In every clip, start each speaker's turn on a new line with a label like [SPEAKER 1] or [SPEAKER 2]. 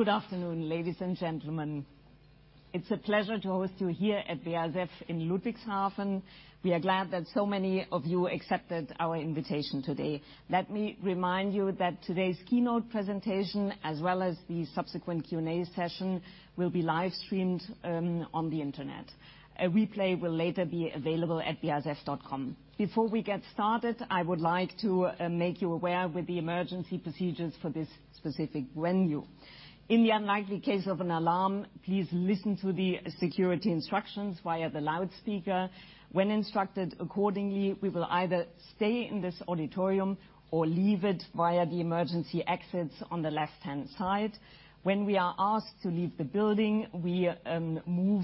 [SPEAKER 1] Good afternoon, ladies and gentlemen. It's a pleasure to host you here at BASF in Ludwigshafen. We are glad that so many of you accepted our invitation today. Let me remind you that today's keynote presentation, as well as the subsequent Q&A session, will be live-streamed on the Internet. A replay will later be available at basf.com. Before we get started, I would like to make you aware with the emergency procedures for this specific venue. In the unlikely case of an alarm, please listen to the security instructions via the loudspeaker. When instructed accordingly, we will either stay in this auditorium or leave it via the emergency exits on the left-hand side. When we are asked to leave the building, we move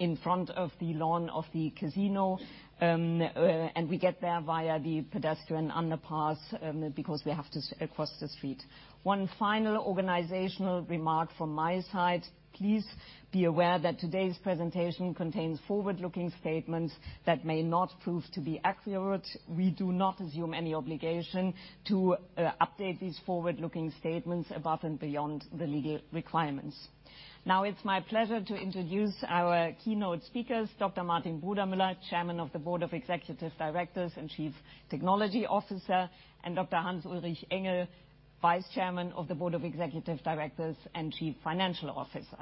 [SPEAKER 1] in front of the lawn of the casino, and we get there via the pedestrian underpass, because we have to cross the street. One final organizational remark from my side. Please be aware that today's presentation contains forward-looking statements that may not prove to be accurate. We do not assume any obligation to update these forward-looking statements above and beyond the legal requirements. Now, it's my pleasure to introduce our keynote speakers, Dr. Martin Brudermüller, Chairman of the Board of Executive Directors and Chief Technology Officer, and Dr. Hans-Ulrich Engel, Vice Chairman of the Board of Executive Directors and Chief Financial Officer.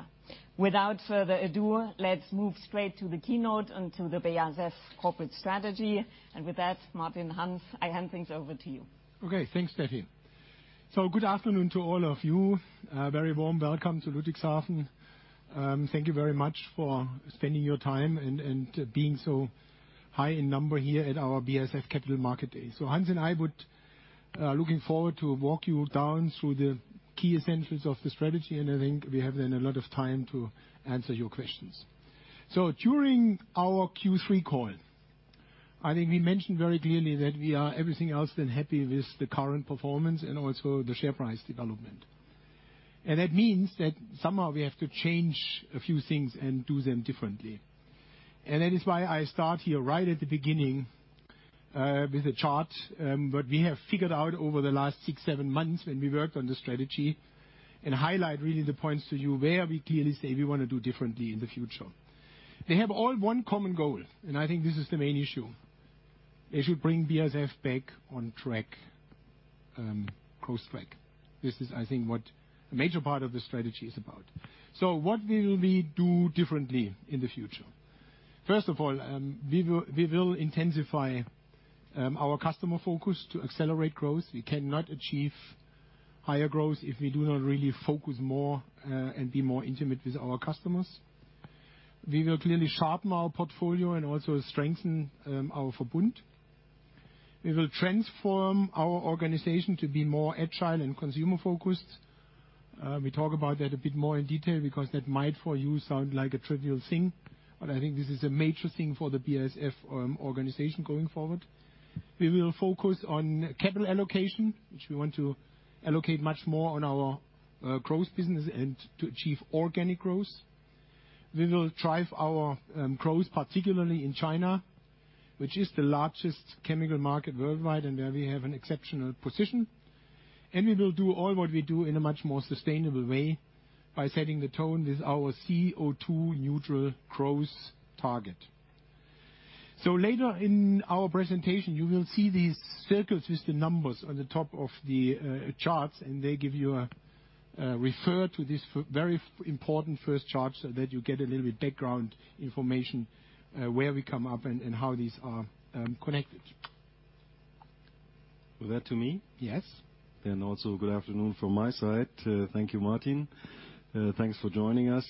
[SPEAKER 1] Without further ado, let's move straight to the keynote and to the BASF corporate strategy. With that, Martin, Hans, I hand things over to you.
[SPEAKER 2] Okay. Thanks, Steffi. Good afternoon to all of you. A very warm welcome to Ludwigshafen. Thank you very much for spending your time and being so high in number here at our BASF Capital Market Day. Hans and I would looking forward to walk you down through the key essentials of the strategy, and I think we have then a lot of time to answer your questions. During our Q3 call, I think we mentioned very clearly that we are everything else than happy with the current performance and also the share price development. That means that somehow we have to change a few things and do them differently. That is why I start here right at the beginning, with a chart, what we have figured out over the last six, seven months when we worked on the strategy and highlight really the points to you where we clearly say we want to do differently in the future. They have all one common goal, and I think this is the main issue. They should bring BASF back on track, growth track. This is, I think, what a major part of the strategy is about. What will we do differently in the future? First of all, we will intensify our customer focus to accelerate growth. We cannot achieve higher growth if we do not really focus more, and be more intimate with our customers. We will clearly sharpen our portfolio and also strengthen our Verbund. We will transform our organization to be more agile and consumer-focused. We talk about that a bit more in detail because that might for you sound like a trivial thing, but I think this is a major thing for the BASF organization going forward. We will focus on capital allocation, which we want to allocate much more on our growth business and to achieve organic growth. We will drive our growth, particularly in China, which is the largest chemical market worldwide, and where we have an exceptional position. We will do all what we do in a much more sustainable way by setting the tone with our CO2 neutral growth target. Later in our presentation, you will see these circles with the numbers on the top of the charts, and they give you a reference to this very important first chart so that you get a little bit of background information, where we come from and how these are connected.
[SPEAKER 3] Is that to me?
[SPEAKER 2] Yes.
[SPEAKER 3] Also good afternoon from my side. Thank you, Martin. Thanks for joining us.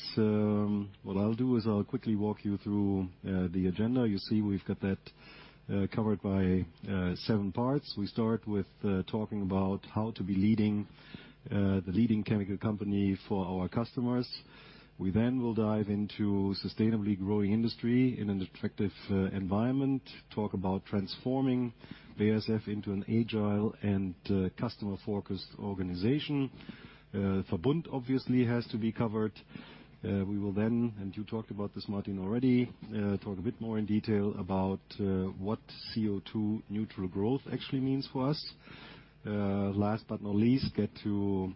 [SPEAKER 3] What I'll do is I'll quickly walk you through the agenda. You see we've got that covered by seven parts. We start with talking about how to be leading the leading chemical company for our customers. We will dive into sustainably growing industry in an attractive environment. Talk about transforming BASF into an agile and customer-focused organization. Verbund obviously has to be covered. We will, and you talked about this Martin already, talk a bit more in detail about what CO2 neutral growth actually means for us. Last but not least, get to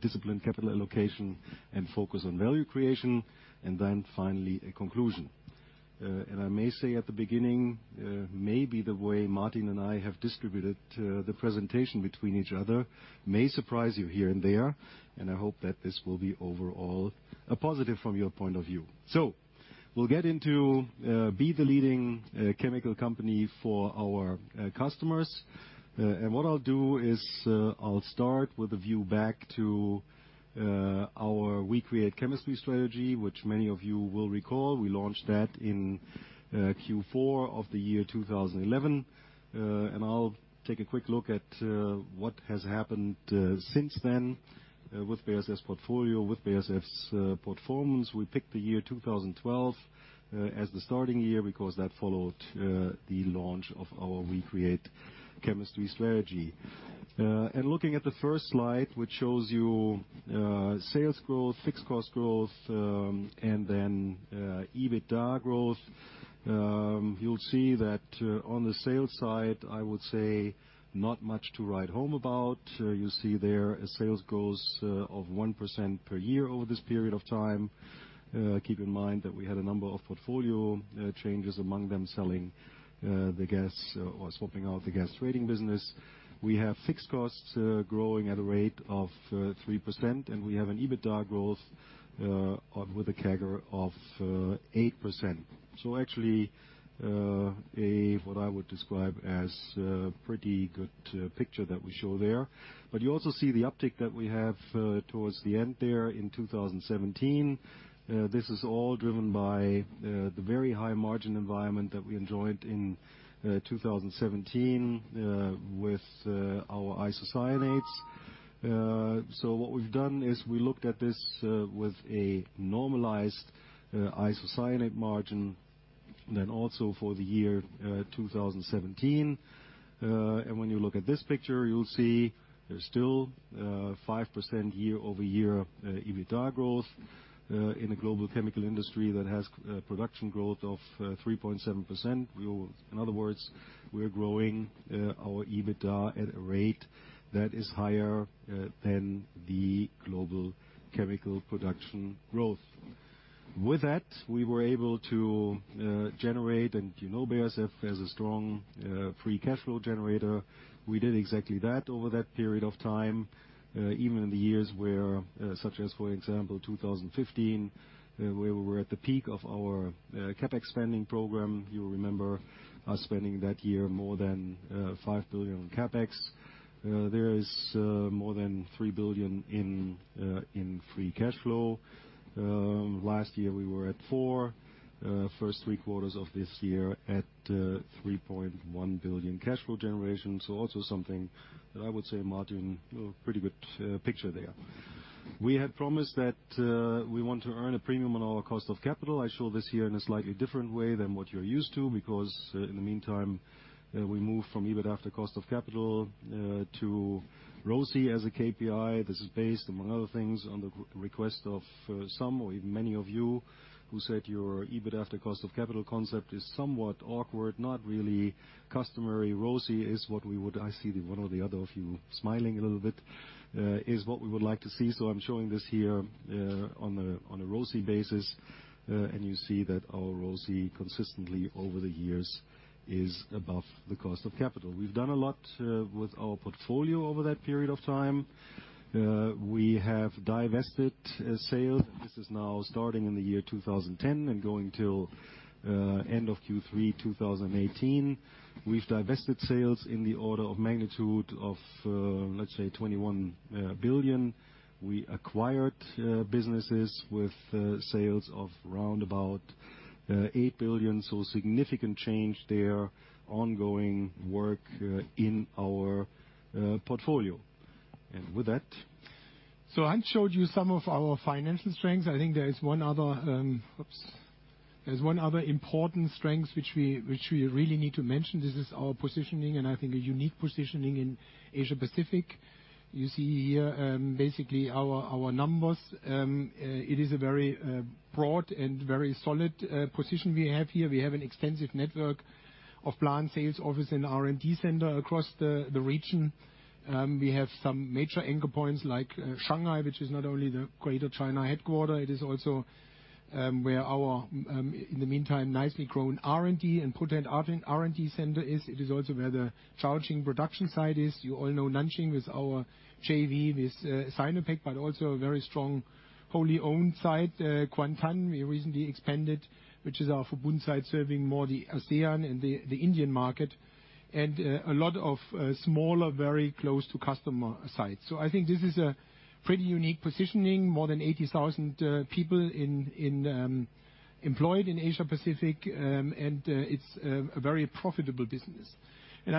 [SPEAKER 3] disciplined capital allocation and focus on value creation. Finally, a conclusion. I may say at the beginning, maybe the way Martin and I have distributed the presentation between each other may surprise you here and there, and I hope that this will be overall a positive from your point of view. We'll get into being the leading chemical company for our customers. What I'll do is, I'll start with a view back to our We Create Chemistry strategy, which many of you will recall. We launched that in Q4 of the year 2011. I'll take a quick look at what has happened since then with BASF's portfolio, with BASF's performance. We picked the year 2012 as the starting year because that followed the launch of our We Create Chemistry strategy. Looking at the first slide, which shows you sales growth, fixed cost growth, and then EBITDA growth. You'll see that on the sales side, I would say not much to write home about. You see there a sales growth of 1% per year over this period of time. Keep in mind that we had a number of portfolio changes, among them selling the gas or swapping out the gas trading business. We have fixed costs growing at a rate of 3%, and we have an EBITDA growth along with a CAGR of 8%. Actually, what I would describe as a pretty good picture that we show there. But you also see the uptick that we have towards the end there in 2017. This is all driven by the very high margin environment that we enjoyed in 2017 with our isocyanates. What we've done is we looked at this with a normalized isocyanate margin, and then also for the year 2017. And when you look at this picture, you'll see there's still 5% year-over-year EBITDA growth in a global chemical industry that has production growth of 3.7%. In other words, we are growing our EBITDA at a rate that is higher than the global chemical production growth. With that, we were able to generate, and you know BASF as a strong free cash flow generator. We did exactly that over that period of time, even in the years where, such as, for example, 2015, where we were at the peak of our CapEx spending program. You remember us spending that year more than 5 billion on CapEx. There is more than 3 billion in free cash flow. Last year, we were at 4 billion. First three quarters of this year at 3.1 billion cash flow generation. Also something that I would say, Martin, a pretty good picture there. We had promised that we want to earn a premium on our cost of capital. I show this here in a slightly different way than what you're used to because in the meantime we moved from EBIT after cost of capital to ROSI as a KPI. This is based, among other things, on the request of some or even many of you who said your EBIT after cost of capital concept is somewhat awkward, not really customary. ROSI is what we would like to see. I see one or the other of you smiling a little bit. I'm showing this here on a ROSI basis. You see that our ROSI consistently over the years is above the cost of capital. We've done a lot with our portfolio over that period of time. We have divested sales. This is now starting in the year 2010 and going till end of Q3 2018. We've divested sales in the order of magnitude of, let's say, 21 billion. We acquired businesses with sales of round about 8 billion. Significant change there, ongoing work in our portfolio. With that-
[SPEAKER 2] I showed you some of our financial strengths. I think there is one other. There's one other important strengths which we really need to mention. This is our positioning, and I think a unique positioning in Asia-Pacific. You see here, basically our numbers. It is a very broad and very solid position we have here. We have an extensive network of plant sales office and R&D center across the region. We have some major anchor points like Shanghai, which is not only the Greater China headquarters, it is also where our in the meantime, nicely grown R&D and patent R&D center is. It is also where the Caojing production site is. You all know Nanjing with our JV with Sinopec, but also a very strong wholly-owned site. Kuantan, we recently expanded, which is our Verbund site serving more the ASEAN and the Indian market, and a lot of smaller, very close to customer sites. I think this is a pretty unique positioning, more than 80,000 people employed in Asia-Pacific, and it's a very profitable business. I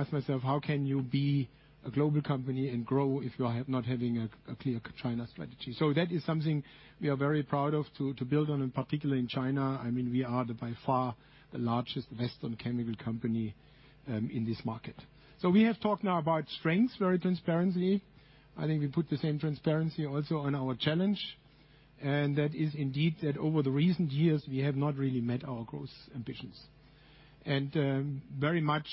[SPEAKER 2] ask myself, how can you be a global company and grow if you are not having a clear China strategy? That is something we are very proud of to build on, and particularly in China, I mean, we are by far the largest Western chemical company in this market. We have talked now about strengths with very transparency. I think we put the same transparency also on our challenge, and that is indeed that over the recent years, we have not really met our growth ambitions. Very much,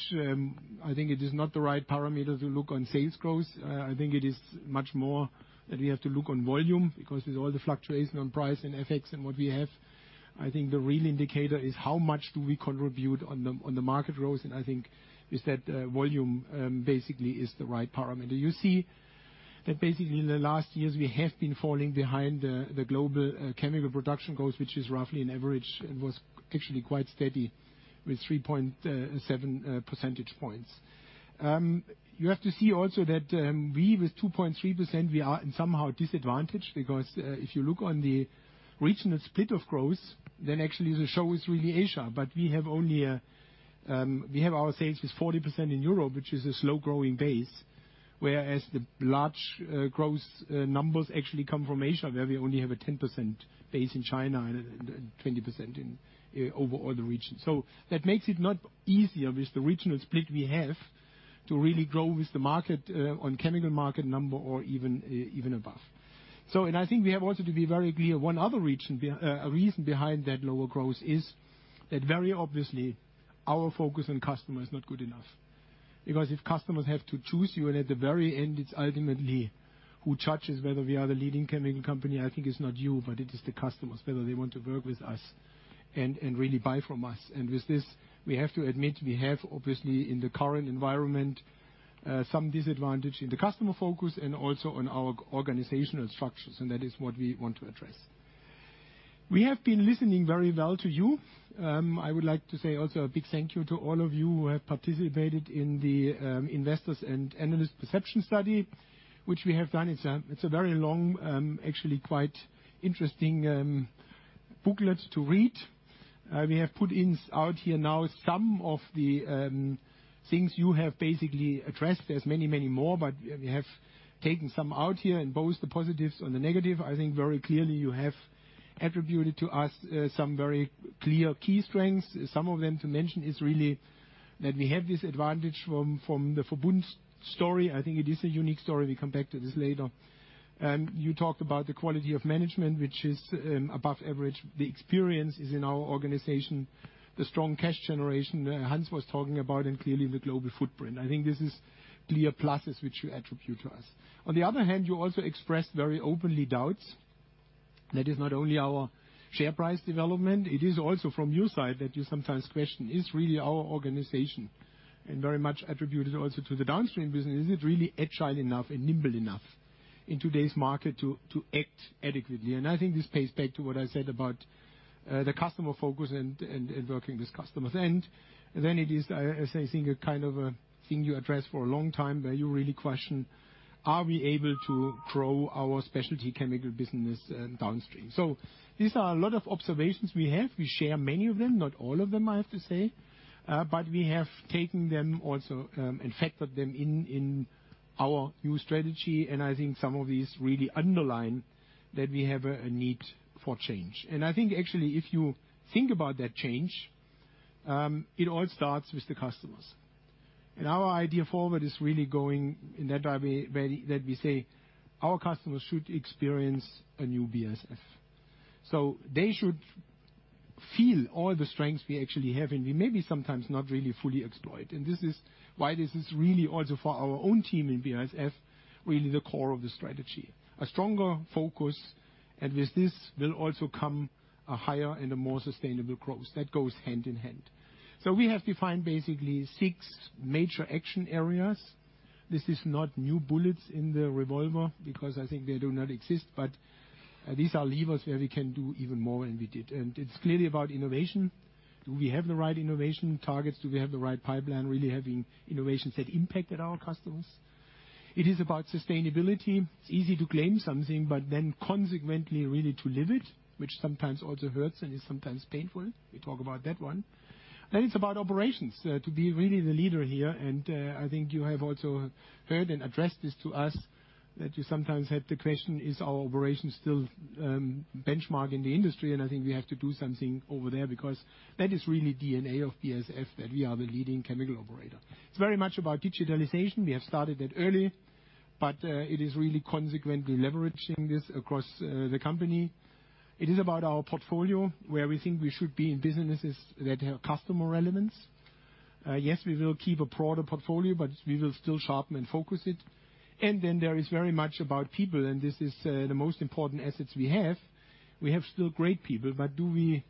[SPEAKER 2] I think it is not the right parameter to look at sales growth. I think it is much more that we have to look at volume because with all the fluctuation in price and FX and what we have, I think the real indicator is how much we contribute to the market growth, and I think that volume basically is the right parameter. You see that basically in the last years, we have been falling behind the global chemical production growth, which is roughly an average and was actually quite steady with 3.7 percentage points. You have to see also that we with 2.3% we are somehow disadvantaged because if you look on the regional split of growth then actually the show is really Asia. But we have only a we have our sales with 40% in Europe which is a slow-growing base whereas the large growth numbers actually come from Asia where we only have a 10% base in China and 20% in overall the regions. That makes it not easier with the regional split we have to really grow with the market on chemical market number or even above. I think we have also to be very clear one other reason behind that lower growth is that very obviously our focus on customer is not good enough. Because if customers have to choose you, and at the very end, it's ultimately who judges whether we are the leading chemical company, I think it's not you, but it is the customers, whether they want to work with us and really buy from us. With this, we have to admit, we have obviously in the current environment some disadvantage in the customer focus and also on our organizational structures, and that is what we want to address. We have been listening very well to you. I would like to say also a big thank you to all of you who have participated in the Investors and Analyst Perception Study, which we have done. It's a very long, actually quite interesting, booklet to read. We have put it out here now some of the things you have basically addressed. There's many, many more, but we have taken some out here, and both the positives and the negative. I think very clearly you have attributed to us some very clear key strengths. Some of them to mention is really that we have this advantage from the Verbund story. I think it is a unique story. We come back to this later. You talked about the quality of management, which is above average. The experience is in our organization, the strong cash generation Hans was talking about, and clearly the global footprint. I think this is clear pluses which you attribute to us. On the other hand, you also expressed very openly doubts. That is not only our share price development, it is also from your side that you sometimes question is really our organization and very much attributed also to the downstream business. Is it really agile enough and nimble enough in today's market to act adequately? I think this pays back to what I said about the customer focus and working with customers. It is, as I think a kind of a thing you address for a long time, where you really question, are we able to grow our specialty chemical business, downstream? These are a lot of observations we have. We share many of them, not all of them, I have to say. We have taken them also and factored them in our new strategy. I think some of these really underline that we have a need for change. I think actually, if you think about that change, it all starts with the customers. Our idea forward is really going in that way where, that we say our customers should experience a new BASF. They should feel all the strengths we actually have, and we may be sometimes not really fully exploit. This is why this is really also for our own team in BASF, really the core of the strategy. A stronger focus, and with this will also come a higher and a more sustainable growth. That goes hand in hand. We have defined basically six major action areas. This is not new bullets in the revolver because I think they do not exist. These are levers where we can do even more than we did. It's clearly about innovation. Do we have the right innovation targets? Do we have the right pipeline, really having innovations that impacted our customers? It is about sustainability. It's easy to claim something, but then consequently really to live it, which sometimes also hurts and is sometimes painful. We talk about that one. It's about operations, to be really the leader here. I think you have also heard and addressed this to us that you sometimes had the question, is our operations still benchmark in the industry? I think we have to do something over there because that is really DNA of BASF, that we are the leading chemical operator. It's very much about digitalization. We have started that early, but it is really consequently leveraging this across the company. It is about our portfolio, where we think we should be in businesses that have customer relevance. Yes, we will keep a broader portfolio, but we will still sharpen and focus it. There is very much about people, and this is the most important assets we have. We have still great people, but do we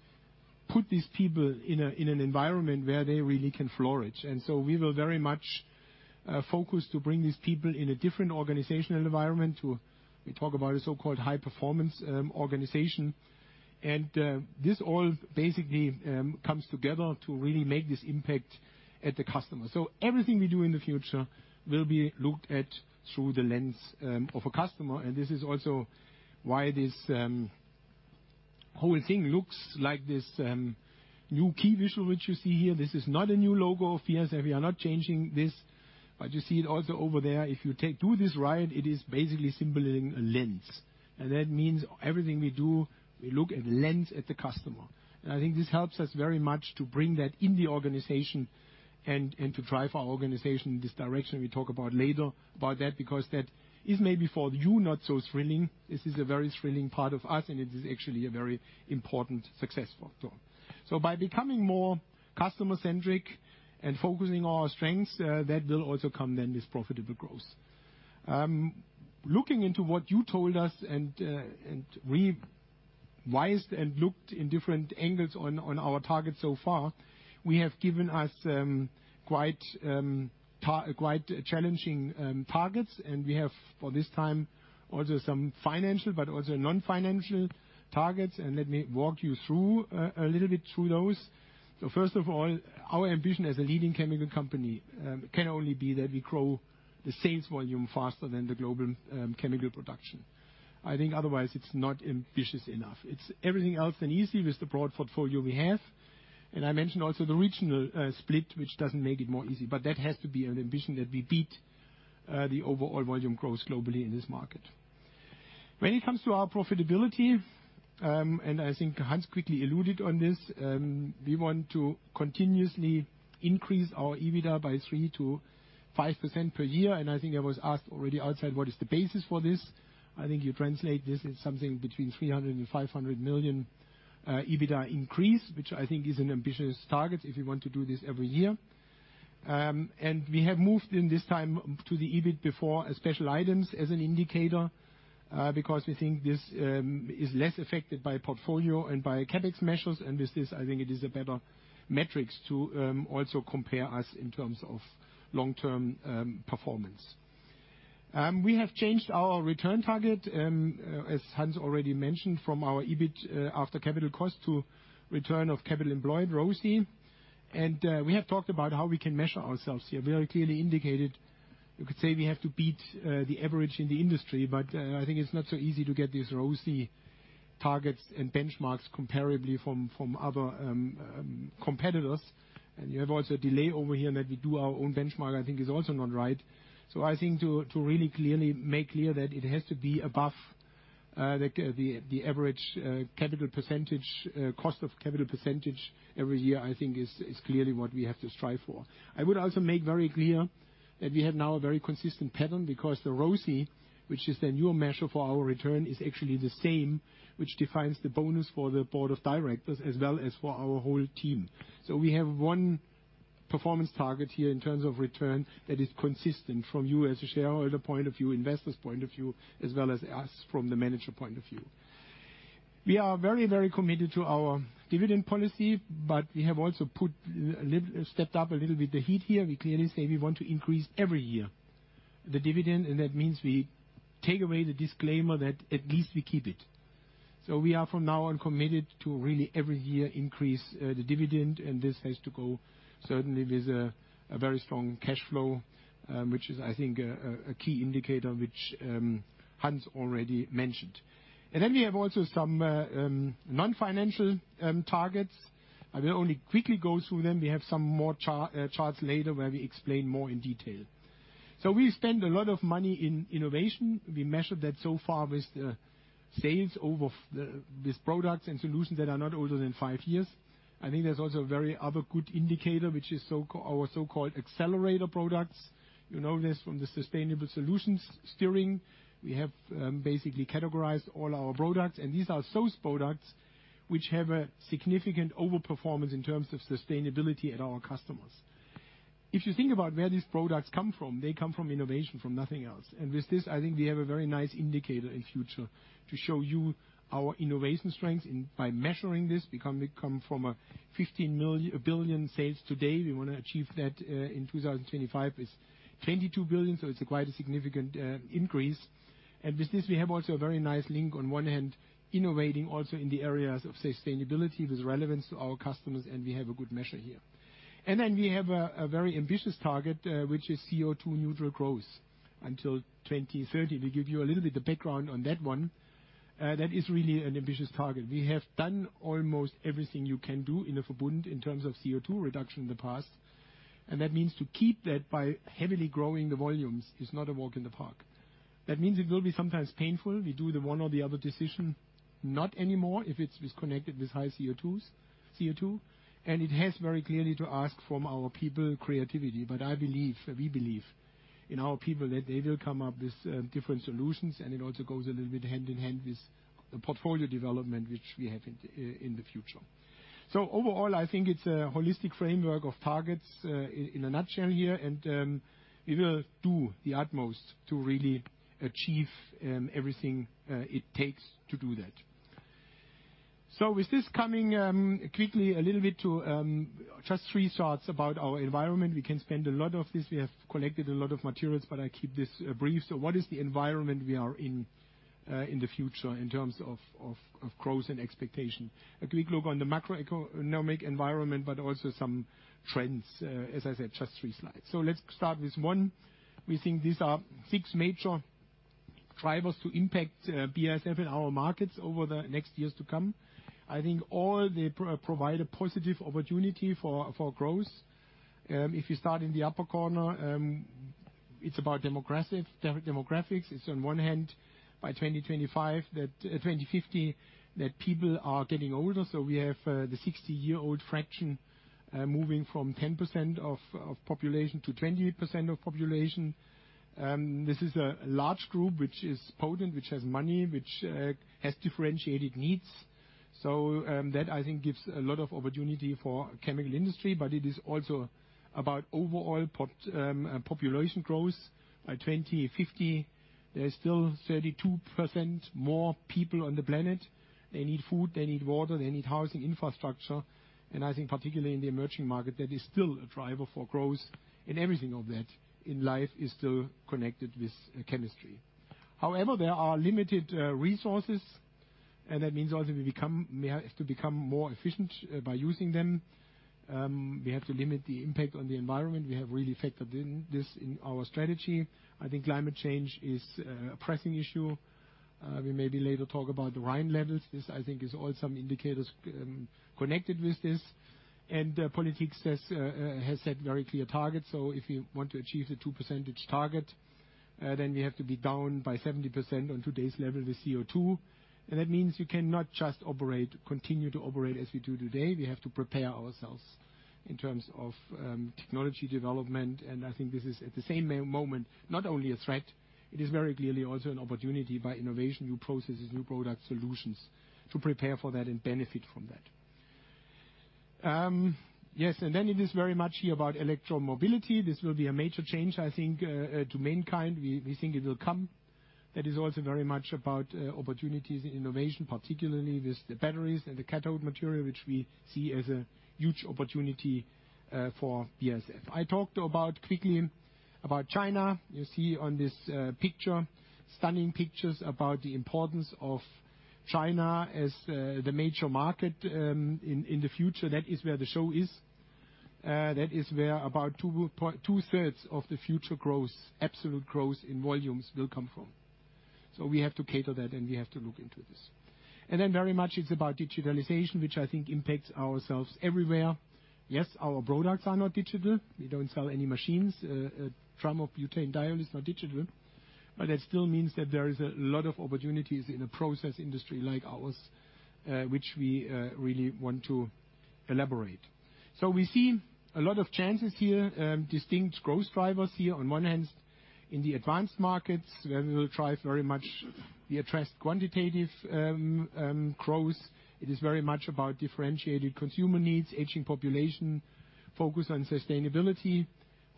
[SPEAKER 2] put these people in a, in an environment where they really can flourish? We will very much focus to bring these people in a different organizational environment. We talk about a so-called high performance organization. This all basically comes together to really make this impact at the customer. Everything we do in the future will be looked at through the lens of a customer, and this is also why this whole thing looks like this new key visual, which you see here. This is not a new logo of BASF. We are not changing this. You see it also over there. If you do this right, it is basically symbolizing a lens. That means everything we do, we look through the lens at the customer. I think this helps us very much to bring that in the organization and to drive our organization in this direction. We'll talk later about that, because that is maybe for you not so thrilling. This is a very thrilling part of us, and it is actually a very important success factor. By becoming more customer-centric and focusing on our strengths, that will also come then this profitable growth. Looking into what you told us and we've analyzed and looked in different angles on our targets so far. We have given ourselves quite challenging targets. We have for this time also some financial but also non-financial targets. Let me walk you through, a little bit through those. First of all, our ambition as a leading chemical company can only be that we grow the sales volume faster than the global chemical production. I think otherwise it's not ambitious enough. It's everything else than easy with the broad portfolio we have. I mentioned also the regional split, which doesn't make it more easy. That has to be an ambition that we beat the overall volume growth globally in this market. When it comes to our profitability, and I think Hans quickly alluded on this. We want to continuously increase our EBITDA by 3%-5% per year, and I think I was asked already outside what is the basis for this. I think you translate this as something between 300 million and 500 million EBITDA increase, which I think is an ambitious target if you want to do this every year. We have moved in this time to the EBIT before special items as an indicator, because we think this is less affected by portfolio and by CapEx measures. With this, I think it is a better metric to also compare us in terms of long-term performance. We have changed our return target, as Hans already mentioned, from our EBIT after capital cost to return on capital employed, ROCE. We have talked about how we can measure ourselves here. We very clearly indicated, you could say we have to beat the average in the industry, but I think it's not so easy to get these ROCE targets and benchmarks comparably from other competitors. You have also a delay over here, and that we do our own benchmark, I think is also not right. I think to really clearly make clear that it has to be above the average cost of capital every year, I think is clearly what we have to strive for. I would also make very clear that we have now a very consistent pattern because the ROCE, which is the newer measure for our return, is actually the same which defines the bonus for the board of directors as well as for our whole team. We have one performance target here in terms of return that is consistent from you as a shareholder point of view, investor's point of view, as well as us from the manager point of view. We are very, very committed to our dividend policy, but we have also stepped up a little bit the heat here. We clearly say we want to increase every year the dividend, and that means we take away the disclaimer that at least we keep it. We are from now on committed to really every year increase the dividend, and this has to go certainly with a very strong cash flow, which is, I think, a key indicator which Hans already mentioned. We have also some non-financial targets. I will only quickly go through them. We have some more charts later where we explain more in detail. We spend a lot of money in innovation. We measure that so far with sales of products and solutions that are not older than 5 years. I think there's also another good indicator, which is our so-called accelerator products. You know this from the Sustainable Solution Steering. We have basically categorized all our products, and these are those products which have a significant overperformance in terms of sustainability at our customers. If you think about where these products come from, they come from innovation, from nothing else. With this, I think we have a very nice indicator in future to show you our innovation strength by measuring this, we come from 15 billion sales today. We want to achieve that in 2025 with 22 billion, so it's quite a significant increase. With this, we have also a very nice link on one hand, innovating also in the areas of sustainability with relevance to our customers, and we have a good measure here. Then we have a very ambitious target, which is CO2-neutral growth until 2030. We give you a little bit of background on that one. That is really an ambitious target. We have done almost everything you can do in the Verbund in terms of CO2 reduction in the past. That means to keep that by heavily growing the volumes is not a walk in the park. That means it will be sometimes painful. We do the one or the other decision not anymore if it's connected with high CO2. It has very clearly to ask from our people creativity. But we believe in our people that they will come up with different solutions. It also goes a little bit hand in hand with the portfolio development which we have in the future. Overall, I think it's a holistic framework of targets in a nutshell here. We will do the utmost to really achieve everything it takes to do that. With this coming quickly a little bit to just three thoughts about our environment. We can spend a lot of this. We have collected a lot of materials, but I keep this brief. What is the environment we are in in the future in terms of growth and expectation? A quick look on the macroeconomic environment, but also some trends, as I said, just three slides. Let's start with one. We think these are six major drivers to impact BASF in our markets over the next years to come. I think all they provide a positive opportunity for growth. If you start in the upper corner, it's about demographics. It's on one hand by 2025 to 2050 that people are getting older. We have the 60-year-old fraction moving from 10% of population to 20% of population. This is a large group which is potent, which has money, which has differentiated needs. That I think gives a lot of opportunity for chemical industry. It is also about overall population growth. By 2050, there is still 32% more people on the planet. They need food, they need water, they need housing infrastructure. I think particularly in the emerging market, that is still a driver for growth. Everything of that in life is still connected with chemistry. However, there are limited resources, and that means also we have to become more efficient by using them. We have to limit the impact on the environment. We have really factored in this in our strategy. I think climate change is a pressing issue. We maybe later talk about the Rhine levels. This, I think, is all some indicators connected with this. Politics has set very clear targets. If you want to achieve the 2% target, then we have to be down by 70% on today's level with CO2. That means you cannot just operate, continue to operate as we do today. We have to prepare ourselves in terms of technology development. I think this is at the same moment, not only a threat. It is very clearly also an opportunity by innovation, new processes, new product solutions to prepare for that and benefit from that. Yes, it is very much here about electromobility. This will be a major change, I think, to mankind. We think it will come. That is also very much about opportunities in innovation, particularly with the batteries and the cathode material, which we see as a huge opportunity for BASF. I talked quickly about China. You see on this stunning picture about the importance of China as the major market in the future. That is where the show is. That is where about two-thirds of the future growth, absolute growth in volumes will come from. We have to cater that, and we have to look into this. Then very much it's about digitalization, which I think impacts ourselves everywhere. Yes, our products are not digital. We don't sell any machines. A drum of butanediol is not digital. But that still means that there is a lot of opportunities in a process industry like ours, which we really want to elaborate. We see a lot of chances here, distinct growth drivers here. On one hand, in the advanced markets, where we will drive very much the addressed quantitative growth. It is very much about differentiated consumer needs, aging population, focus on sustainability.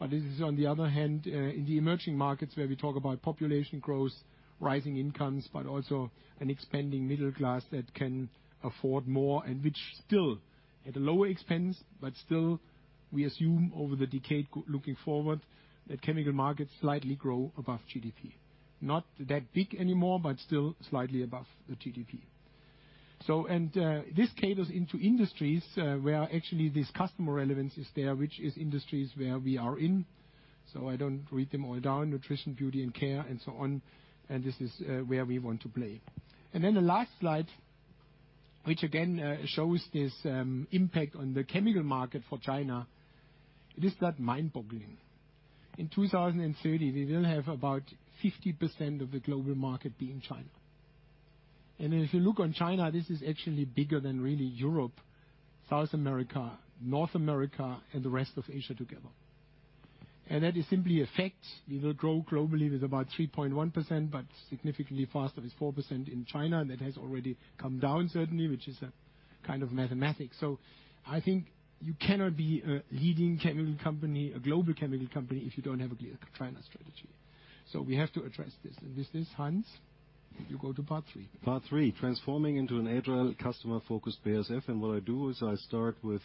[SPEAKER 2] This is on the other hand, in the emerging markets where we talk about population growth, rising incomes, but also an expanding middle class that can afford more and which still at a lower expense, but still we assume over the decade looking forward that chemical markets slightly grow above GDP. Not that big anymore, but still slightly above the GDP. This caters into industries, where actually this customer relevance is there, which is industries where we are in. I don't read them all down, nutrition, beauty and care, and so on. This is where we want to play. Then the last slide, which again shows this impact on the chemical market for China, it is that mind-boggling. In 2030, we will have about 50% of the global market be in China. If you look on China, this is actually bigger than really Europe, South America, North America, and the rest of Asia together. That is simply a fact. We will grow globally with about 3.1%, but significantly faster with 4% in China. That has already come down certainly, which is a kind of mathematics. I think you cannot be a leading chemical company, a global chemical company, if you don't have a clear China strategy. We have to address this. With this, Hans, you go to part three.
[SPEAKER 3] Part three, transforming into an agile, customer-focused BASF. What I do is I start with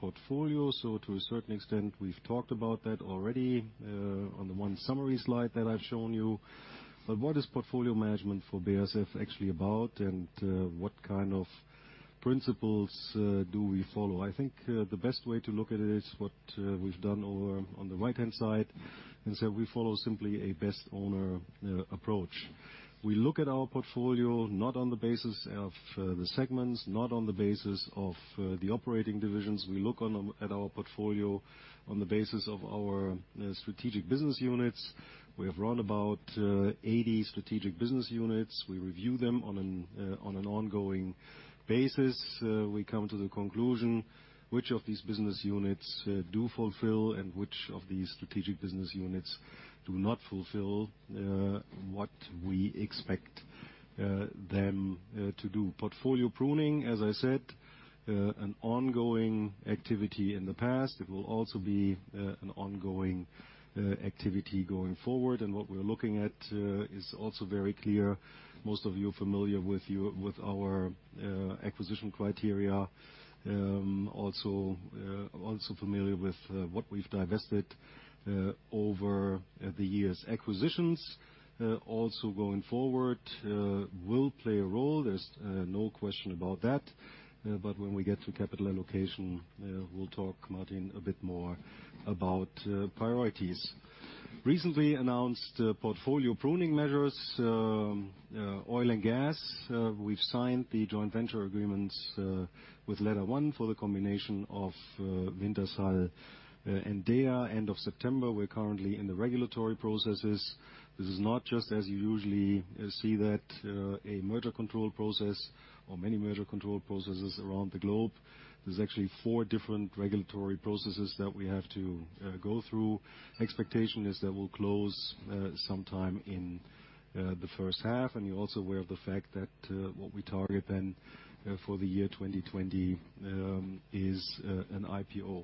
[SPEAKER 3] portfolio. To a certain extent, we've talked about that already on the one summary slide that I've shown you. What is portfolio management for BASF actually about, and what kind of principles do we follow? I think the best way to look at it is what we've done over on the right-hand side, and so we follow simply a best owner approach. We look at our portfolio not on the basis of the segments, not on the basis of the operating divisions. We look at our portfolio on the basis of our strategic business units. We have around about 80 strategic business units. We review them on an ongoing basis. We come to the conclusion which of these business units do fulfill and which of these strategic business units do not fulfill what we expect them to do. Portfolio pruning, as I said, an ongoing activity in the past. It will also be an ongoing activity going forward. What we're looking at is also very clear. Most of you are familiar with our acquisition criteria, also familiar with what we've divested over the years. Acquisitions also going forward will play a role. There's no question about that. When we get to capital allocation, we'll talk, Martin, a bit more about priorities. Recently announced portfolio pruning measures, oil and gas. We've signed the joint venture agreements with LetterOne for the combination of Wintershall and DEA end of September. We're currently in the regulatory processes. This is not just as you usually see that a merger control process or many merger control processes around the globe. There's actually four different regulatory processes that we have to go through. Expectation is that we'll close sometime in the first half. You're also aware of the fact that what we target then for the year 2020 is an IPO.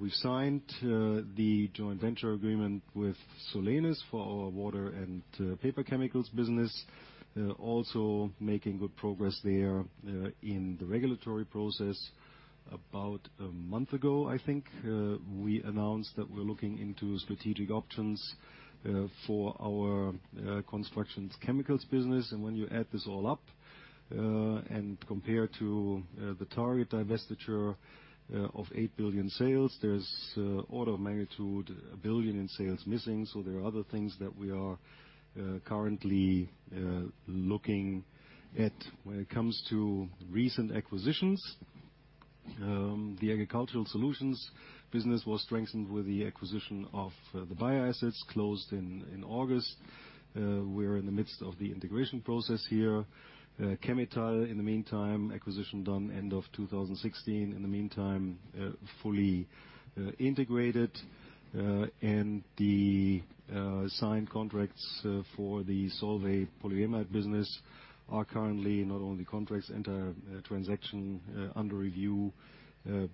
[SPEAKER 3] We signed the joint venture agreement with Solenis for our water and paper chemicals business. Also making good progress there in the regulatory process. About a month ago, I think, we announced that we're looking into strategic options for our construction chemicals business. When you add this all up, and compare to the target divestiture of 8 billion sales, there's order of magnitude a billion in sales missing. There are other things that we are currently looking at. When it comes to recent acquisitions, the Agricultural Solutions business was strengthened with the acquisition of the Bayer assets closed in August. We're in the midst of the integration process here. Chemetall, in the meantime, acquisition done end of 2016. In the meantime, fully integrated, and the signed contracts for the Solvay polyimide business are currently not only contracts, entire transaction under review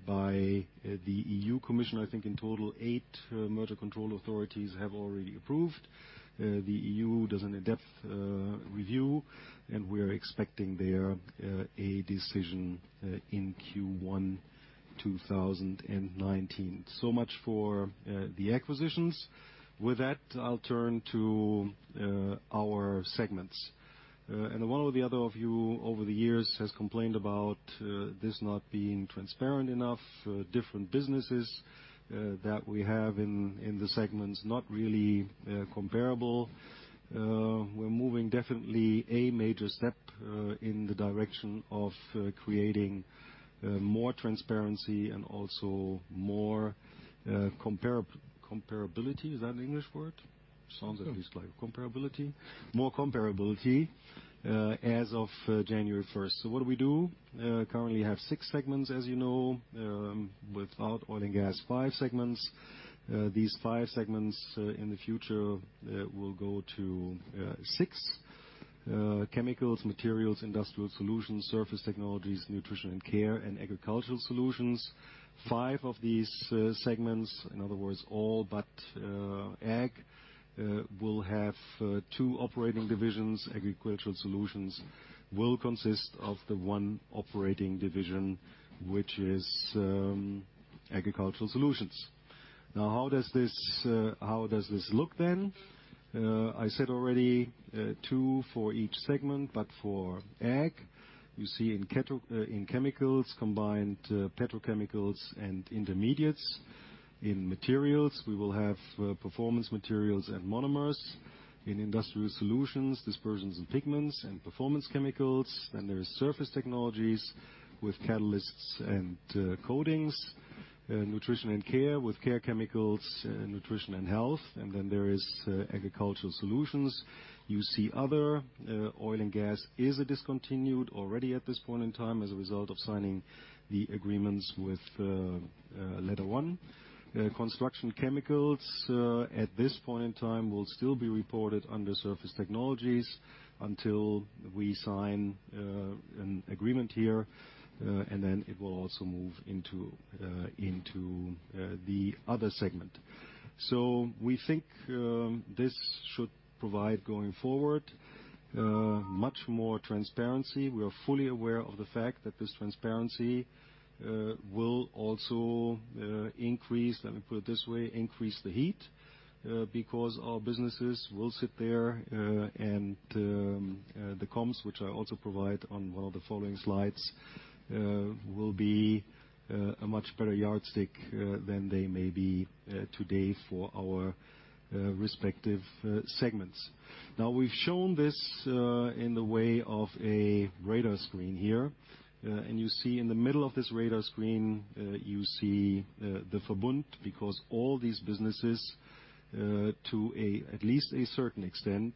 [SPEAKER 3] by the European Commission. I think in total 8 merger control authorities have already approved. The EU does an in-depth review, and we are expecting there a decision in Q1 2019. Much for the acquisitions. With that, I'll turn to our segments. One or the other of you over the years has complained about this not being transparent enough, different businesses that we have in the segments, not really comparable. We're moving definitely a major step in the direction of creating more transparency and also more comparability. Is that an English word? Sounds at least like comparability. More comparability as of January 1. What do we do? We currently have six segments, as you know, without oil and gas, five segments. These five segments in the future will go to six. Chemicals, Materials, Industrial Solutions, Surface Technologies, Nutrition and Care, and Agricultural Solutions. Five of these segments, in other words, all but ag, will have two operating divisions. Agricultural Solutions will consist of the one operating division, which is Agricultural Solutions. Now, how does this look then? I said already two for each segment, but for ag, you see in chemicals, combined petrochemicals and intermediates. In Materials, we will have Performance Materials and Monomers. In Industrial Solutions, Dispersions and Pigments and Performance Chemicals. Then there is Surface Technologies with Catalysts and Coatings. Nutrition and Care with Care Chemicals, Nutrition and Health. Then there is Agricultural Solutions. You see other. Oil and gas is already discontinued at this point in time as a result of signing the agreements with LetterOne. Construction chemicals at this point in time will still be reported under Surface Technologies until we sign an agreement here, and then it will also move into the other segment. We think this should provide going forward much more transparency. We are fully aware of the fact that this transparency will also increase, let me put it this way, increase the heat, because our businesses will sit there, and the comps, which I also provide on one of the following slides, will be a much better yardstick than they may be today for our respective segments. Now we've shown this in the way of a radar screen here. You see in the middle of this radar screen the Verbund because all these businesses to at least a certain extent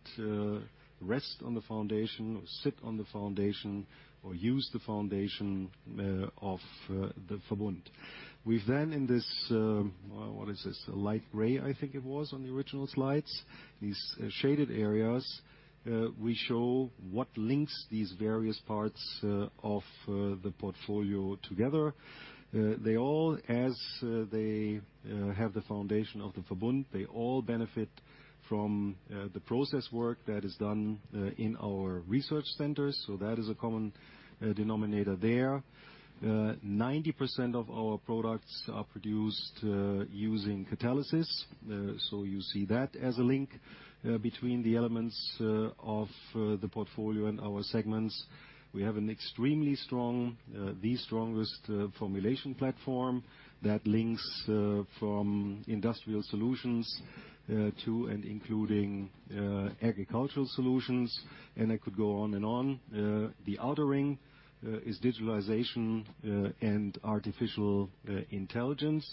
[SPEAKER 3] rest on the foundation or sit on the foundation or use the foundation of the Verbund. We've then in this. What is this? A light gray, I think it was on the original slides. These shaded areas we show what links these various parts of the portfolio together. They all as they have the foundation of the Verbund they all benefit from the process work that is done in our research centers. That is a common denominator there. 90% of our products are produced using catalysis. You see that as a link between the elements of the portfolio and our segments. We have the strongest formulation platform that links from industrial solutions to and including agricultural solutions, and I could go on and on. The outer ring is digitalization and artificial intelligence.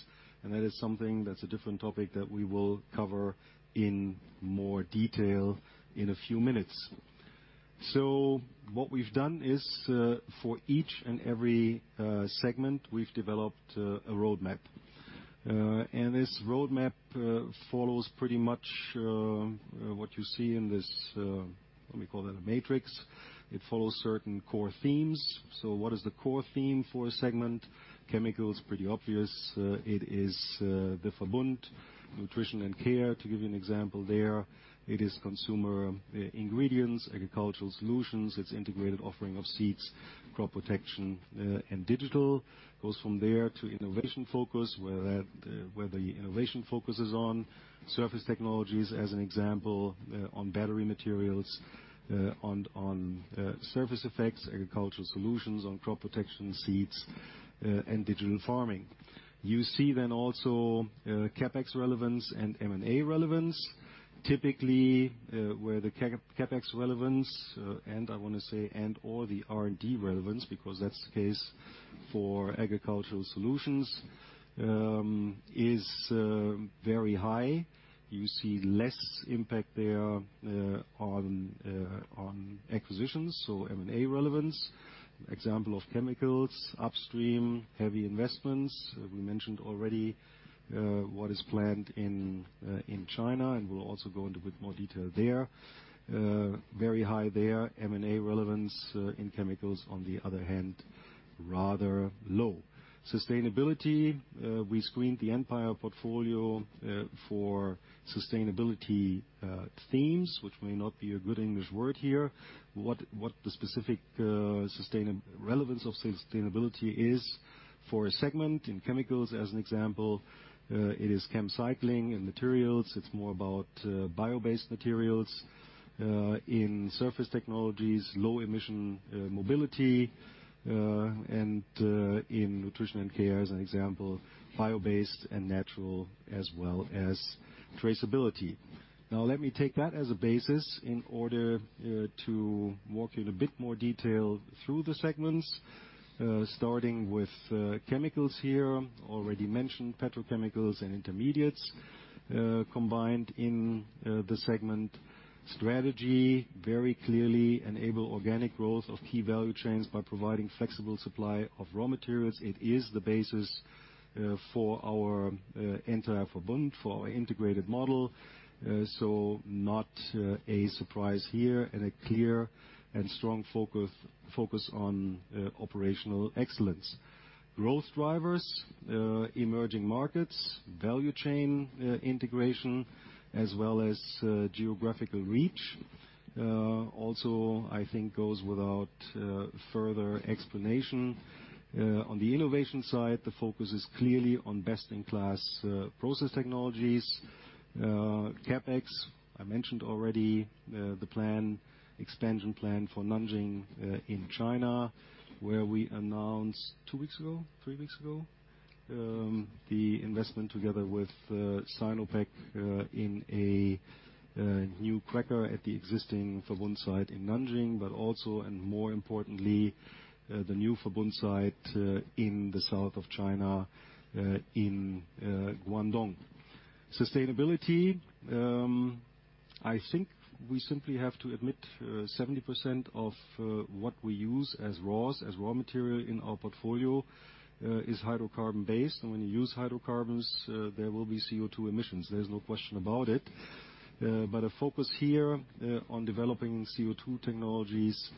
[SPEAKER 3] That is something that's a different topic that we will cover in more detail in a few minutes. What we've done is, for each and every segment, we've developed a roadmap. This roadmap follows pretty much what you see in this, what we call it, a matrix. It follows certain core themes. What is the core theme for a segment? Chemicals, pretty obvious, it is the Verbund. Nutrition and Care, to give you an example there, it is consumer ingredients, Agricultural Solutions, it's integrated offering of seeds, crop protection, and digital. It goes from there to innovation focus, where the innovation focus is on. Surface Technologies, as an example, on battery materials, on surface effects, Agricultural Solutions, on crop protection, seeds, and digital farming. You see then also CapEx relevance and M&A relevance. Typically, where the CapEx relevance, and I wanna say, and/or the R&D relevance, because that's the case for Agricultural Solutions, is very high. You see less impact there, on acquisitions, so M&A relevance. Example of chemicals, upstream, heavy investments. We mentioned already what is planned in China, and we'll also go into a bit more detail there. Very high there. M&A relevance in chemicals on the other hand, rather low. Sustainability, we screened the entire portfolio for sustainability themes, which may not be a good English word here. What the specific relevance of sustainability is for a segment. In chemicals, as an example, it is ChemCycling and materials. It's more about bio-based materials. In Surface Technologies, low-emission mobility. In Nutrition & Care as an example, bio-based and natural, as well as traceability. Now let me take that as a basis in order to walk you through in a bit more detail the segments starting with chemicals here. Already mentioned petrochemicals and intermediates combined in the segment strategy. Very clearly enable organic growth of key value chains by providing flexible supply of raw materials. It is the basis for our entire Verbund, for our integrated model, so not a surprise here. A clear and strong focus on operational excellence. Growth drivers, emerging markets, value chain integration, as well as geographical reach. Also I think goes without further explanation. On the innovation side, the focus is clearly on best-in-class process technologies. CapEx, I mentioned already, the expansion plan for Nanjing in China, where we announced 2 weeks ago? 3 weeks ago? The investment together with Sinopec in a new cracker at the existing Verbund site in Nanjing, but also, and more importantly, the new Verbund site in the south of China in Guangdong. Sustainability, I think we simply have to admit 70% of what we use as raws, as raw material in our portfolio is hydrocarbon-based. When you use hydrocarbons, there will be CO2 emissions. There's no question about it. A focus here on developing CO2 technologies,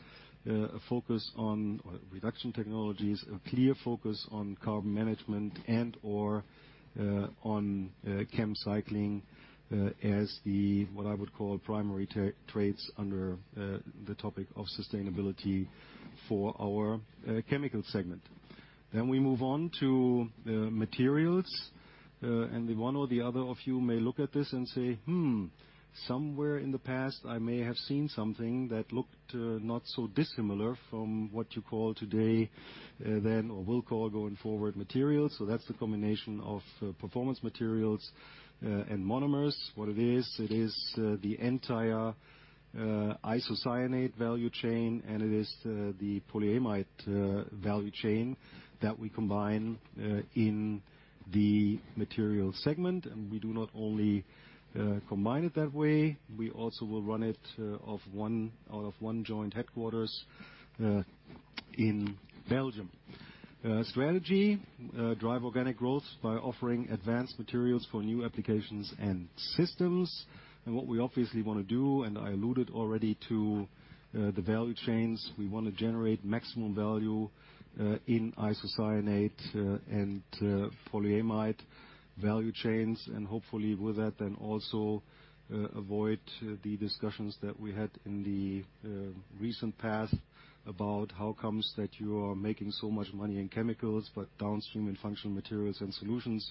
[SPEAKER 3] a focus on reduction technologies, a clear focus on carbon management and/or on ChemCycling as the what I would call primary traits under the topic of sustainability for our chemical segment. We move on to materials. The one or the other of you may look at this and say, "Hmm, somewhere in the past I may have seen something that looked not so dissimilar from what you call today then or will call going forward materials." That's the combination of performance materials and monomers. What it is, it is the entire isocyanate value chain, and it is the polyamide value chain that we combine in the materials segment. We do not only combine it that way, we also will run it out of one joint headquarters in Belgium. Strategy drive organic growth by offering advanced materials for new applications and systems. What we obviously wanna do, and I alluded already to, the value chains, we wanna generate maximum value in isocyanates and polyamide value chains. Hopefully with that then also avoid the discussions that we had in the recent past about how comes that you are making so much money in chemicals, but downstream in functional materials and solutions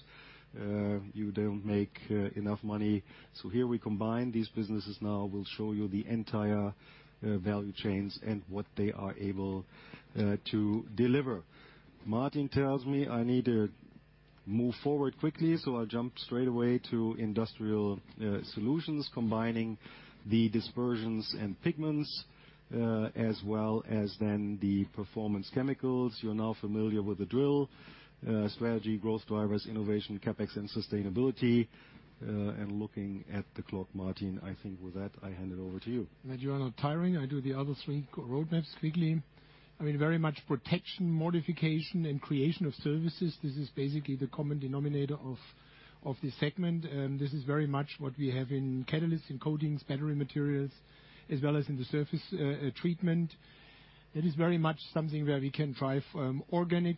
[SPEAKER 3] you don't make enough money. Here we combine these businesses now. We'll show you the entire value chains and what they are able to deliver. Martin tells me I need to move forward quickly. I'll jump straight away to industrial solutions, combining the dispersions and pigments as well as then the performance chemicals. You're now familiar with the drill, strategy, growth drivers, innovation, CapEx, and sustainability. Looking at the clock, Martin, I think with that, I hand it over to you.
[SPEAKER 2] That you are not tiring, I do the other three roadmaps quickly. I mean, very much protection, modification, and creation of services. This is basically the common denominator of this segment. This is very much what we have in catalyst, in coatings, battery materials, as well as in the surface treatment. It is very much something where we can drive organic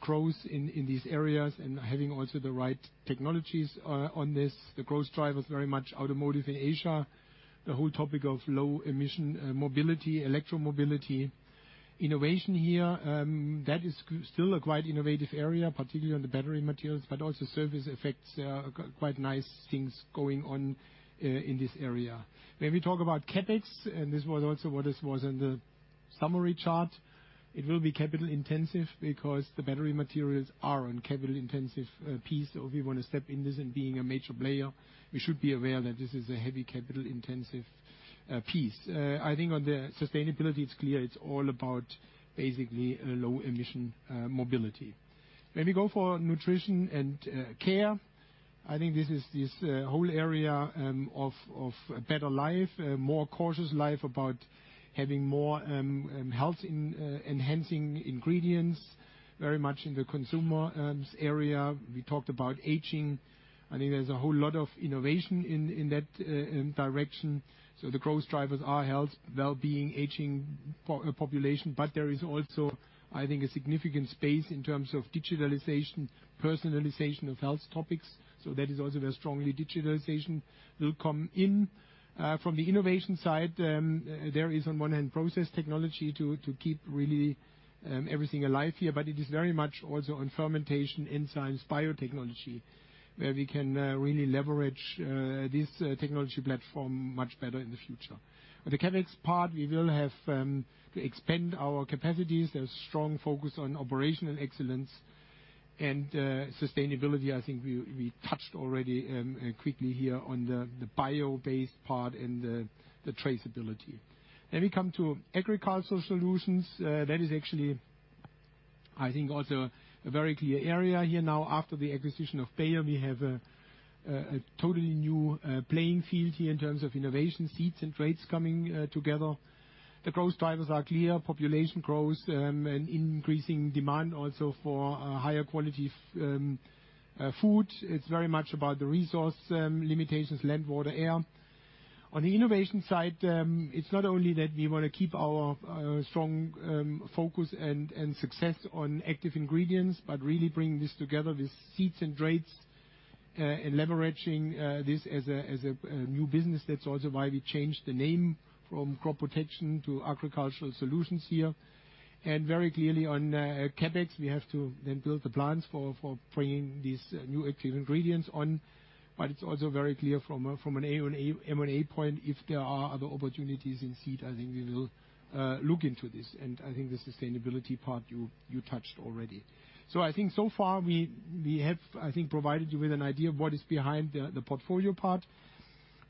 [SPEAKER 2] growth in these areas, and having also the right technologies on this. The growth driver is very much automotive in Asia, the whole topic of low emission mobility, electro-mobility. Innovation here that is still a quite innovative area, particularly on the battery materials, but also surface effects, quite nice things going on in this area. When we talk about CapEx, and this was also what this was in the summary chart, it will be capital intensive because the battery materials are on capital intensive piece. If you want to step in this and being a major player, we should be aware that this is a heavy capital intensive piece. I think on the sustainability, it's clear it's all about basically low emission mobility. When we go for nutrition and care, I think this is this whole area of a better life, a more cautious life about having more health-enhancing ingredients, very much in the consumer area. We talked about aging. I think there's a whole lot of innovation in that direction. The growth drivers are health, wellbeing, aging population. There is also, I think, a significant space in terms of digitalization, personalization of health topics. That is also where strongly digitalization will come in. From the innovation side, there is on one hand process technology to keep really everything alive here, but it is very much also on fermentation, enzymes, biotechnology, where we can really leverage this technology platform much better in the future. On the CapEx part, we will have to expand our capacities. There's strong focus on operational excellence and sustainability. I think we touched already quickly here on the bio-based part and the traceability. We come to agricultural solutions. That is actually, I think, also a very clear area here. Now, after the acquisition of Bayer, we have a totally new playing field here in terms of innovation, seeds and traits coming together. The growth drivers are clear, population growth and increasing demand also for higher quality food. It's very much about the resource limitations, land, water, air. On the innovation side, it's not only that we wanna keep our strong focus and success on active ingredients, but really bring this together with seeds and traits and leveraging this as a new business. That's also why we changed the name from Crop Protection to Agricultural Solutions here. Very clearly on CapEx, we have to then build the plans for bringing these new active ingredients on. It's also very clear from an M&A point, if there are other opportunities in seed, I think we will look into this. I think the sustainability part you touched already. I think so far we have provided you with an idea of what is behind the portfolio part.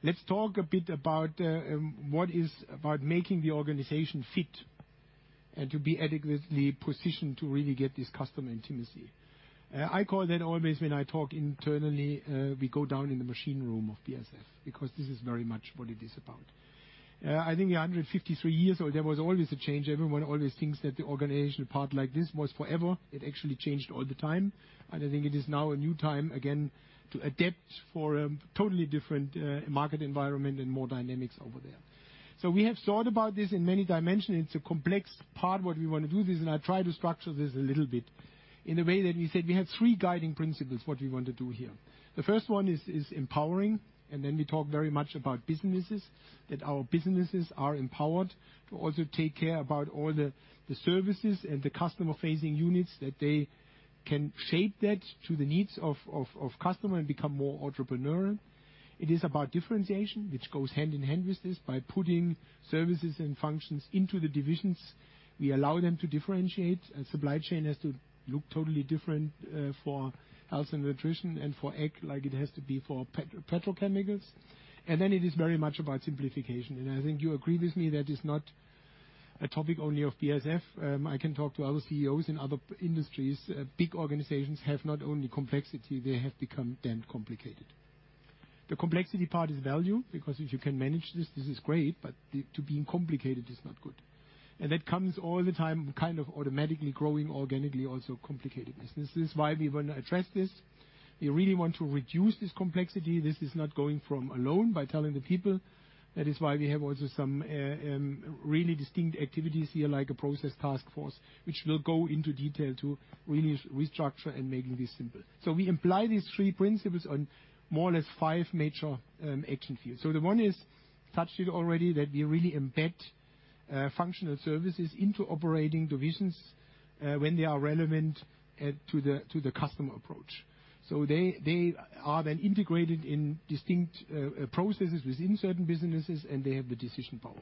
[SPEAKER 2] Let's talk a bit about what is about making the organization fit and to be adequately positioned to really get this customer intimacy. I call that always when I talk internally, we go down in the machine room of BASF, because this is very much what it is about. I think 153 years old, there was always a change. Everyone always thinks that the organization part like this was forever. It actually changed all the time. I think it is now a new time again to adapt for a totally different, market environment and more dynamics over there. We have thought about this in many dimensions. It's a complex part, what we wanna do this, and I try to structure this a little bit. In a way that we said we have three guiding principles, what we want to do here. The first one is empowering, and then we talk very much about businesses, that our businesses are empowered to also take care about all the services and the customer-facing units, that they can shape that to the needs of customer and become more entrepreneur. It is about differentiation, which goes hand in hand with this. By putting services and functions into the divisions, we allow them to differentiate. A supply chain has to look totally different for health and nutrition and for ag, like it has to be for petrochemicals. Then it is very much about simplification. I think you agree with me that is not a topic only of BASF. I can talk to other CEOs in other industries. Big organizations have not only complexity, they have become then complicated. The complexity part is value, because if you can manage this is great, but to being complicated is not good. That comes all the time, kind of automatically growing organically also complicated. This is why we wanna address this. We really want to reduce this complexity. This is not going from alone by telling the people. That is why we have also some really distinct activities here, like a process task force, which will go into detail to really restructure and making this simple. We imply these three principles on more or less five major action fields. The one is touched it already, that we really embed functional services into operating divisions when they are relevant to the customer approach. They are then integrated in distinct processes within certain businesses, and they have the decision power.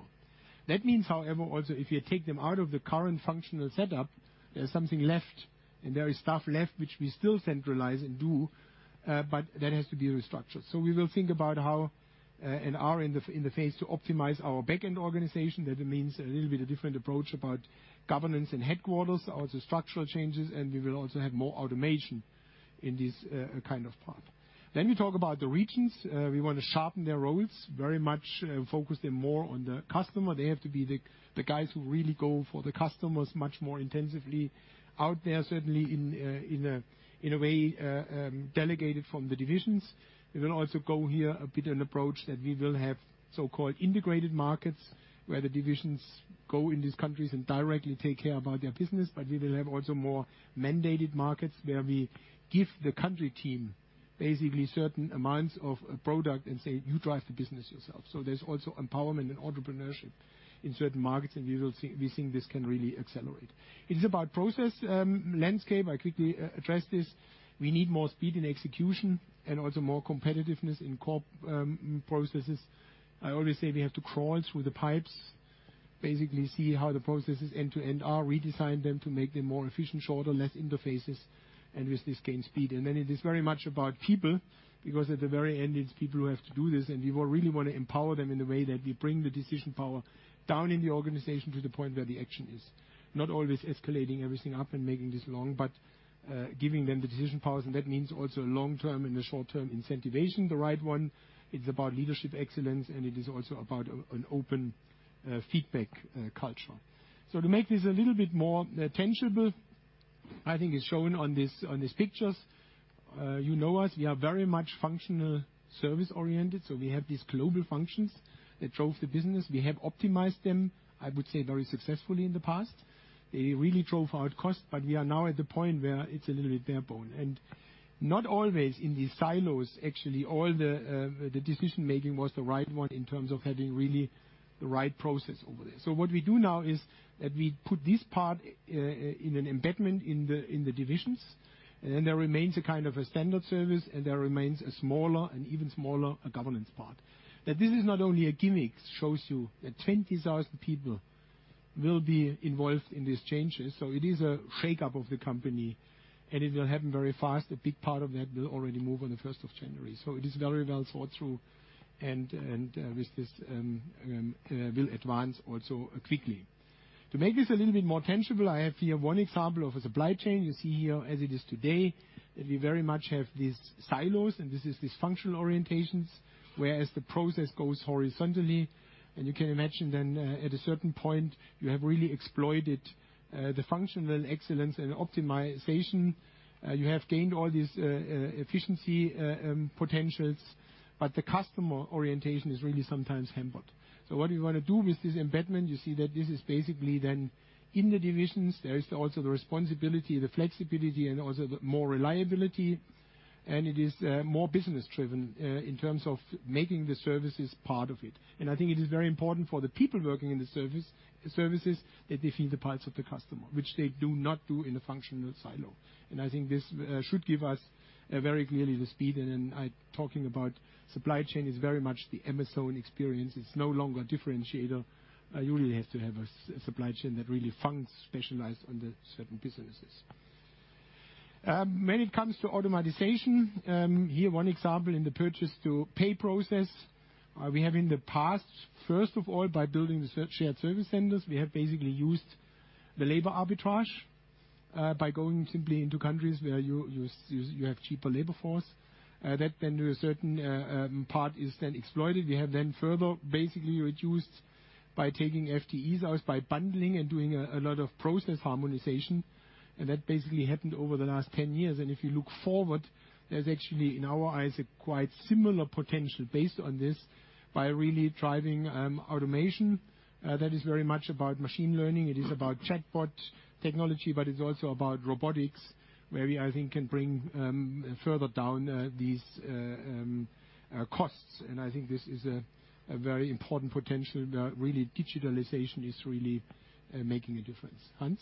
[SPEAKER 2] That means, however, also if you take them out of the current functional setup, there's something left, and there is stuff left which we still centralize and do, but that has to be restructured. We will think about how in our inter-interface to optimize our back-end organization. That means a little bit of different approach about governance and headquarters, also structural changes, and we will also have more automation in this kind of part. We talk about the regions. We want to sharpen their roles, very much focus them more on the customer. They have to be the guys who really go for the customers much more intensively out there, certainly in a way delegated from the divisions. We will also go here a bit an approach that we will have so-called integrated markets, where the divisions go in these countries and directly take care about their business. We will have also more mandated markets where we give the country team basically certain amounts of a product and say, "You drive the business yourself." There's also empowerment and entrepreneurship in certain markets, and we will see, we think this can really accelerate. It is about process landscape. I quickly address this. We need more speed in execution and also more competitiveness in corp processes. I always say we have to crawl through the pipes, basically see how the processes end to end are, redesign them to make them more efficient, shorter, less interfaces, and with this gain speed. Then it is very much about people, because at the very end, it's people who have to do this, and we really want to empower them in a way that we bring the decision power down in the organization to the point where the action is. Not always escalating everything up and making this long, but giving them the decision powers, and that means also long-term and the short-term incentivization, the right one. It's about leadership excellence, and it is also about an open feedback culture. So to make this a little bit more tangible, I think it's shown on these pictures. You know us, we are very much functional service-oriented, so we have these global functions that drove the business. We have optimized them, I would say, very successfully in the past. They really drove out cost, but we are now at the point where it's a little bit bare bone. Not always in these silos, actually, all the decision-making was the right one in terms of having really the right process over there. What we do now is that we put this part in an embedment in the divisions, and then there remains a kind of a standard service, and there remains a smaller and even smaller governance part. That this is not only a gimmick shows you that 20,000 people will be involved in these changes. It is a shakeup of the company, and it will happen very fast. A big part of that will already move on the first of January. It is very well thought through, and with this will advance also quickly. To make this a little bit more tangible, I have here one example of a supply chain. You see here as it is today, that we very much have these silos, and this is these functional orientations, whereas the process goes horizontally. You can imagine then at a certain point, you have really exploited the functional excellence and optimization. You have gained all these efficiency potentials, but the customer orientation is really sometimes hampered. What we want to do with this embedment, you see that this is basically then in the divisions, there is also the responsibility, the flexibility, and also the more reliability, and it is more business-driven in terms of making the services part of it. I think it is very important for the people working in the services that they feel the pulse of the customer, which they do not do in a functional silo. I think this should give us very clearly the speed. Talking about supply chain is very much the Amazon experience. It's no longer differentiator. You really have to have a supply chain that really functions specialized under certain businesses. When it comes to automation, here one example in the purchase-to-pay process. We have in the past, first of all, by building the shared service centers, basically used the labor arbitrage by going simply into countries where you have cheaper labor force. That then to a certain part is then exploited. We have then further basically reduced by taking FTEs out, by bundling and doing a lot of process harmonization. That basically happened over the last 10 years. If you look forward, there's actually, in our eyes, a quite similar potential based on this by really driving automation. That is very much about machine learning. It is about chatbot technology, but it's also about robotics, where we, I think, can bring further down these costs. I think this is a very important potential where really digitalization is really making a difference. Hans?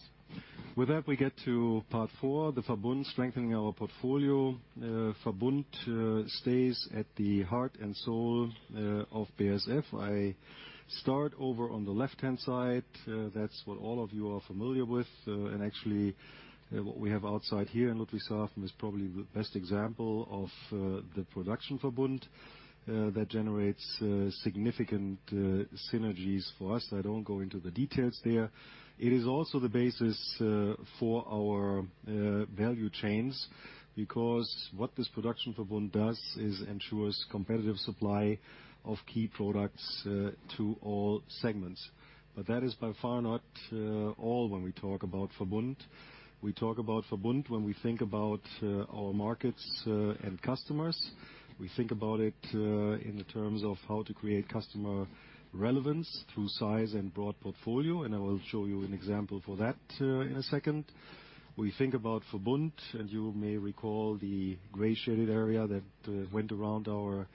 [SPEAKER 3] With that, we get to part four, the Verbund strengthening our portfolio. Verbund stays at the heart and soul of BASF. I start over on the left-hand side. That's what all of you are familiar with, and actually what we have outside here in Ludwigshafen is probably the best example of the production Verbund that generates significant synergies for us. I don't go into the details there. It is also the basis for our value chains, because what this production Verbund does is ensures competitive supply of key products to all segments. That is by far not all when we talk about Verbund. We talk about Verbund when we think about our markets and customers. We think about it in the terms of how to create customer relevance through size and broad portfolio, and I will show you an example for that in a second. We think about Verbund, and you may recall the gray shaded area that went around our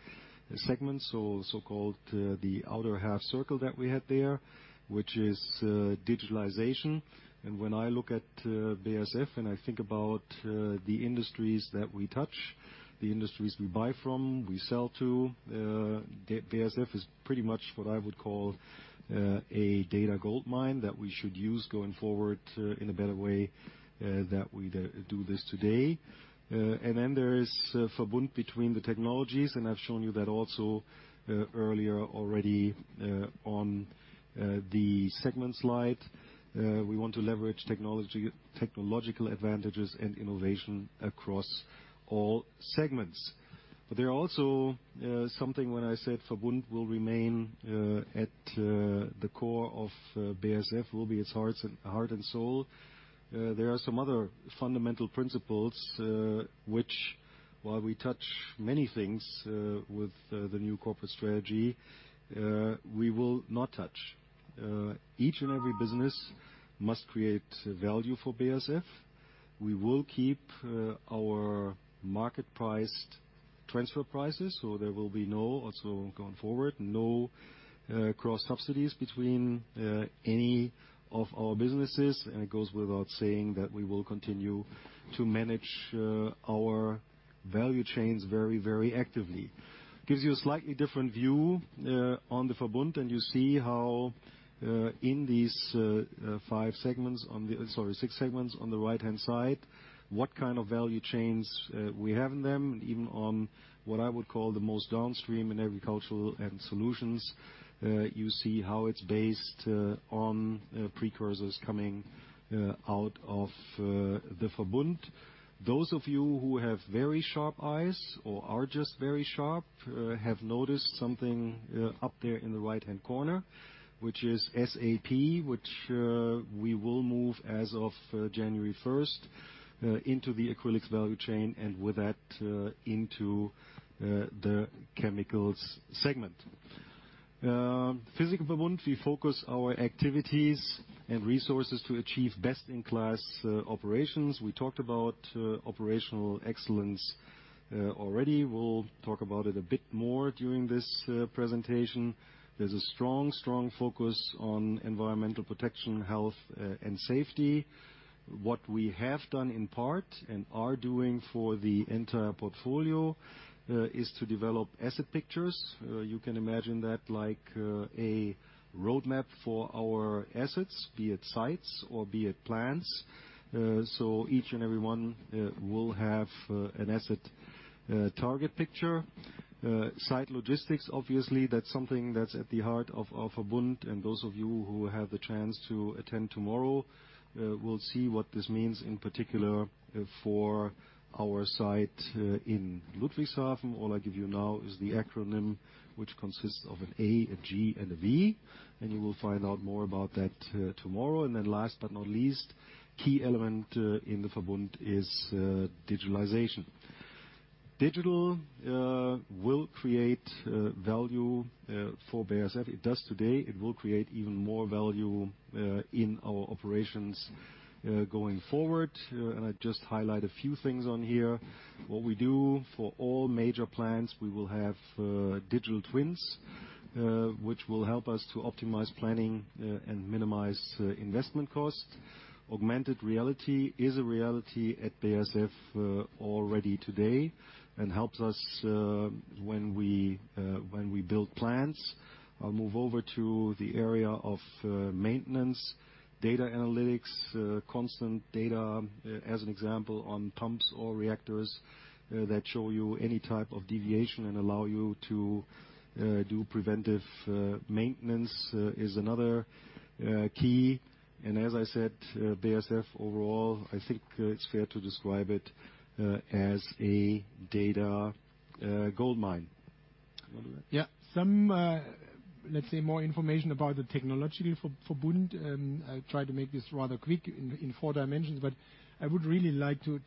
[SPEAKER 3] segments, so-called the outer half circle that we had there, which is digitalization. When I look at BASF, and I think about the industries that we touch, the industries we buy from, we sell to, BASF is pretty much what I would call a data goldmine that we should use going forward in a better way that we do this today. There is Verbund between the technologies, and I've shown you that also earlier already on the segment slide. We want to leverage technological advantages and innovation across all segments. There are also something. When I said Verbund will remain at the core of BASF, it will be its heart and soul. There are some other fundamental principles. While we touch many things with the new corporate strategy, we will not touch. Each and every business must create value for BASF. We will keep our market-priced transfer prices, so there will be no, also going forward, no cross subsidies between any of our businesses. It goes without saying that we will continue to manage our value chains very, very actively. Gives you a slightly different view on the Verbund, and you see how in these six segments on the right-hand side, what kind of value chains we have in them. Even on what I would call the most downstream in agricultural solutions, you see how it's based on precursors coming out of the Verbund. Those of you who have very sharp eyes or are just very sharp have noticed something up there in the right-hand corner, which is SAP, which we will move as of January first into the acrylics value chain, and with that into the chemicals segment. Physical Verbund, we focus our activities and resources to achieve best-in-class operations. We talked about operational excellence already. We'll talk about it a bit more during this presentation. There's a strong focus on environmental protection, health, and safety. What we have done in part, and are doing for the entire portfolio, is to develop asset pictures. You can imagine that like a roadmap for our assets, be it sites or be it plants. Each and every one will have an asset target picture. Site logistics, obviously, that's something that's at the heart of Verbund, and those of you who have the chance to attend tomorrow will see what this means in particular for our site in Ludwigshafen. All I give you now is the acronym which consists of an A, a G, and a V, and you will find out more about that tomorrow. Last but not least, key element in the Verbund is digitalization. Digital will create value for BASF. It does today. It will create even more value in our operations going forward. I just highlight a few things on here. What we do for all major plants, we will have digital twins, which will help us to optimize planning and minimize investment costs. Augmented Reality is a reality at BASF already today and helps us when we build plants. I'll move over to the area of maintenance. Data analytics, constant data as an example on pumps or reactors that show you any type of deviation and allow you to do preventive maintenance, is another key. As I said, BASF overall, I think it's fair to describe it as a data goldmine.
[SPEAKER 2] Yeah. Some, let's say, more information about the technological Verbund. I'll try to make this rather quick in four dimensions, but I would really like to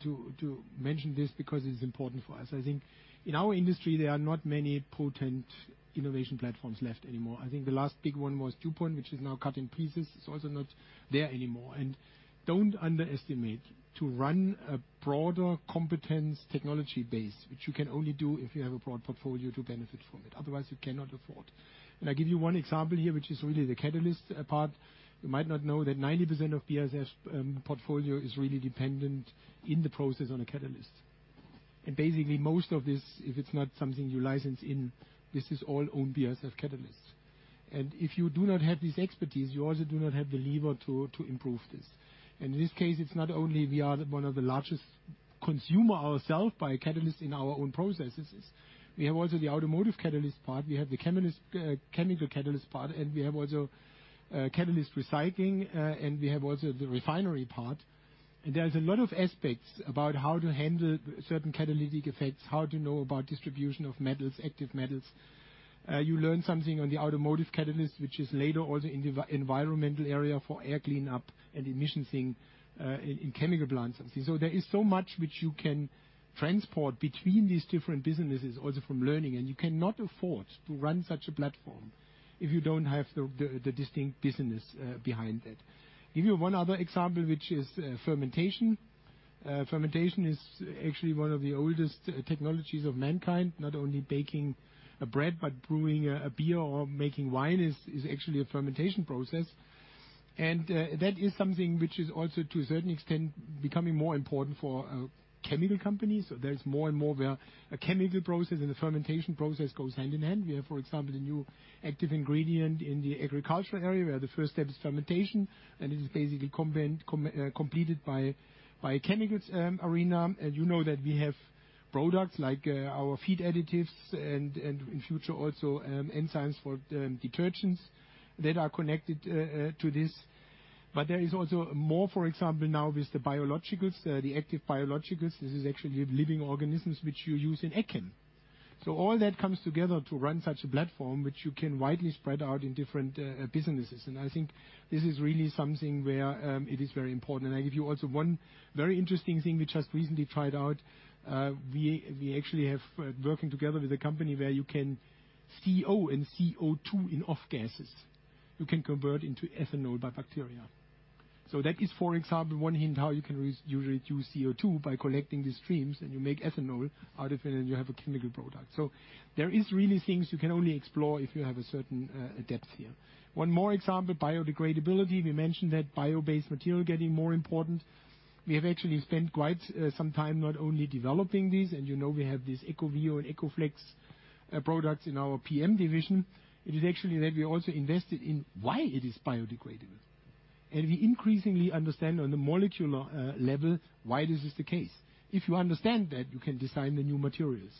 [SPEAKER 2] mention this because it's important for us. I think in our industry, there are not many potent innovation platforms left anymore. I think the last big one was DuPont, which is now cut in pieces. It's also not there anymore. Don't underestimate to run a broader competence technology base, which you can only do if you have a broad portfolio to benefit from it. Otherwise, you cannot afford. I give you one example here, which is really the catalyst part. You might not know that 90% of BASF portfolio is really dependent in the process on a catalyst. Basically, most of this, if it's not something you license in, this is all own BASF catalysts. If you do not have this expertise, you also do not have the lever to improve this. In this case, it's not only we are one of the largest consumers ourselves of catalysts in our own processes. We have also the automotive catalyst part. We have the chemical catalyst part, and we have also catalyst recycling, and we have also the refinery part. There's a lot of aspects about how to handle certain catalytic effects, how to know about distribution of metals, active metals. You learn something on the automotive catalyst, which is later also in the environmental area for air cleanup and emissions thing in chemical plants. There is so much which you can transport between these different businesses also from learning, and you cannot afford to run such a platform if you don't have the distinct business behind that. Give you one other example, which is fermentation. Fermentation is actually one of the oldest technologies of mankind, not only baking a bread, but brewing a beer or making wine is actually a fermentation process. That is something which is also to a certain extent becoming more important for chemical companies. There is more and more where a chemical process and a fermentation process goes hand in hand. We have, for example, the new active ingredient in the agricultural area, where the first step is fermentation, and it is basically completed by chemicals arena. You know that we have products like our feed additives and in future also enzymes for detergents that are connected to this. There is also more, for example, now with the biologicals, the active biologicals. This is actually living organisms which you use in ag chem. All that comes together to run such a platform, which you can widely spread out in different businesses. I think this is really something where it is very important. I give you also one very interesting thing we just recently tried out. We actually have, working together with a company where you can convert CO and CO₂ in off gases into ethanol by bacteria. That is, for example, one hint how you can reduce CO2 by collecting the streams, and you make ethanol out of it, and you have a chemical product. There is really things you can only explore if you have a certain depth here. One more example, biodegradability. We mentioned that bio-based material getting more important. We have actually spent quite some time not only developing these, and you know we have these ecovio and ecoflex products in our PM division. It is actually that we also invested in why it is biodegradable. We increasingly understand on the molecular level why this is the case. If you understand that, you can design the new materials.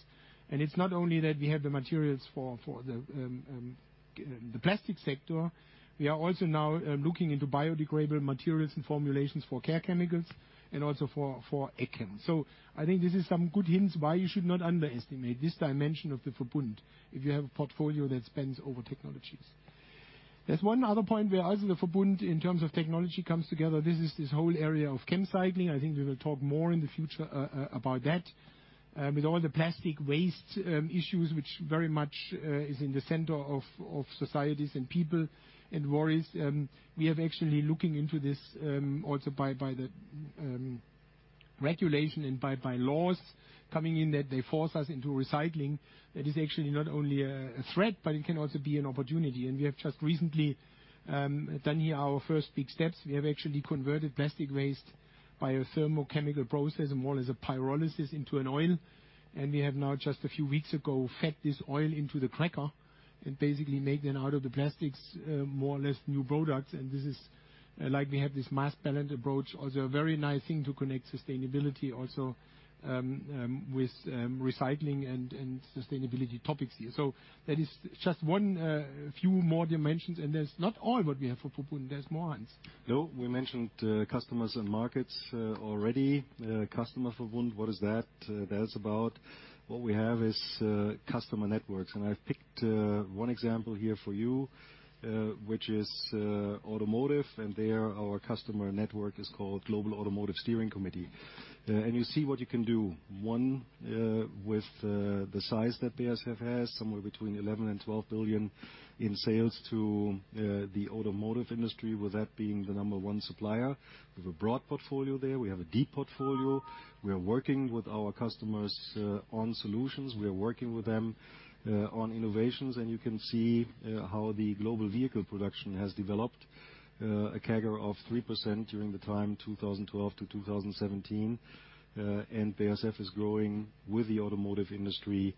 [SPEAKER 2] It's not only that we have the materials for the plastic sector. We are also now looking into biodegradable materials and formulations for care chemicals and also for ECEM. I think this is some good hints why you should not underestimate this dimension of the Verbund if you have a portfolio that spans over technologies. There's one other point where also the Verbund in terms of technology comes together. This is the whole area of ChemCycling. I think we will talk more in the future about that. With all the plastic waste issues which very much is in the center of societies and people and worries, we have actually looking into this also by the regulation and by laws coming in that they force us into recycling. That is actually not only a threat, but it can also be an opportunity. We have just recently done here our first big steps. We have actually converted plastic waste by a thermochemical process and more or less a pyrolysis into an oil. We have now just a few weeks ago fed this oil into the cracker and basically made them out of the plastics more or less new products. This is like we have this mass balance approach. Also a very nice thing to connect sustainability also with recycling and sustainability topics here. That is just one few more dimensions, and that's not all what we have for Verbund. There's more, Hans.
[SPEAKER 3] No, we mentioned customers and markets already. Customer Verbund, what is that? That is about what we have is customer networks. I've picked one example here for you, which is automotive, and there our customer network is called Global Automotive Steering Committee. You see what you can do, one, with the size that BASF has, somewhere between 11 billion and 12 billion in sales to the automotive industry, with that being the number one supplier. We have a broad portfolio there. We have a deep portfolio. We are working with our customers on solutions. We are working with them on innovations, and you can see how the global vehicle production has developed, a CAGR of 3% during the time 2012 to 2017. BASF is growing with the automotive industry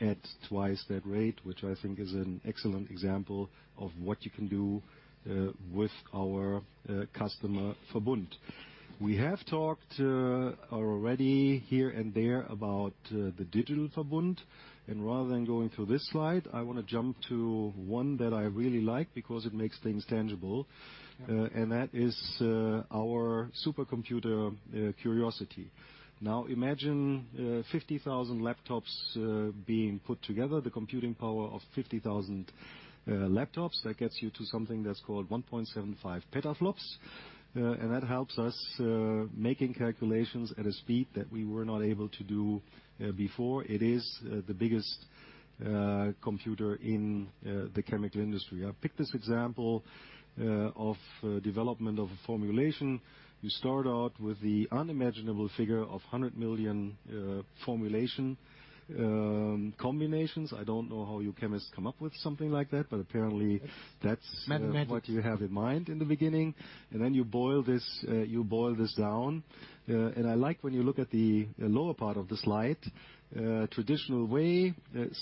[SPEAKER 3] at twice that rate, which I think is an excellent example of what you can do with our customer Verbund. We have talked already here and there about the digital Verbund. Rather than going through this slide, I wanna jump to one that I really like because it makes things tangible.
[SPEAKER 2] Yeah.
[SPEAKER 3] That is our supercomputer, Quriosity. Now imagine 50,000 laptops being put together, the computing power of 50,000 laptops. That gets you to something that's called 1.75 petaflops. That helps us making calculations at a speed that we were not able to do before. It is the biggest computer in the chemical industry. I picked this example of development of a formulation. You start out with the unimaginable figure of 100 million formulation combinations. I don't know how you chemists come up with something like that, but apparently.
[SPEAKER 2] It's mathematics.
[SPEAKER 3] That's what you have in mind in the beginning. Then you boil this down. I like when you look at the lower part of the slide, traditional way,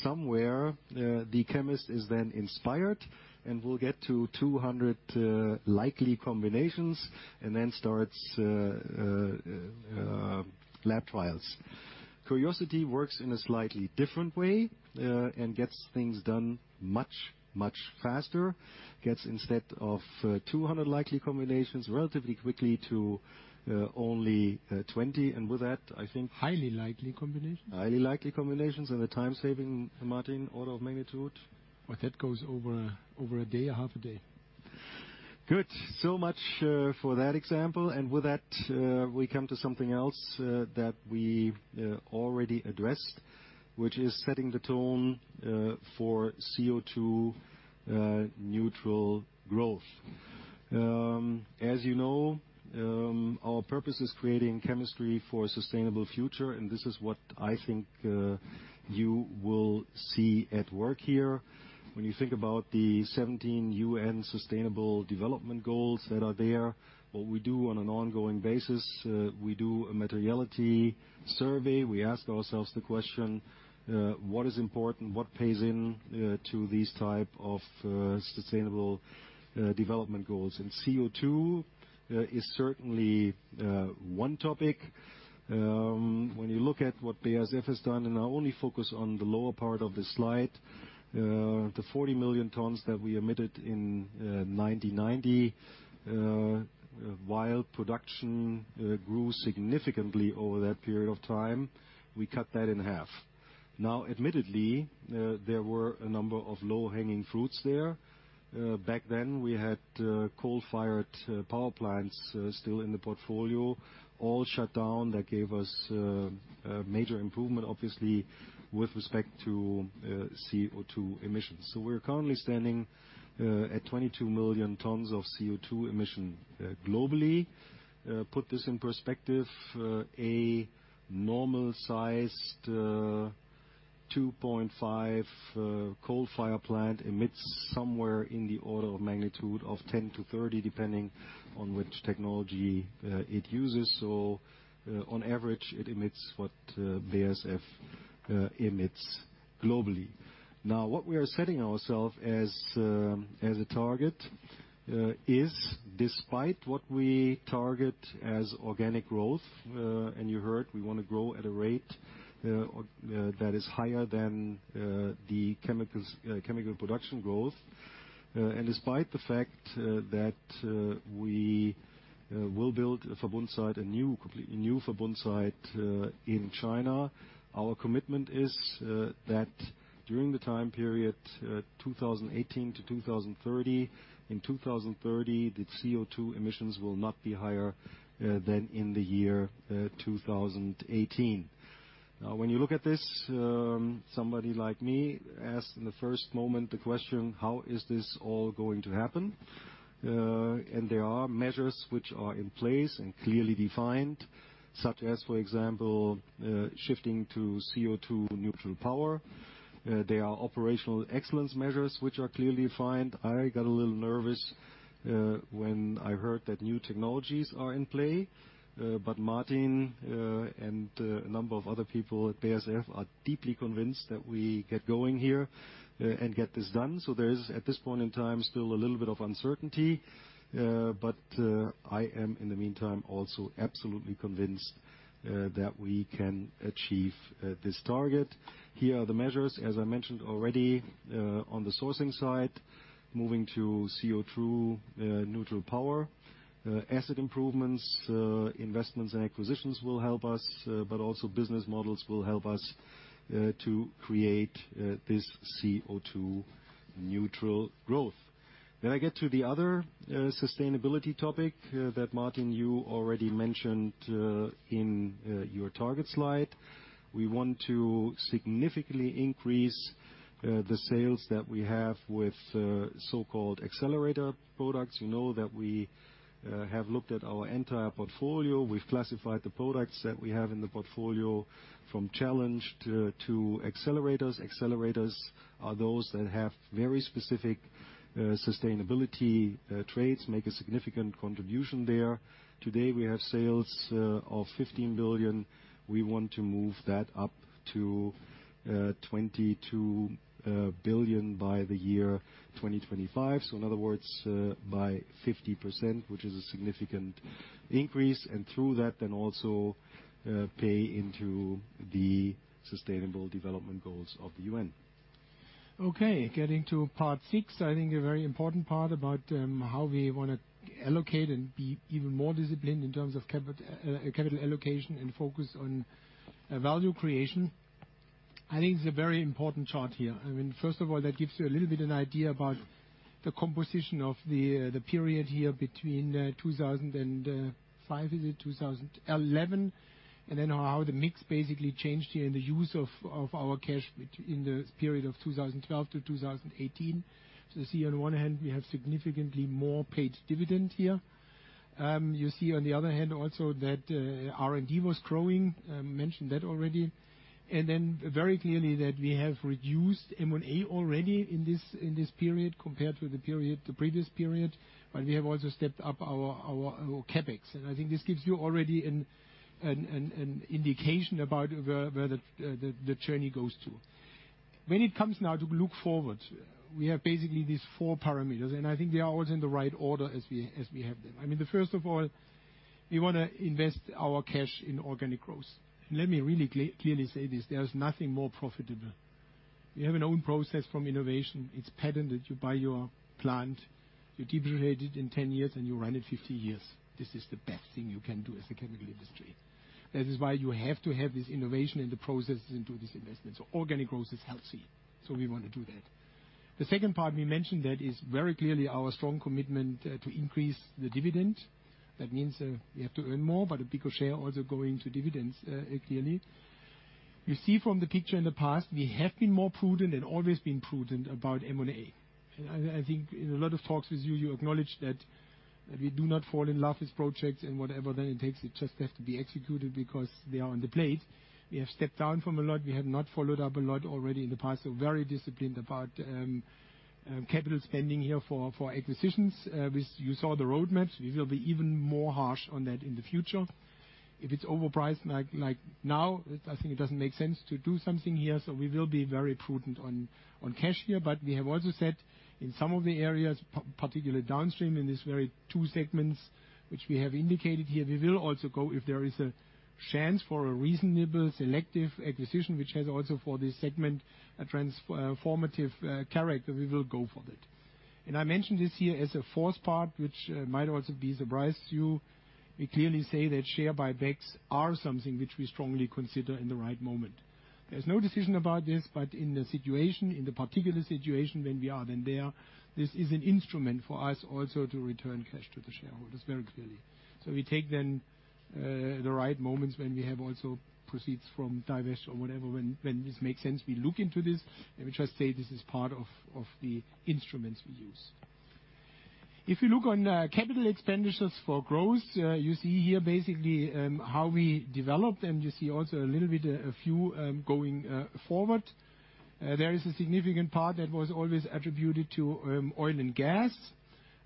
[SPEAKER 3] somewhere the chemist is then inspired and will get to 200 likely combinations and then starts lab trials. Quriosity works in a slightly different way and gets things done much, much faster. Gets instead of 200 likely combinations relatively quickly to only 20. With that, I think
[SPEAKER 2] Highly likely combinations.
[SPEAKER 3] Highly likely combinations, and the time saving, Martin, order of magnitude?
[SPEAKER 2] Well, that goes over a day or half a day.
[SPEAKER 3] Good. So much for that example. With that, we come to something else that we've already addressed, which is setting the tone for CO2-neutral growth. As you know, our purpose is creating chemistry for a sustainable future, and this is what I think you will see at work here. When you think about the 17 UN Sustainable Development Goals that are there, what we do on an ongoing basis, we do a materiality survey. We ask ourselves the question, what is important? What plays into these type of sustainable development goals? CO2 is certainly one topic. When you look at what BASF has done, and I only focus on the lower part of this slide, the 40 million tons that we emitted in 1990, while production grew significantly over that period of time, we cut that in half. Admittedly, there were a number of low-hanging fruits there. Back then, we had coal-fired power plants still in the portfolio, all shut down. That gave us a major improvement, obviously, with respect to CO₂ emissions. We're currently standing at 22 million tons of CO₂ emissions globally. Put this in perspective, a normal-sized 2.5 coal-fired plant emits somewhere in the order of magnitude of 10-30, depending on which technology it uses. On average, it emits what BASF emits globally. Now, what we are setting ourselves as a target is despite what we target as organic growth, and you heard we want to grow at a rate that is higher than the chemicals chemical production growth. And despite the fact that we will build a Verbund site, a new, completely new Verbund site, in China, our commitment is that during the time period 2018 to 2030, in 2030, the CO₂ emissions will not be higher than in the year 2018. Now, when you look at this, somebody like me asks in the first moment the question, how is this all going to happen? There are measures which are in place and clearly defined, such as, for example, shifting to CO2 neutral power. There are operational excellence measures which are clearly defined. I got a little nervous when I heard that new technologies are in play. Martin and a number of other people at BASF are deeply convinced that we get going here and get this done. There is, at this point in time, still a little bit of uncertainty. I am, in the meantime, also absolutely convinced that we can achieve this target. Here are the measures. As I mentioned already on the sourcing side, moving to CO2 neutral power. Asset improvements, investments and acquisitions will help us, but also business models will help us to create this CO2 neutral growth. I get to the other sustainability topic that Martin you already mentioned in your target slide. We want to significantly increase the sales that we have with the so-called Accelerator products. You know that we have looked at our entire portfolio. We've classified the products that we have in the portfolio from challenge to accelerators. Accelerators are those that have very specific sustainability traits, make a significant contribution there. Today, we have sales of 15 billion. We want to move that up to 22 billion by the year 2025. In other words, by 50%, which is a significant increase, and through that then also pay into the sustainable development goals of the United Nations.
[SPEAKER 2] Okay, getting to part six, I think a very important part about how we want to allocate and be even more disciplined in terms of capital allocation and focus on value creation. I think it's a very important chart here. I mean, first of all, that gives you a little bit an idea about the composition of the period here between 2005, is it? 2011, and then how the mix basically changed here and the use of our cash in the period of 2012 to 2018. You see on one hand, we have significantly more paid dividend here. You see on the other hand also that R&D was growing. I mentioned that already. Then very clearly that we have reduced M&A already in this period compared to the previous period. We have also stepped up our CapEx. I think this gives you already an indication about where the journey goes to. When it comes now to look forward, we have basically these four parameters, and I think they are always in the right order as we have them. I mean, the first of all, we want to invest our cash in organic growth. Let me really clearly say this, there is nothing more profitable. You have an own process from innovation. It's patented. You buy your plant, you depreciate it in 10 years, and you run it 50 years. This is the best thing you can do as a chemical industry. That is why you have to have this innovation in the processes and do this investment. Organic growth is healthy, so we want to do that. The second part, we mentioned that is very clearly our strong commitment to increase the dividend. That means, we have to earn more, but a bigger share also going to dividends, clearly. You see from the picture in the past, we have been more prudent and always been prudent about M&A. I think in a lot of talks with you acknowledge that we do not fall in love with projects and whatever that it takes, it just has to be executed because they are on the plate. We have stepped down from a lot. We have not followed up a lot already in the past. Very disciplined about capital spending here for acquisitions. You saw the roadmap. We will be even more harsh on that in the future. If it's overpriced like now, I think it doesn't make sense to do something here. We will be very prudent on cash here. We have also said in some of the areas, particularly downstream in these very two segments, which we have indicated here, we will also go if there is a chance for a reasonable selective acquisition, which has also for this segment a transformative character, we will go for that. I mentioned this here as a fourth part, which might also surprise you. We clearly say that share buybacks are something which we strongly consider in the right moment. There's no decision about this, but in the situation, in the particular situation when we are then there, this is an instrument for us also to return cash to the shareholders very clearly. We take then the right moments when we have also proceeds from divest or whatever, when this makes sense, we look into this. Let me just say this is part of the instruments we use. If you look on capital expenditures for growth, you see here basically how we developed and you see also a little bit a few going forward. There is a significant part that was always attributed to oil and gas.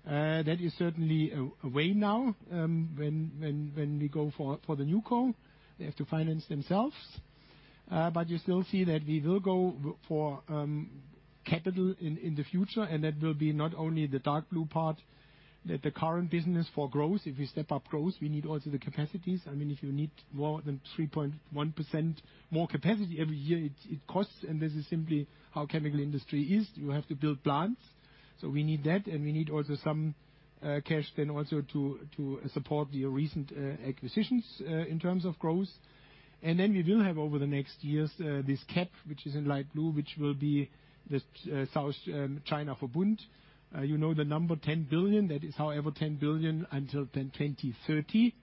[SPEAKER 2] That is certainly away now, when we go for the new co. They have to finance themselves. You still see that we will go for capital in the future, and that will be not only the dark blue part that the current business for growth. If we step up growth, we need also the capacities. I mean, if you need more than 3.1% more capacity every year, it costs, and this is simply how chemical industry is. You have to build plants. We need that, and we need also some cash then also to support the recent acquisitions in terms of growth. We will have over the next years this CapEx, which is in light blue, which will be this South China Verbund. You know the number 10 billion. That is however 10 billion until then 2030.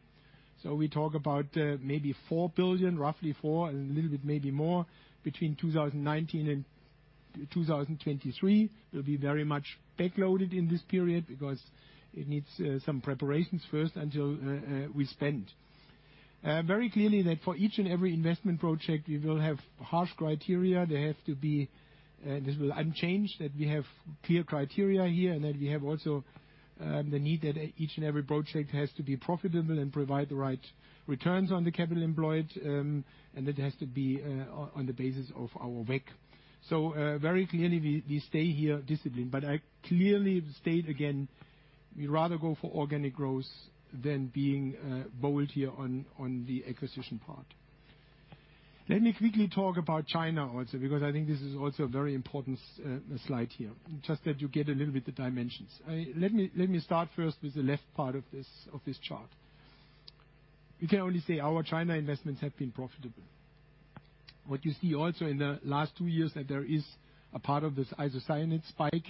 [SPEAKER 2] We talk about maybe 4 billion, roughly 4 and a little bit, maybe more between 2019 and 2023. It will be very much backloaded in this period because it needs some preparations first until we spend. Very clearly that for each and every investment project, we will have harsh criteria. They have to be, this will remain unchanged, that we have clear criteria here and that we have also, the need that each and every project has to be profitable and provide the right returns on the capital employed, and it has to be, on the basis of our WACC. Very clearly, we stay here disciplined, but I clearly state again, we rather go for organic growth than being, bold here on the acquisition part. Let me quickly talk about China also, because I think this is also a very important slide here, just that you get a little bit the dimensions. Let me start first with the left part of this chart. We can only say our China investments have been profitable. What you see also in the last two years is that there is a part of this isocyanate spike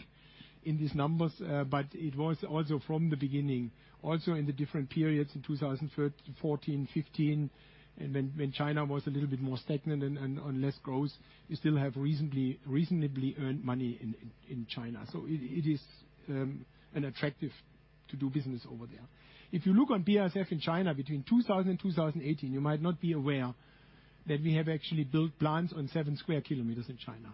[SPEAKER 2] in these numbers, but it was also from the beginning, also in the different periods in 2014, 15, and when China was a little bit more stagnant and on less growth, you still have reasonably earned money in China. It is an attractive to do business over there. If you look on BASF in China between 2000 and 2018, you might not be aware that we have actually built plants on 7 square kilometers in China.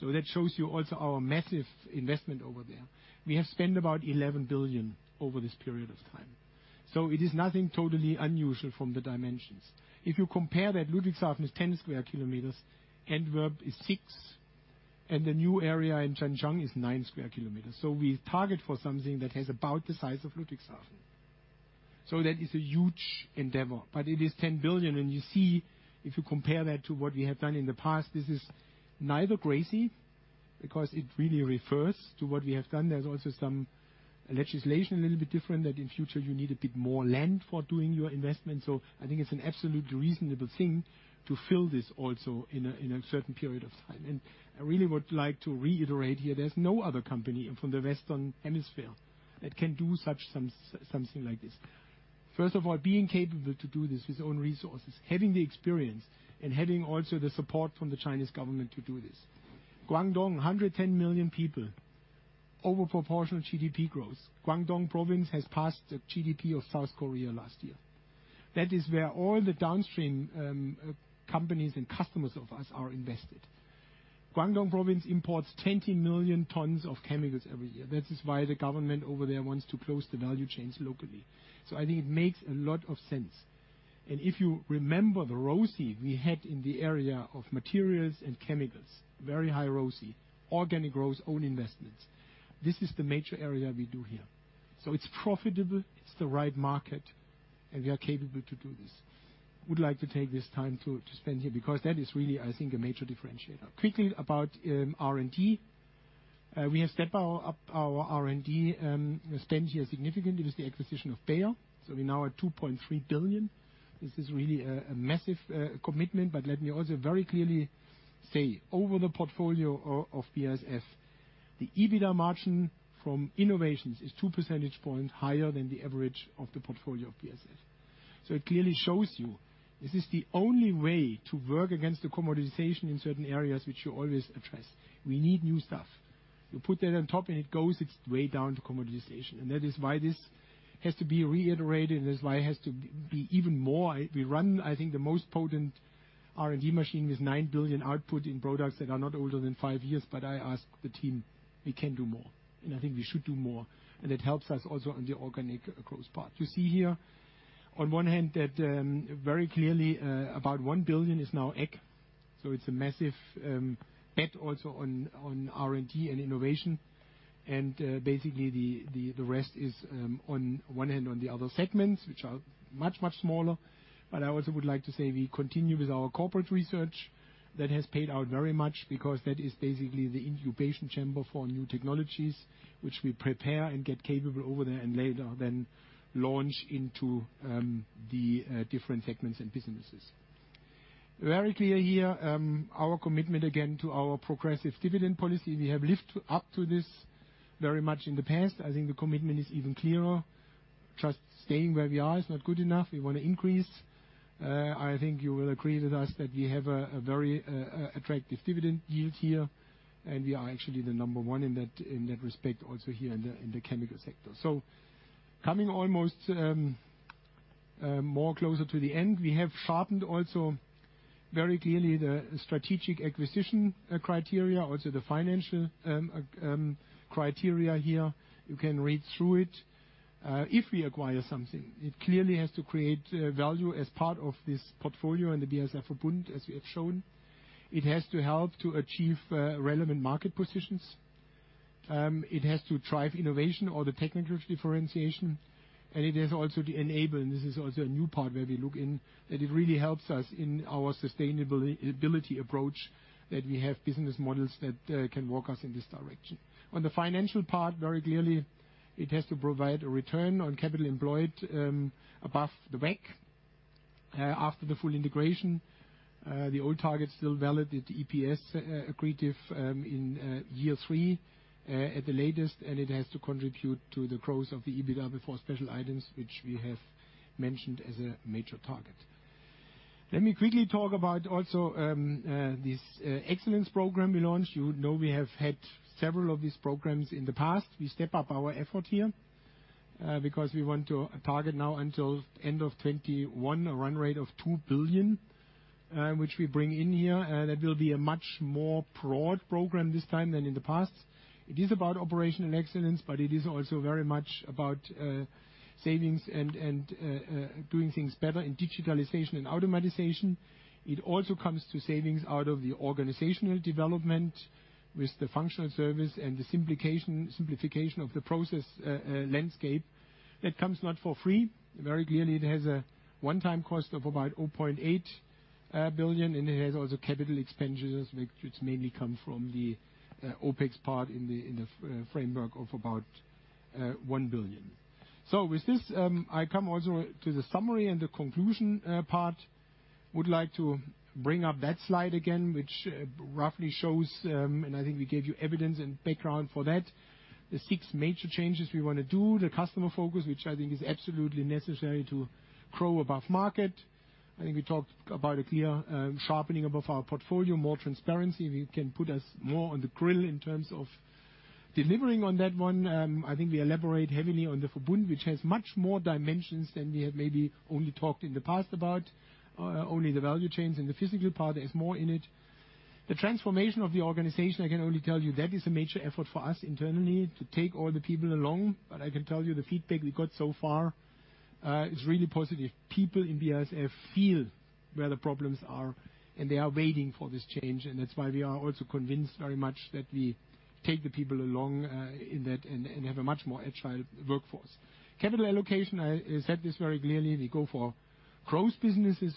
[SPEAKER 2] That shows you also our massive investment over there. We have spent about 11 billion over this period of time. It is nothing totally unusual from the dimensions. If you compare that Ludwigshafen is 10 sq km, Antwerp is 6 sq km, and the new area in Zhanjiang is 9 sq km. We target for something that has about the size of Ludwigshafen. That is a huge endeavor, but it is 10 billion. You see, if you compare that to what we have done in the past, this is neither crazy because it really refers to what we have done. There's also some legislation a little bit different, that in future you need a bit more land for doing your investment. I think it's an absolutely reasonable thing to fill this also in a certain period of time. I really would like to reiterate here, there's no other company from the Western Hemisphere that can do such something like this. First of all, being capable to do this with own resources, having the experience and having also the support from the Chinese government to do this. Guangdong, 110 million people, over proportional GDP growth. Guangdong province has passed the GDP of South Korea last year. That is where all the downstream, companies and customers of us are invested. Guangdong province imports 20 million tons of chemicals every year. That is why the government over there wants to close the value chains locally. I think it makes a lot of sense. If you remember the ROCE we had in the area of materials and chemicals, very high ROCE, organic growth, own investments. This is the major area we do here. It's profitable, it's the right market, and we are capable to do this. would like to take this time to spend here because that is really, I think, a major differentiator. Quickly about R&D. We have stepped up our R&D spend here significantly with the acquisition of Bayer. We now are 2.3 billion. This is really a massive commitment. Let me also very clearly say over the portfolio of BASF, the EBITDA margin from innovations is two percentage points higher than the average of the portfolio of BASF. It clearly shows you this is the only way to work against the commoditization in certain areas which you always address. We need new stuff. You put that on top, and it goes its way down to commoditization. That is why this has to be reiterated, and that's why it has to be even more. We run, I think, the most potent R&D machine with 9 billion output in products that are not older than five years. I ask the team, we can do more, and I think we should do more. It helps us also on the organic growth part. You see here on one hand that, very clearly, about 1 billion is now ag. It's a massive bet also on R&D and innovation. Basically the rest is on one end on the other segments, which are much, much smaller. I also would like to say we continue with our corporate research that has paid out very much because that is basically the incubation chamber for new technologies which we prepare and get capable over there and later then launch into the different segments and businesses. Very clear here, our commitment again to our progressive dividend policy. We have lived up to this very much in the past. I think the commitment is even clearer. Just staying where we are is not good enough. We want to increase. I think you will agree with us that we have a very attractive dividend yield here, and we are actually the number one in that respect also here in the chemical sector. Coming almost more closer to the end, we have sharpened also very clearly the strategic acquisition criteria, also the financial criteria here. You can read through it. If we acquire something, it clearly has to create value as part of this portfolio and the BASF Verbund, as we have shown. It has to help to achieve relevant market positions. It has to drive innovation or the technical differentiation, and it has also to enable, and this is also a new part where we look in, that it really helps us in our sustainability approach that we have business models that can walk us in this direction. On the financial part, very clearly it has to provide a return on capital employed above the WACC. After the full integration, the old target is still valid at EPS accretive in year three at the latest, and it has to contribute to the growth of the EBITDA before special items which we have mentioned as a major target. Let me quickly talk about also this excellence program we launched. You know we have had several of these programs in the past. We step up our effort here, because we want to target now until end of 2021 a run rate of 2 billion, which we bring in here. That will be a much more broad program this time than in the past. It is about operational excellence, but it is also very much about, savings and doing things better in digitalization and automation. It also comes to savings out of the organizational development with the functional service and the simplification of the process landscape. That comes not for free. Very clearly, it has a one-time cost of about 0.8 billion, and it has also capital expenditures which mainly come from the OpEx part in the framework of about 1 billion. With this, I come also to the summary and the conclusion part. Would like to bring up that slide again, which roughly shows, and I think we gave you evidence and background for that. The six major changes we want to do, the customer focus, which I think is absolutely necessary to grow above market. I think we talked about a clear sharpening of our portfolio, more transparency. We can put us more on the grill in terms of delivering on that one. I think we elaborate heavily on the Verbund, which has much more dimensions than we have maybe only talked in the past about only the value chains and the physical part. There is more in it. The transformation of the organization, I can only tell you that is a major effort for us internally to take all the people along. I can tell you the feedback we got so far is really positive. People in BASF feel where the problems are, and they are waiting for this change. That's why we are also convinced very much that we take the people along in that and have a much more agile workforce. Capital allocation, I said this very clearly. We go for growth businesses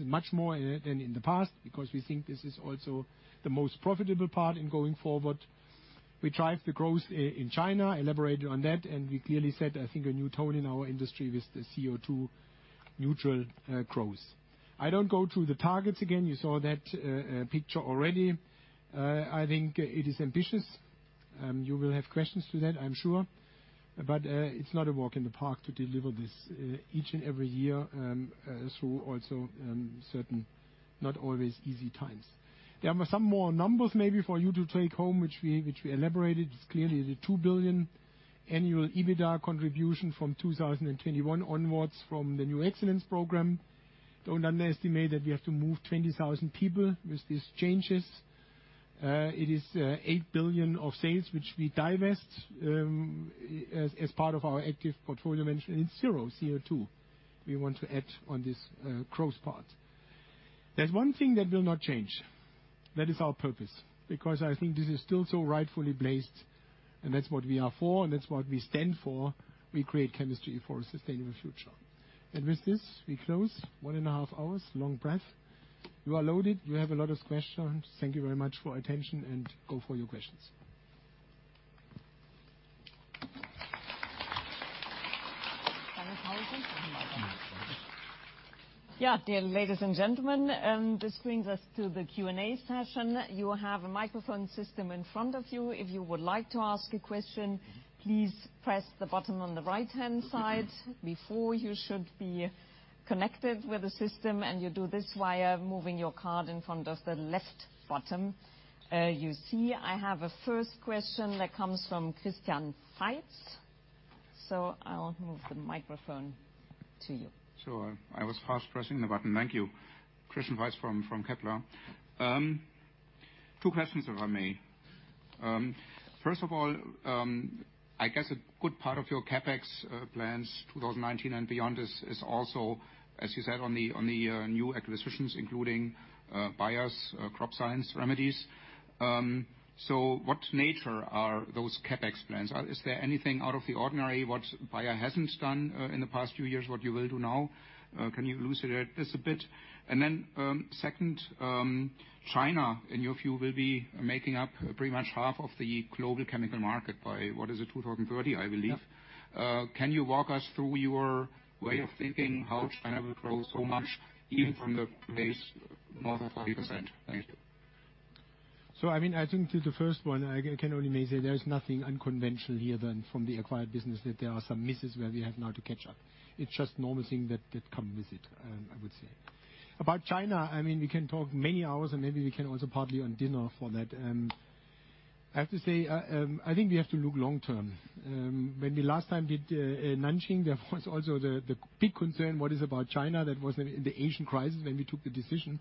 [SPEAKER 2] much more than in the past because we think this is also the most profitable part in going forward. We drive the growth in China, elaborated on that, and we clearly set I think a new tone in our industry with the CO2 neutral growth. I don't go through the targets again. You saw that picture already. I think it is ambitious. You will have questions to that, I'm sure. It's not a walk in the park to deliver this each and every year through also certain not always easy times. There are some more numbers maybe for you to take home, which we elaborated. Clearly, the 2 billion annual EBITDA contribution from 2021 onwards from the new excellence program. Don't underestimate that we have to move 20,000 people with these changes. It is 8 billion of sales which we divest as part of our active portfolio management, and it's zero CO2 we want to add on this growth part. There's one thing that will not change. That is our purpose, because I think this is still so rightfully placed, and that's what we are for, and that's what we stand for. We create chemistry for a sustainable future. With this, we close one and a half hours, long breath. You are loaded. You have a lot of questions. Thank you very much for your attention, and go for your questions.
[SPEAKER 1] Yeah, dear ladies and gentlemen, this brings us to the Q&A session. You have a microphone system in front of you. If you would like to ask a question, please press the button on the right-hand side before you should be connected with the system, and you do this via moving your card in front of the left button. You see I have a first question that comes from Christian Faitz. I'll move the microphone to you.
[SPEAKER 4] Sure. I was fast pressing the button. Thank you. Christian Weiß from Kepler. Two questions, if I may. First of all, I guess a good part of your CapEx plans 2019 and beyond is also, as you said, on the new acquisitions, including Bayer Crop Science remedies. So what nature are those CapEx plans? Is there anything out of the ordinary what Bayer hasn't done in the past few years, what you will do now? Can you elucidate this a bit? Second, China, in your view, will be making up pretty much half of the global chemical market by, what is it, 2030, I believe.
[SPEAKER 2] Yeah.
[SPEAKER 4] Can you walk us through your way of thinking how China will grow so much even from the base more than 40%? Thank you.
[SPEAKER 2] I mean, I think to the first one, I can only mainly say there is nothing unconventional here than from the acquired business, that there are some misses where we have now to catch up. It's just normal thing that come with it, I would say. About China, I mean, we can talk many hours, and maybe we can also talk over dinner for that. I have to say, I think we have to look long term. When we last time did Nanjing, there was also the big concern, what is about China that was in the Asian crisis when we took the decision.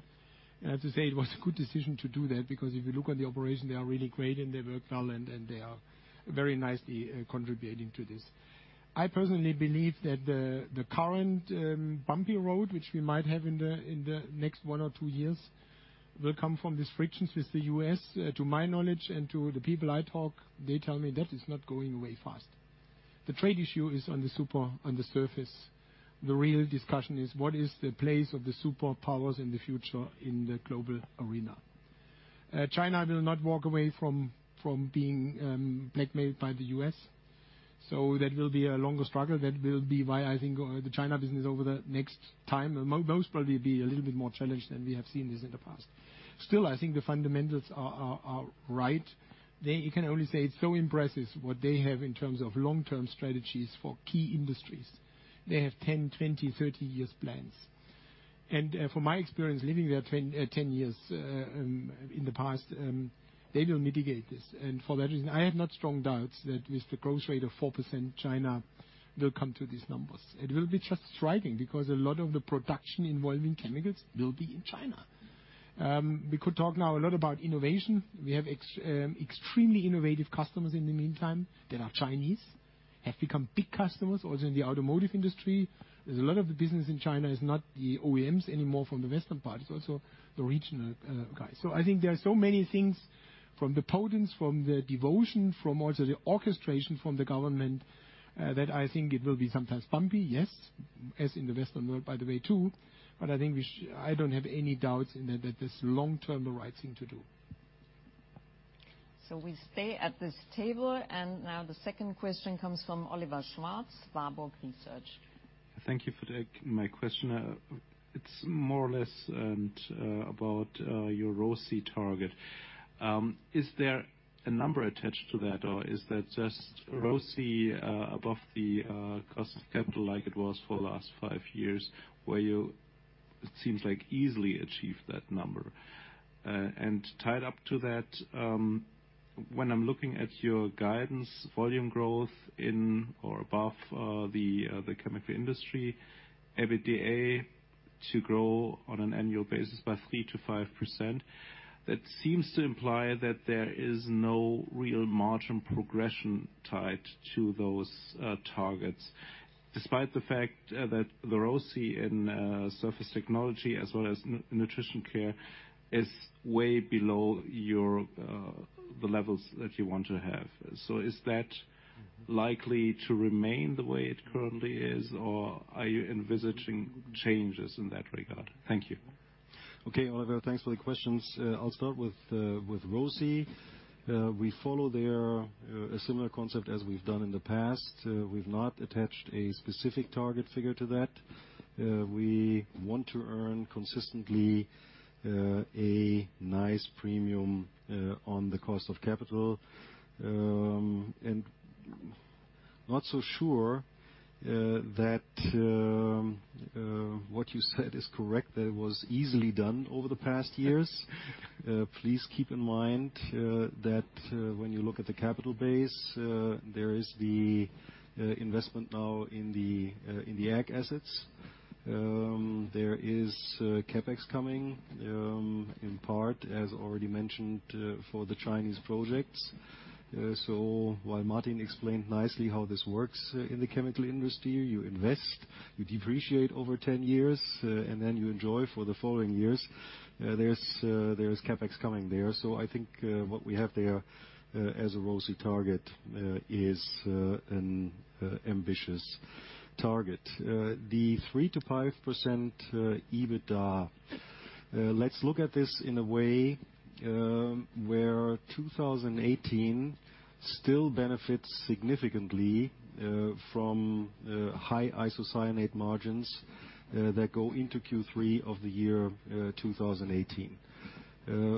[SPEAKER 2] I have to say it was a good decision to do that because if you look at the operation, they are really great, and they work well, and they are very nicely contributing to this. I personally believe that the current bumpy road which we might have in the next one or two years will come from these frictions with the U.S. To my knowledge and to the people I talk, they tell me that is not going away fast. The trade issue is on the surface. The real discussion is what is the place of the superpowers in the future in the global arena. China will not walk away from being blackmailed by the U.S., so that will be a longer struggle. That will be why I think the China business over the next time will most probably be a little bit more challenged than we have seen this in the past. Still, I think the fundamentals are right. You can only say it's so impressive what they have in terms of long-term strategies for key industries. They have 10, 20, 30 years plans. From my experience living there 10 years in the past, they don't mitigate this. For that reason, I have not strong doubts that with the growth rate of 4%, China will come to these numbers. It will be just striking because a lot of the production involving chemicals will be in China. We could talk now a lot about innovation. We have extremely innovative customers in the meantime that are Chinese, have become big customers also in the automotive industry. There's a lot of the business in China is not the OEMs anymore from the western part, it's also the regional, guys. I think there are so many things from the potential, from the devotion, from also the orchestration from the government, that I think it will be sometimes bumpy, yes, as in the Western world, by the way, too. I think I don't have any doubts in that this long-term the right thing to do.
[SPEAKER 1] We stay at this table, and now the second question comes from Oliver Schwarz, Warburg Research.
[SPEAKER 5] Thank you for taking my question. It's more or less about your ROCE target. Is there a number attached to that, or is that just ROCE above the cost of capital like it was for the last five years, where it seems like you easily achieve that number? Tied up to that, when I'm looking at your guidance volume growth in or above the chemical industry, EBITDA to grow on an annual basis by 3%-5%, that seems to imply that there is no real margin progression tied to those targets, despite the fact that the ROCE in Surface Technologies as well as Nutrition & Care is way below the levels that you want to have. Is that likely to remain the way it currently is, or are you envisioning changes in that regard? Thank you.
[SPEAKER 2] Okay. Oliver, thanks for the questions. I'll start with ROCE. We follow there a similar concept as we've done in the past. We've not attached a specific target figure to that. We want to earn consistently a nice premium on the cost of capital. Not so sure that what you said is correct, that it was easily done over the past years. Please keep in mind that when you look at the capital base there is the investment now in the ag assets. There is CapEx coming in part, as already mentioned, for the Chinese projects. While Martin explained nicely how this works in the chemical industry, you invest, you depreciate over 10 years, and then you enjoy for the following years. There's CapEx coming there. I think what we have there as a ROCE target is an ambitious target. The 3%-5% EBITDA, let's look at this in a way where 2018 still benefits significantly from high isocyanate margins that go into Q3 of the year 2018.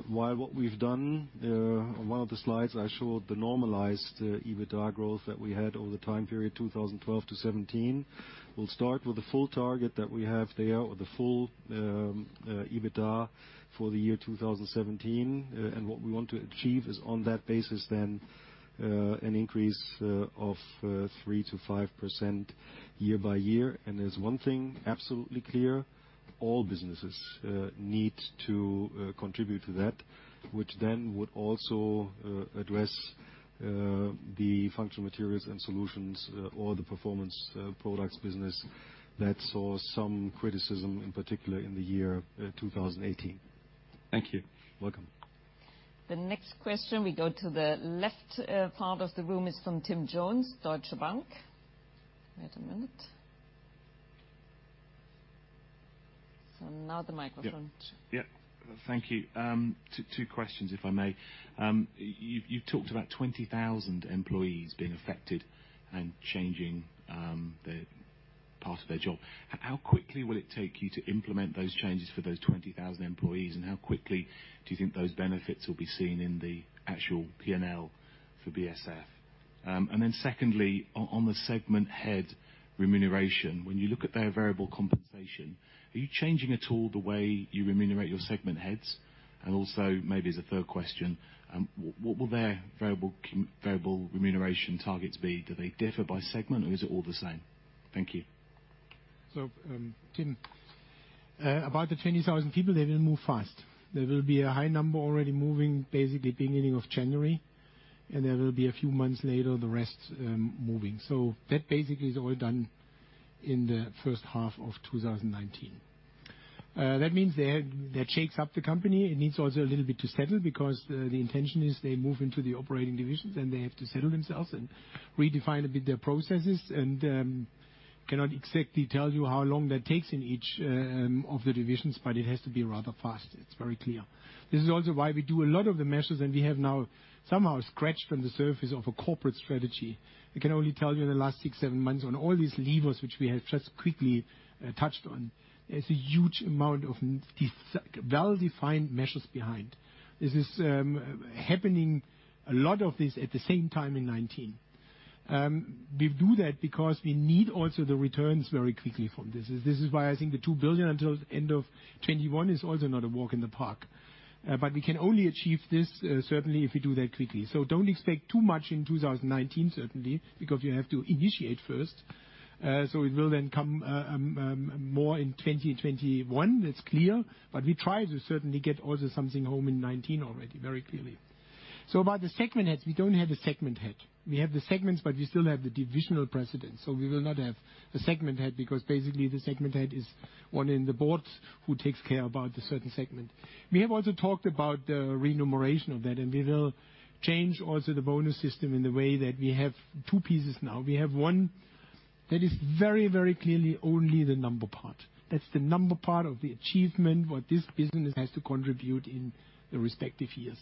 [SPEAKER 2] While what we've done on one of the slides, I showed the normalized EBITDA growth that we had over the time period 2012-2017. We'll start with the full target that we have there, or the full EBITDA for the year 2017. What we want to achieve is on that basis then an increase of 3%-5% year by year. There's one thing absolutely clear, all businesses need to contribute to that, which then would also address the functional materials and solutions or the performance products business that saw some criticism, in particular in the year 2018.
[SPEAKER 5] Thank you.
[SPEAKER 2] Welcome.
[SPEAKER 1] The next question, we go to the left part of the room. It's from Tim Jones, Deutsche Bank. Wait a minute. Now the microphone.
[SPEAKER 6] Yeah. Yeah. Thank you. Two questions if I may. You've talked about 20,000 employees being affected and changing the part of their job. How quickly will it take you to implement those changes for those 20,000 employees? And how quickly do you think those benefits will be seen in the actual P&L for BASF? And then secondly, on the segment head remuneration, when you look at their variable compensation, are you changing at all the way you remunerate your segment heads? And also maybe as a third question, what will their variable remuneration targets be? Do they differ by segment or is it all the same? Thank you.
[SPEAKER 2] Tim, about the 20,000 people, they will move fast. There will be a high number already moving basically beginning of January, and there will be a few months later, the rest, moving. That basically is all done in the first half of 2019. That means that shakes up the company. It needs also a little bit to settle because the intention is they move into the operating divisions, and they have to settle themselves and redefine a bit their processes and cannot exactly tell you how long that takes in each of the divisions, but it has to be rather fast. It's very clear. This is also why we do a lot of the measures, and we have now somehow scratched on the surface of a corporate strategy. I can only tell you in the last 6, 7 months on all these levers which we have just quickly touched on, there's a huge amount of these well-defined measures behind. This is happening a lot of this at the same time in 2019. We do that because we need also the returns very quickly from this. This is why I think the 2 billion until end of 2021 is also not a walk in the park. We can only achieve this certainly if we do that quickly. Don't expect too much in 2019 certainly, because we have to initiate first. It will then come more in 2021. That's clear. We try to certainly get also something home in 2019 already, very clearly. About the segment heads, we don't have a segment head. We have the segments, but we still have the divisional presidents. We will not have a segment head because basically the segment head is one in the Board who takes care of a certain segment. We have also talked about the remuneration of that, and we will change also the bonus system in the way that we have two pieces now. We have one that is very, very clearly only the number part. That's the number part of the achievement, what this business has to contribute in the respective years.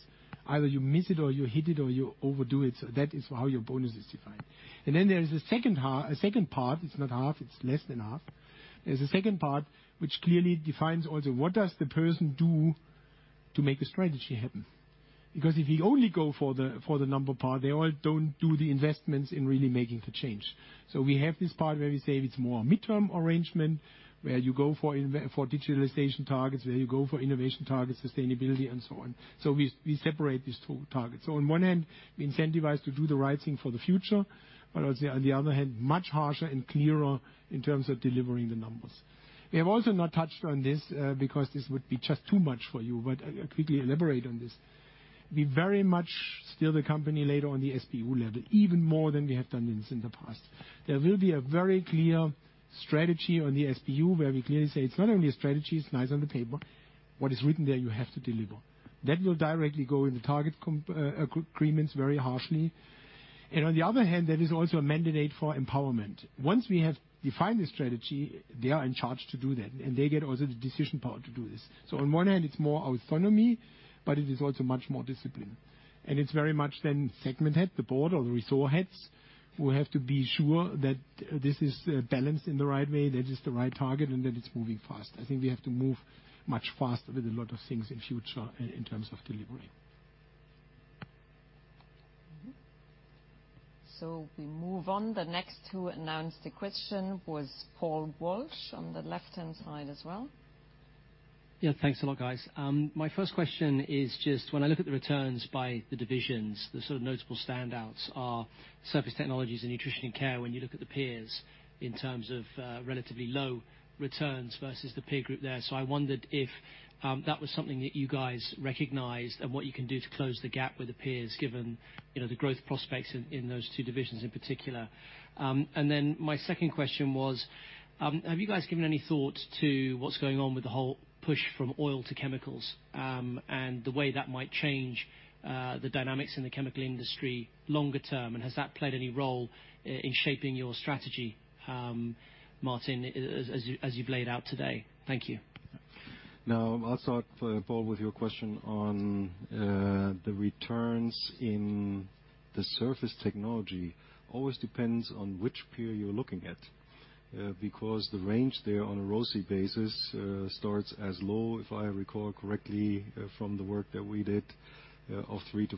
[SPEAKER 2] Either you miss it, or you hit it, or you overdo it. That is how your bonus is defined. There is a second part. It's not half, it's less than half. There's a second part which clearly defines also what does the person do to make the strategy happen. Because if we only go for the number part, they all don't do the investments in really making the change. We have this part where we say it's more a midterm arrangement, where you go for digitalization targets, where you go for innovation targets, sustainability, and so on. We separate these two targets. On one end, we incentivize to do the right thing for the future, but on the other hand, much harsher and clearer in terms of delivering the numbers. We have also not touched on this because this would be just too much for you, but I quickly elaborate on this. We very much steer the company later on the SBU level, even more than we have done this in the past. There will be a very clear strategy on the SBU, where we clearly say it's not only a strategy, it's nice on the paper. What is written there, you have to deliver. That will directly go in the target agreements very harshly. On the other hand, there is also a mandate for empowerment. Once we have defined the strategy, they are in charge to do that, and they get also the decision power to do this. On one hand, it's more autonomy, but it is also much more discipline. It's very much then segment head, the board or the resource heads, who have to be sure that this is balanced in the right way, that is the right target, and that it's moving fast. I think we have to move much faster with a lot of things in future in terms of delivery.
[SPEAKER 1] We move on. The next to announce the question was Paul Walsh on the left-hand side as well.
[SPEAKER 7] Yeah. Thanks a lot, guys. My first question is just when I look at the returns by the divisions, the sort of notable standouts are Surface Technologies and Nutrition and Care when you look at the peers in terms of relatively low returns versus the peer group there. I wondered if that was something that you guys recognized and what you can do to close the gap with the peers, given, you know, the growth prospects in those two divisions in particular. Then my second question was, have you guys given any thought to what's going on with the whole push from oil to chemicals, and the way that might change the dynamics in the chemical industry longer term? Has that played any role in shaping your strategy, Martin, as you've laid out today? Thank you.
[SPEAKER 2] Now, I'll start, Paul, with your question on the returns in the surface technology. Always depends on which peer you're looking at, because the range there on a ROCE basis starts as low, if I recall correctly from the work that we did, of 3%-4%.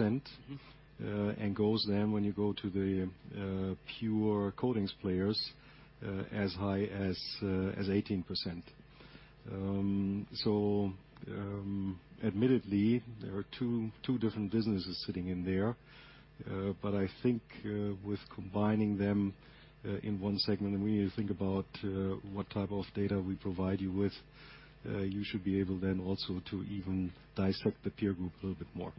[SPEAKER 7] Mm-hmm.
[SPEAKER 2] It goes then when you go to the pure coatings players as high as 18%. Admittedly, there are two different businesses sitting in there. I think with combining them in one segment, and we need to think about what type of data we provide you with, you should be able then also to even dissect the peer group a little bit more.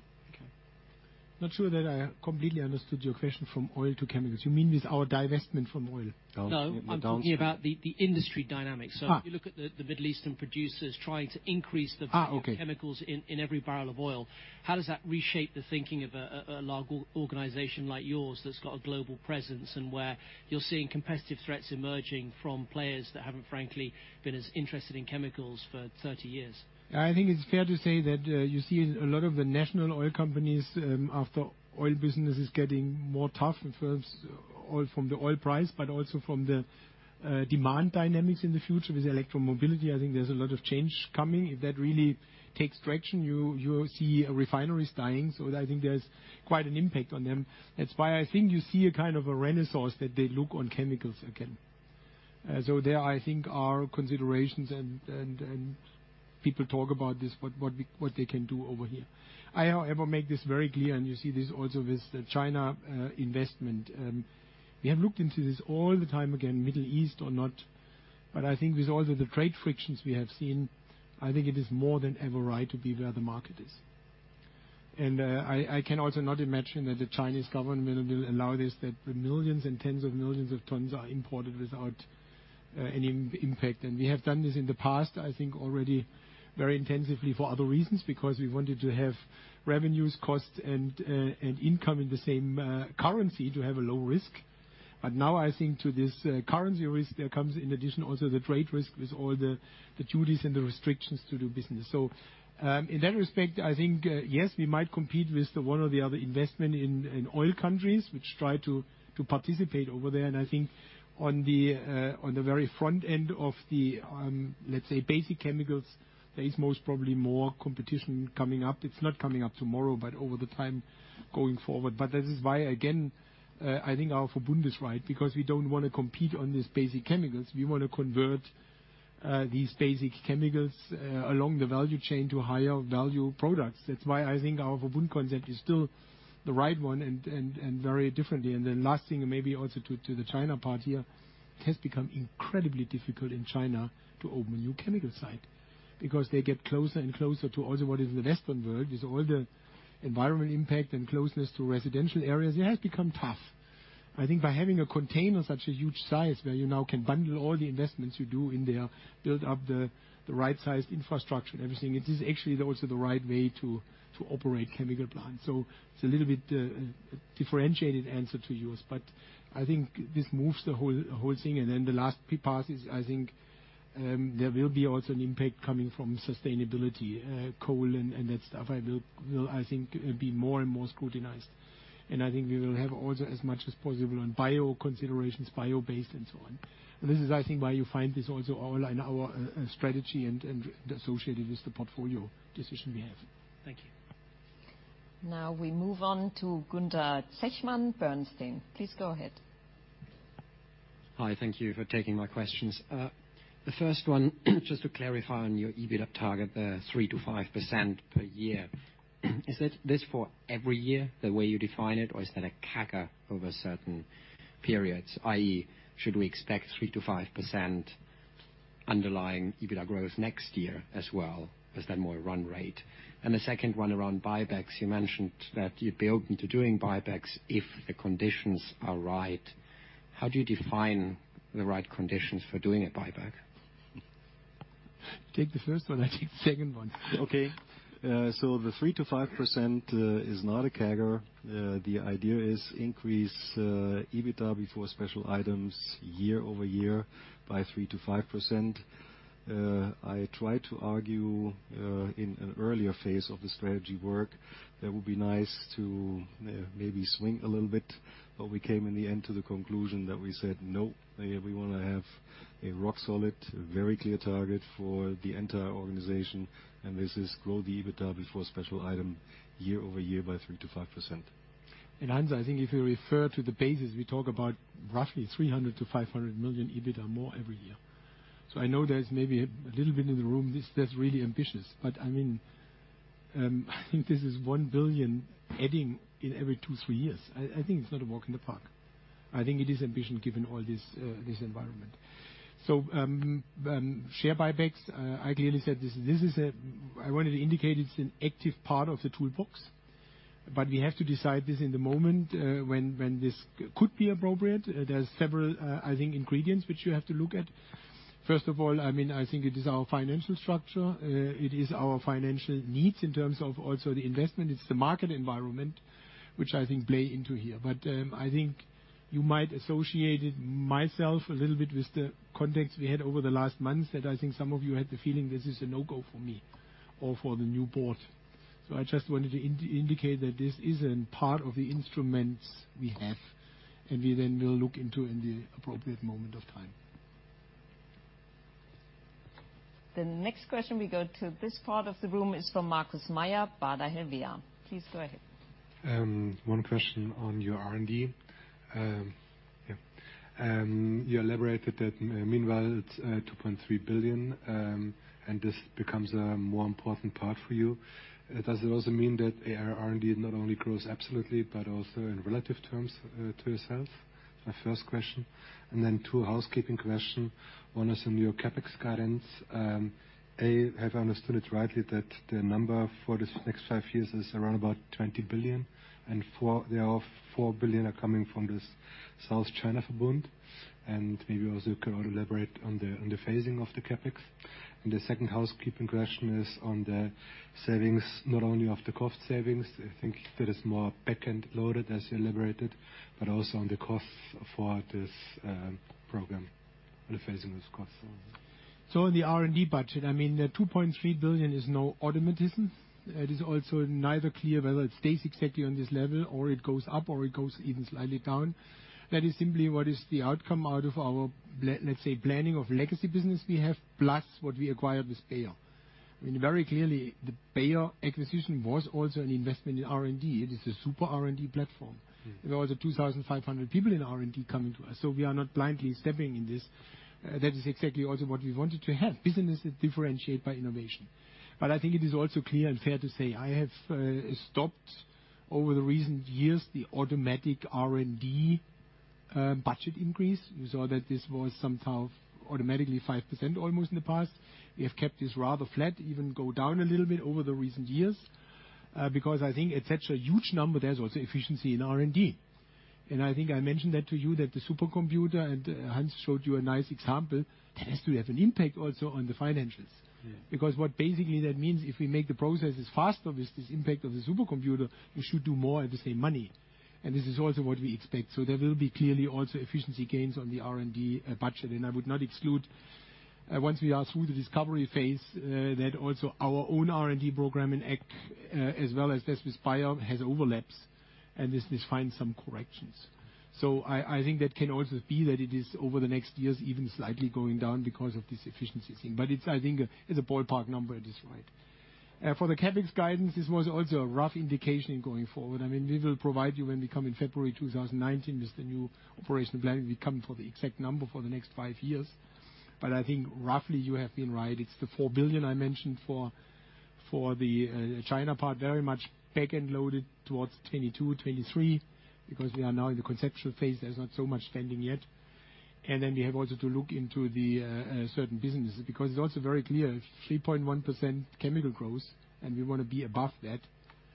[SPEAKER 2] Not sure that I completely understood your question from oil to chemicals. You mean with our divestment from oil?
[SPEAKER 7] No, I'm talking about the industry dynamics.
[SPEAKER 2] Ah.
[SPEAKER 7] If you look at the Middle Eastern producers trying to increase the
[SPEAKER 2] Okay.
[SPEAKER 7] chemicals in every barrel of oil, how does that reshape the thinking of a large organization like yours that's got a global presence and where you're seeing competitive threats emerging from players that haven't frankly been as interested in chemicals for 30 years?
[SPEAKER 2] I think it's fair to say that you see a lot of the national oil companies, after oil business is getting more tough and from the oil price, but also from the demand dynamics in the future with electro mobility. I think there's a lot of change coming. If that really takes direction, you will see refineries dying. I think there's quite an impact on them. That's why I think you see a kind of a renaissance that they look on chemicals again. There I think are considerations and people talk about this, what they can do over here. I however make this very clear, and you see this also with the China investment. We have looked into this all the time, again, Middle East or not. I think with all of the trade frictions we have seen, I think it is more than ever right to be where the market is. I can also not imagine that the Chinese government will allow this, that the millions and tens of millions of tons are imported without any impact. We have done this in the past, I think already very intensively for other reasons, because we wanted to have revenues, costs, and income in the same currency to have a low risk. Now I think to this currency risk there comes in addition also the trade risk with all the duties and the restrictions to do business. In that respect, I think yes, we might compete with the one or the other investment in oil countries which try to participate over there. I think on the very front end of the let's say basic chemicals, there is most probably more competition coming up. It's not coming up tomorrow, but over the time going forward. This is why, again, I think our Verbund is right, because we don't want to compete on these basic chemicals. We want to convert these basic chemicals along the value chain to higher value products. That's why I think our Verbund concept is still the right one and very differently. Last thing, maybe also to the China part here. It has become incredibly difficult in China to open a new chemical site because they get closer and closer to also what is the Western world, with all the environmental impact and closeness to residential areas. It has become tough. I think by having a container of such a huge size where you now can bundle all the investments you do in there, build up the right-sized infrastructure and everything, it is actually also the right way to operate chemical plants. It's a little bit differentiated answer to yours, I think this moves the whole thing. The last part is, I think, there will be also an impact coming from sustainability, coal and that stuff. It will, I think, be more and more scrutinized. I think we will have also as much as possible on bio considerations, bio-based and so on. This is I think why you find this also all in our strategy and associated with the portfolio decision we have.
[SPEAKER 7] Thank you.
[SPEAKER 1] Now we move on to Gunther Zechmann, Bernstein. Please go ahead.
[SPEAKER 8] Hi. Thank you for taking my questions. The first one, just to clarify on your EBITDA target, the 3%-5% per year. Is it this for every year, the way you define it, or is that a CAGR over certain periods? i.e., should we expect 3%-5% underlying EBITDA growth next year as well? Is that more a run rate? The second one around buybacks. You mentioned that you'd be open to doing buybacks if the conditions are right. How do you define the right conditions for doing a buyback?
[SPEAKER 2] Take the first one, I take the second one.
[SPEAKER 3] Okay. The 3%-5% is not a CAGR. The idea is to increase EBITDA before special items year-over-year by 3%-5%. I tried to argue in an earlier phase of the strategy work that it would be nice to maybe swing a little bit, but we came in the end to the conclusion that we said, "Nope." We want to have a rock-solid, very clear target for the entire organization, and this is to grow the EBITDA before special items year-over-year by 3%-5%.
[SPEAKER 2] Hans, I think if you refer to the basis, we talk about roughly 300 million-500 million EBITDA more every year. I know there's maybe a little bit in the room that's really ambitious, but I mean, I think this is 1 billion adding in every two, three years. I think it's not a walk in the park. I think it is ambitious given all this environment. Share buybacks, I clearly said this is a. I wanted to indicate it's an active part of the toolbox, but we have to decide this at the moment when this could be appropriate. There are several, I think, ingredients which you have to look at. First of all, I mean, I think it is our financial structure. It is our financial needs in terms of also the investment. It's the market environment which I think play into here. I think you might associate it myself a little bit with the context we had over the last months that I think some of you had the feeling this is a no-go for me or for the new board. I just wanted to indicate that this is a part of the instruments we have, and we then will look into in the appropriate moment of time.
[SPEAKER 1] The next question, we go to this part of the room, is from Markus Mayer, Baader Helvea. Please go ahead.
[SPEAKER 9] One question on your R&D. You elaborated that meanwhile it's 2.3 billion, and this becomes a more important part for you. Does it also mean that your R&D not only grows absolutely, but also in relative terms to yourself? My first question. Two housekeeping question. One is on your CapEx guidance. Have I understood it rightly that the number for this next five years is around about 20 billion, and there are 4 billion coming from this South China Verbund? Maybe also you could elaborate on the phasing of the CapEx. The second housekeeping question is on the savings, not only of the cost savings, I think that is more back-end loaded, as you elaborated, but also on the costs for this program, on the phasing of those costs.
[SPEAKER 2] In the R&D budget, I mean, the 2.3 billion is no automatism. It is also neither clear whether it stays exactly on this level or it goes up or it goes even slightly down. That is simply what is the outcome out of our planning of legacy business we have, plus what we acquired with Bayer. I mean, very clearly, the Bayer acquisition was also an investment in R&D. It is a super R&D platform.
[SPEAKER 9] Mm-hmm.
[SPEAKER 2] There are also 2,500 people in R&D coming to us. We are not blindly stepping in this. That is exactly also what we wanted to have. Business is differentiated by innovation. I think it is also clear and fair to say I have stopped over the recent years the automatic R&D budget increase. You saw that this was somehow automatically 5% almost in the past. We have kept this rather flat, even go down a little bit over the recent years, because I think it sets a huge number. There's also efficiency in R&D. I think I mentioned that to you that the supercomputer, and Hans showed you a nice example, that has to have an impact also on the financials.
[SPEAKER 9] Yes.
[SPEAKER 2] Because what basically that means, if we make the processes faster with this impact of the supercomputer, we should do more at the same money. This is also what we expect. There will be clearly also efficiency gains on the R&D budget. I would not exclude, once we are through the discovery phase, that also our own R&D program in ag, as well as this with Bayer has overlaps, and this finds some corrections. I think that can also be that it is over the next years even slightly going down because of this efficiency thing. It's, I think, as a ballpark number, it is right. For the CapEx guidance, this was also a rough indication going forward. I mean, we will provide you when we come in February 2019 with the new operational planning, we come for the exact number for the next 5 years. I think roughly you have been right. It's the 4 billion I mentioned for the China part, very much back-end loaded towards 2022, 2023, because we are now in the conceptual phase. There's not so much spending yet. We have also to look into the certain businesses. Because it's also very clear, 3.1% chemical growth, and we want to be above that.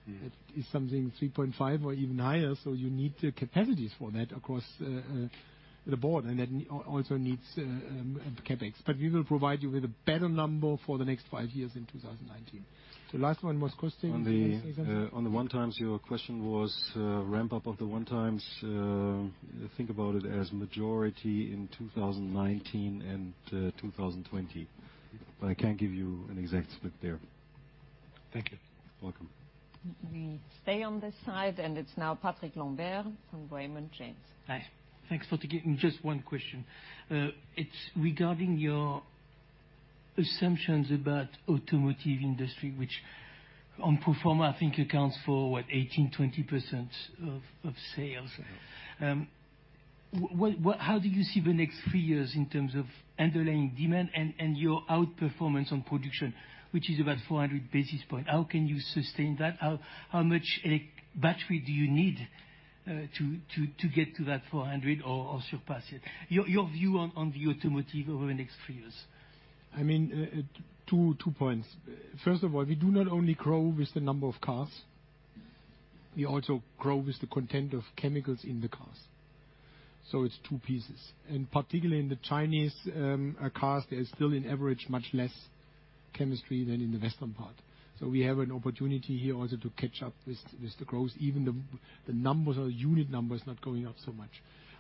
[SPEAKER 9] Mm-hmm.
[SPEAKER 2] It is something 3.5 or even higher, so you need the capacities for that across the board. That also needs CapEx. We will provide you with a better number for the next five years in 2019. The last one was Christian.
[SPEAKER 9] On the-
[SPEAKER 2] Yes, Cesar.
[SPEAKER 9] On the one-times, your question was, ramp-up of the one-times. Think about it as majority in 2019 and 2020. I can't give you an exact split there.
[SPEAKER 2] Thank you.
[SPEAKER 9] Welcome.
[SPEAKER 1] We stay on this side, and it's now Patrick Lambert from Raymond James.
[SPEAKER 2] Hi.
[SPEAKER 10] Thanks for taking just one question. It's regarding your assumptions about automotive industry, which on pro forma I think accounts for what, 18-20% of sales. How do you see the next three years in terms of underlying demand and your outperformance on production, which is about 400 basis points? How can you sustain that? How much, like, battery do you need to get to that 400 or surpass it? Your view on the automotive over the next three years.
[SPEAKER 2] I mean, 2 points. First of all, we do not only grow with the number of cars. We also grow with the content of chemicals in the cars. It's two pieces. Particularly in the Chinese cars, there is still in average much less chemistry than in the western part. We have an opportunity here also to catch up with the growth, even the numbers or unit numbers not going up so much.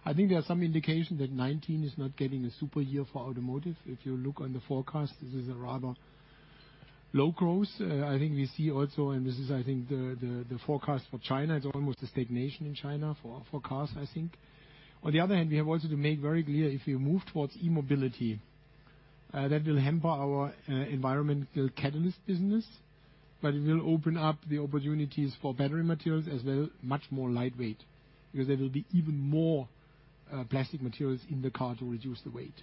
[SPEAKER 2] I think there are some indication that 2019 is not getting a super year for automotive. If you look on the forecast, this is a rather low growth. I think we see also, and this is I think the forecast for China, it's almost a stagnation in China for cars, I think. On the other hand, we have also to make very clear, if we move towards e-mobility, that will hamper our environmental catalyst business, but it will open up the opportunities for battery materials as well, much more lightweight. Because there will be even more plastic materials in the car to reduce the weight.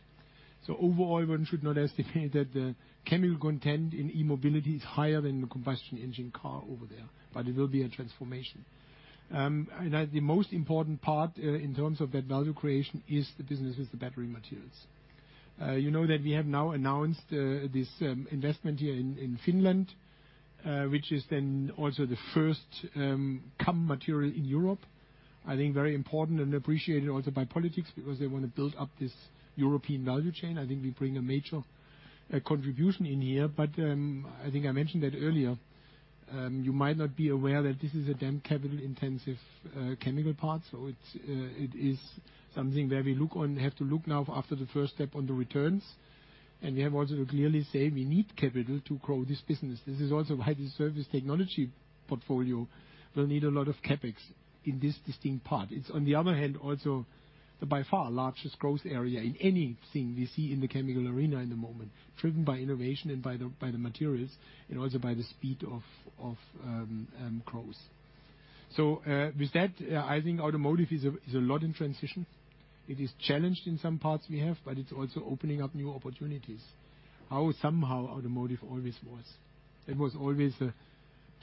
[SPEAKER 2] Overall, one should not estimate that the chemical content in e-mobility is higher than the combustion engine car over there, but it will be a transformation. The most important part in terms of that value creation is the business with the battery materials. You know that we have now announced this investment here in Finland, which is then also the first CAM material in Europe. I think very important and appreciated also by politics, because they want to build up this European value chain. I think we bring a major contribution in here. I think I mentioned that earlier, you might not be aware that this is a damn capital-intensive chemical part. It is something where we have to look now after the first step on the returns. We have also to clearly say we need capital to grow this business. This is also why the surface technology portfolio will need a lot of CapEx in this distinct part. It is on the other hand also the by far largest growth area in anything we see in the chemical arena in the moment, driven by innovation and by the materials and also by the speed of growth. With that, I think automotive is a lot in transition. It is challenged in some parts we have, but it's also opening up new opportunities. However, somehow, automotive always was. It was always a,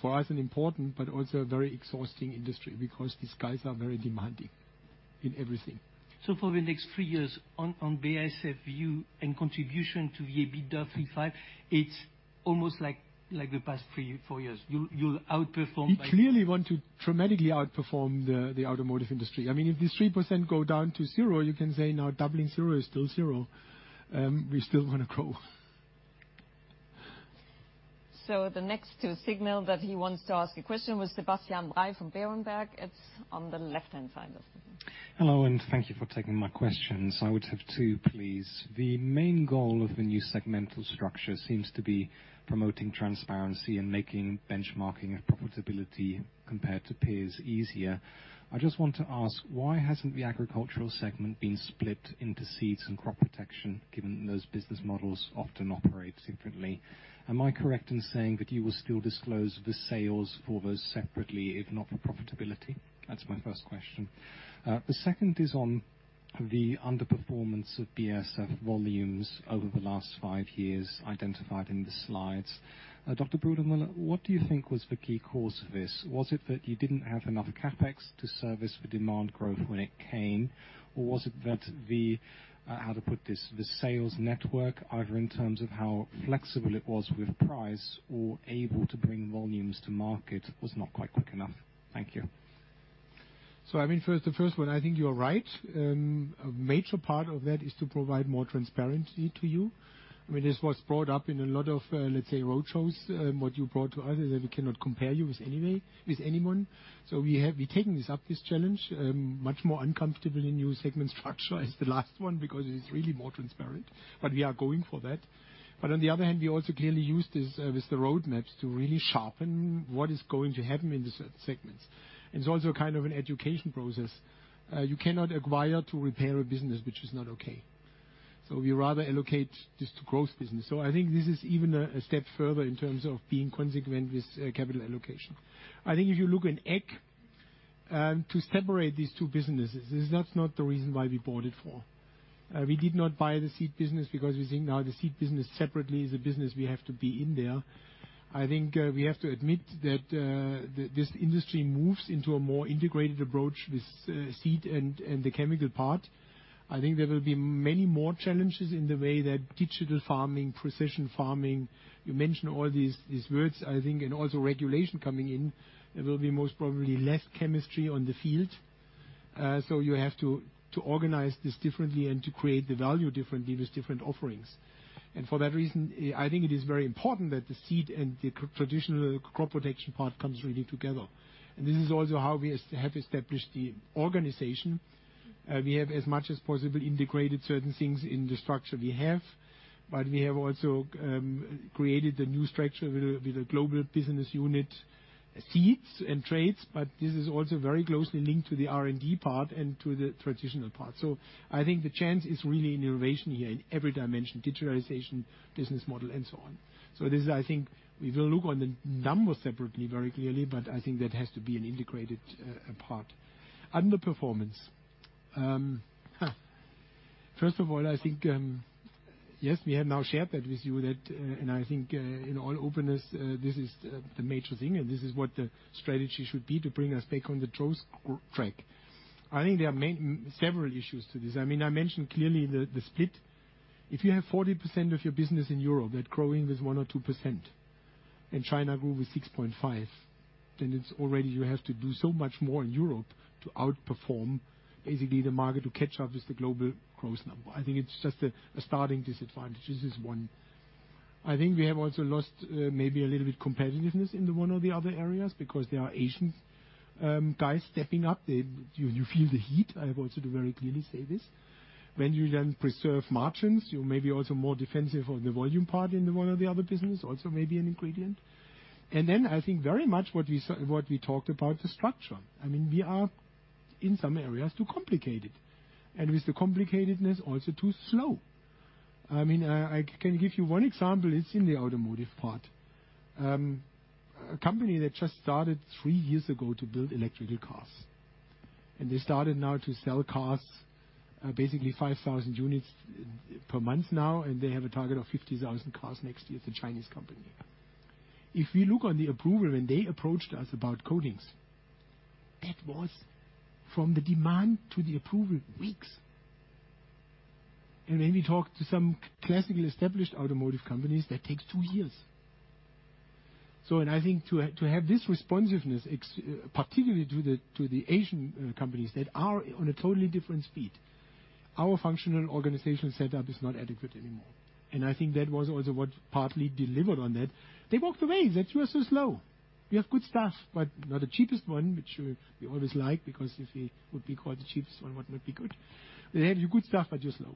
[SPEAKER 2] for us, an important but also a very exhausting industry, because these guys are very demanding in everything.
[SPEAKER 10] For the next 3 years on BASF view and contribution to the EBITDA 3-5, it's almost like the past 3-4 years. You'll outperform.
[SPEAKER 2] We clearly want to dramatically outperform the automotive industry. I mean, if this 3% go down to zero, you can say now doubling zero is still zero. We still wanna grow.
[SPEAKER 1] So the next to signal that he want us, is Sebastian Bray from Berenberg Bank is on a listen mode.
[SPEAKER 11] Hello, and thank you for taking my questions. I would have two, please. The main goal of the new segmental structure seems to be promoting transparency and making benchmarking and profitability compared to peers easier. I just want to ask, why hasn't the agricultural segment been split into seeds and crop protection, given those business models often operate differently? Am I correct in saying that you will still disclose the sales for those separately, if not for profitability? That's my first question. The second is on the underperformance of BASF volumes over the last five years identified in the slides. Dr. Brudermüller, what do you think was the key cause of this? Was it that you didn't have enough CapEx to service the demand growth when it came? Was it that the, how to put this, the sales network, either in terms of how flexible it was with price or able to bring volumes to market, was not quite quick enough? Thank you.
[SPEAKER 2] I mean, the first one, I think you are right. A major part of that is to provide more transparency to you. I mean, this was brought up in a lot of, let's say, roadshows, what you brought to us, that we cannot compare you with anyone. We've taken this up, this challenge, much more uncomfortable in new segment structure as the last one, because it is really more transparent. We are going for that. On the other hand, we also clearly use this with the roadmaps to really sharpen what is going to happen in the certain segments. It's also kind of an education process. You cannot acquire to repair a business which is not okay. We rather allocate this to growth business. I think this is even a step further in terms of being consequent with capital allocation. I think if you look in Ag to separate these two businesses, this is not the reason why we bought it for. We did not buy the seed business because we think now the seed business separately is a business we have to be in there. I think we have to admit that this industry moves into a more integrated approach with seed and the chemical part. I think there will be many more challenges in the way that digital farming, precision farming, you mention all these words, I think, and also regulation coming in. There will be most probably less chemistry on the field. You have to organize this differently and to create the value differently with different offerings. For that reason, I think it is very important that the seed and the traditional crop protection part comes really together. This is also how we have established the organization. We have as much as possible integrated certain things in the structure we have, but we have also created a new structure with a global business unit, seeds and traits, but this is also very closely linked to the R&D part and to the traditional part. I think the chance is really in innovation here in every dimension, digitalization, business model, and so on. This is, I think, we will look on the numbers separately very clearly, but I think that has to be an integrated part. Underperformance. First of all, I think, yes, we have now shared that with you that, and I think, in all openness, this is the major thing, and this is what the strategy should be to bring us back on the growth track. I think there are several issues to this. I mean, I mentioned clearly the split. If you have 40% of your business in Europe that growing with 1%-2% and China grew with 6.5%, then it's already you have to do so much more in Europe to outperform basically the market to catch up with the global growth number. I think it's just a starting disadvantage. This is one. I think we have also lost, maybe a little bit competitiveness in the one or the other areas because there are Asian guys stepping up. You feel the heat. I have also to very clearly say this. When you then preserve margins, you're maybe also more defensive on the volume part in the one or the other business, also maybe an ingredient. I think very much what we talked about, the structure. I mean, we are in some areas too complicated, and with the complicatedness also too slow. I mean, I can give you one example. It's in the automotive part. A company that just started three years ago to build electric cars, and they started now to sell cars, basically 5,000 units per month now, and they have a target of 50,000 cars next year. It's a Chinese company. If we look on the approval, when they approached us about coatings, that was from the demand to the approval, weeks. When we talk to some classical established automotive companies, that takes two years. I think to have this responsiveness particularly to the Asian companies that are on a totally different speed, our functional organizational setup is not adequate anymore. I think that was also what partly delivered on that. They walked away that you are so slow. You have good stuff, but not the cheapest one, which we always like, because if we would be called the cheapest one, what would be good? They say you have good stuff, but you're slow.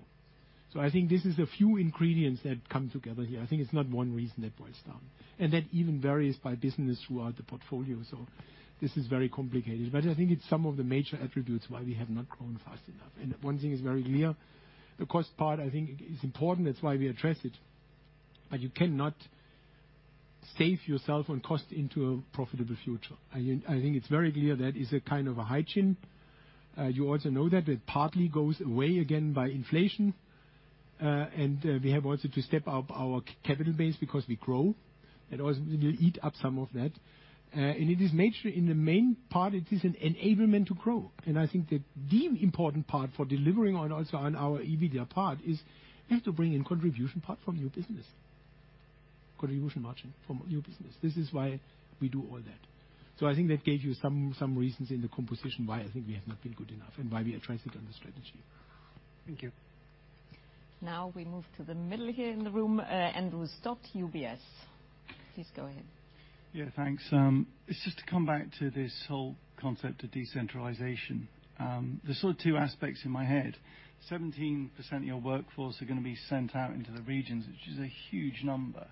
[SPEAKER 2] I think this is a few ingredients that come together here. I think it's not one reason that boils down. That even varies by business throughout the portfolio, this is very complicated. I think it's some of the major attributes why we have not grown fast enough. One thing is very clear, the cost part I think is important, that's why we address it. You cannot save yourself on cost into a profitable future. I think it's very clear that is a kind of a hygiene. You also know that it partly goes away again by inflation. We have also to step up our capital base because we grow. It also will eat up some of that. It is nature in the main part, it is an enablement to grow. I think that the important part for delivering on also on our EBITDA part is we have to bring in contribution part from new business. Contribution margin from new business. This is why we do all that. I think that gave you some reasons in the composition why I think we have not been good enough and why we are transitioning on the strategy.
[SPEAKER 11] Thank you.
[SPEAKER 1] Now we move to the middle here in the room, Andrew Stott, UBS. Please go ahead.
[SPEAKER 12] Yeah, thanks. It's just to come back to this whole concept of decentralization. There's sort of two aspects in my head. 17% of your workforce are gonna be sent out into the regions, which is a huge number.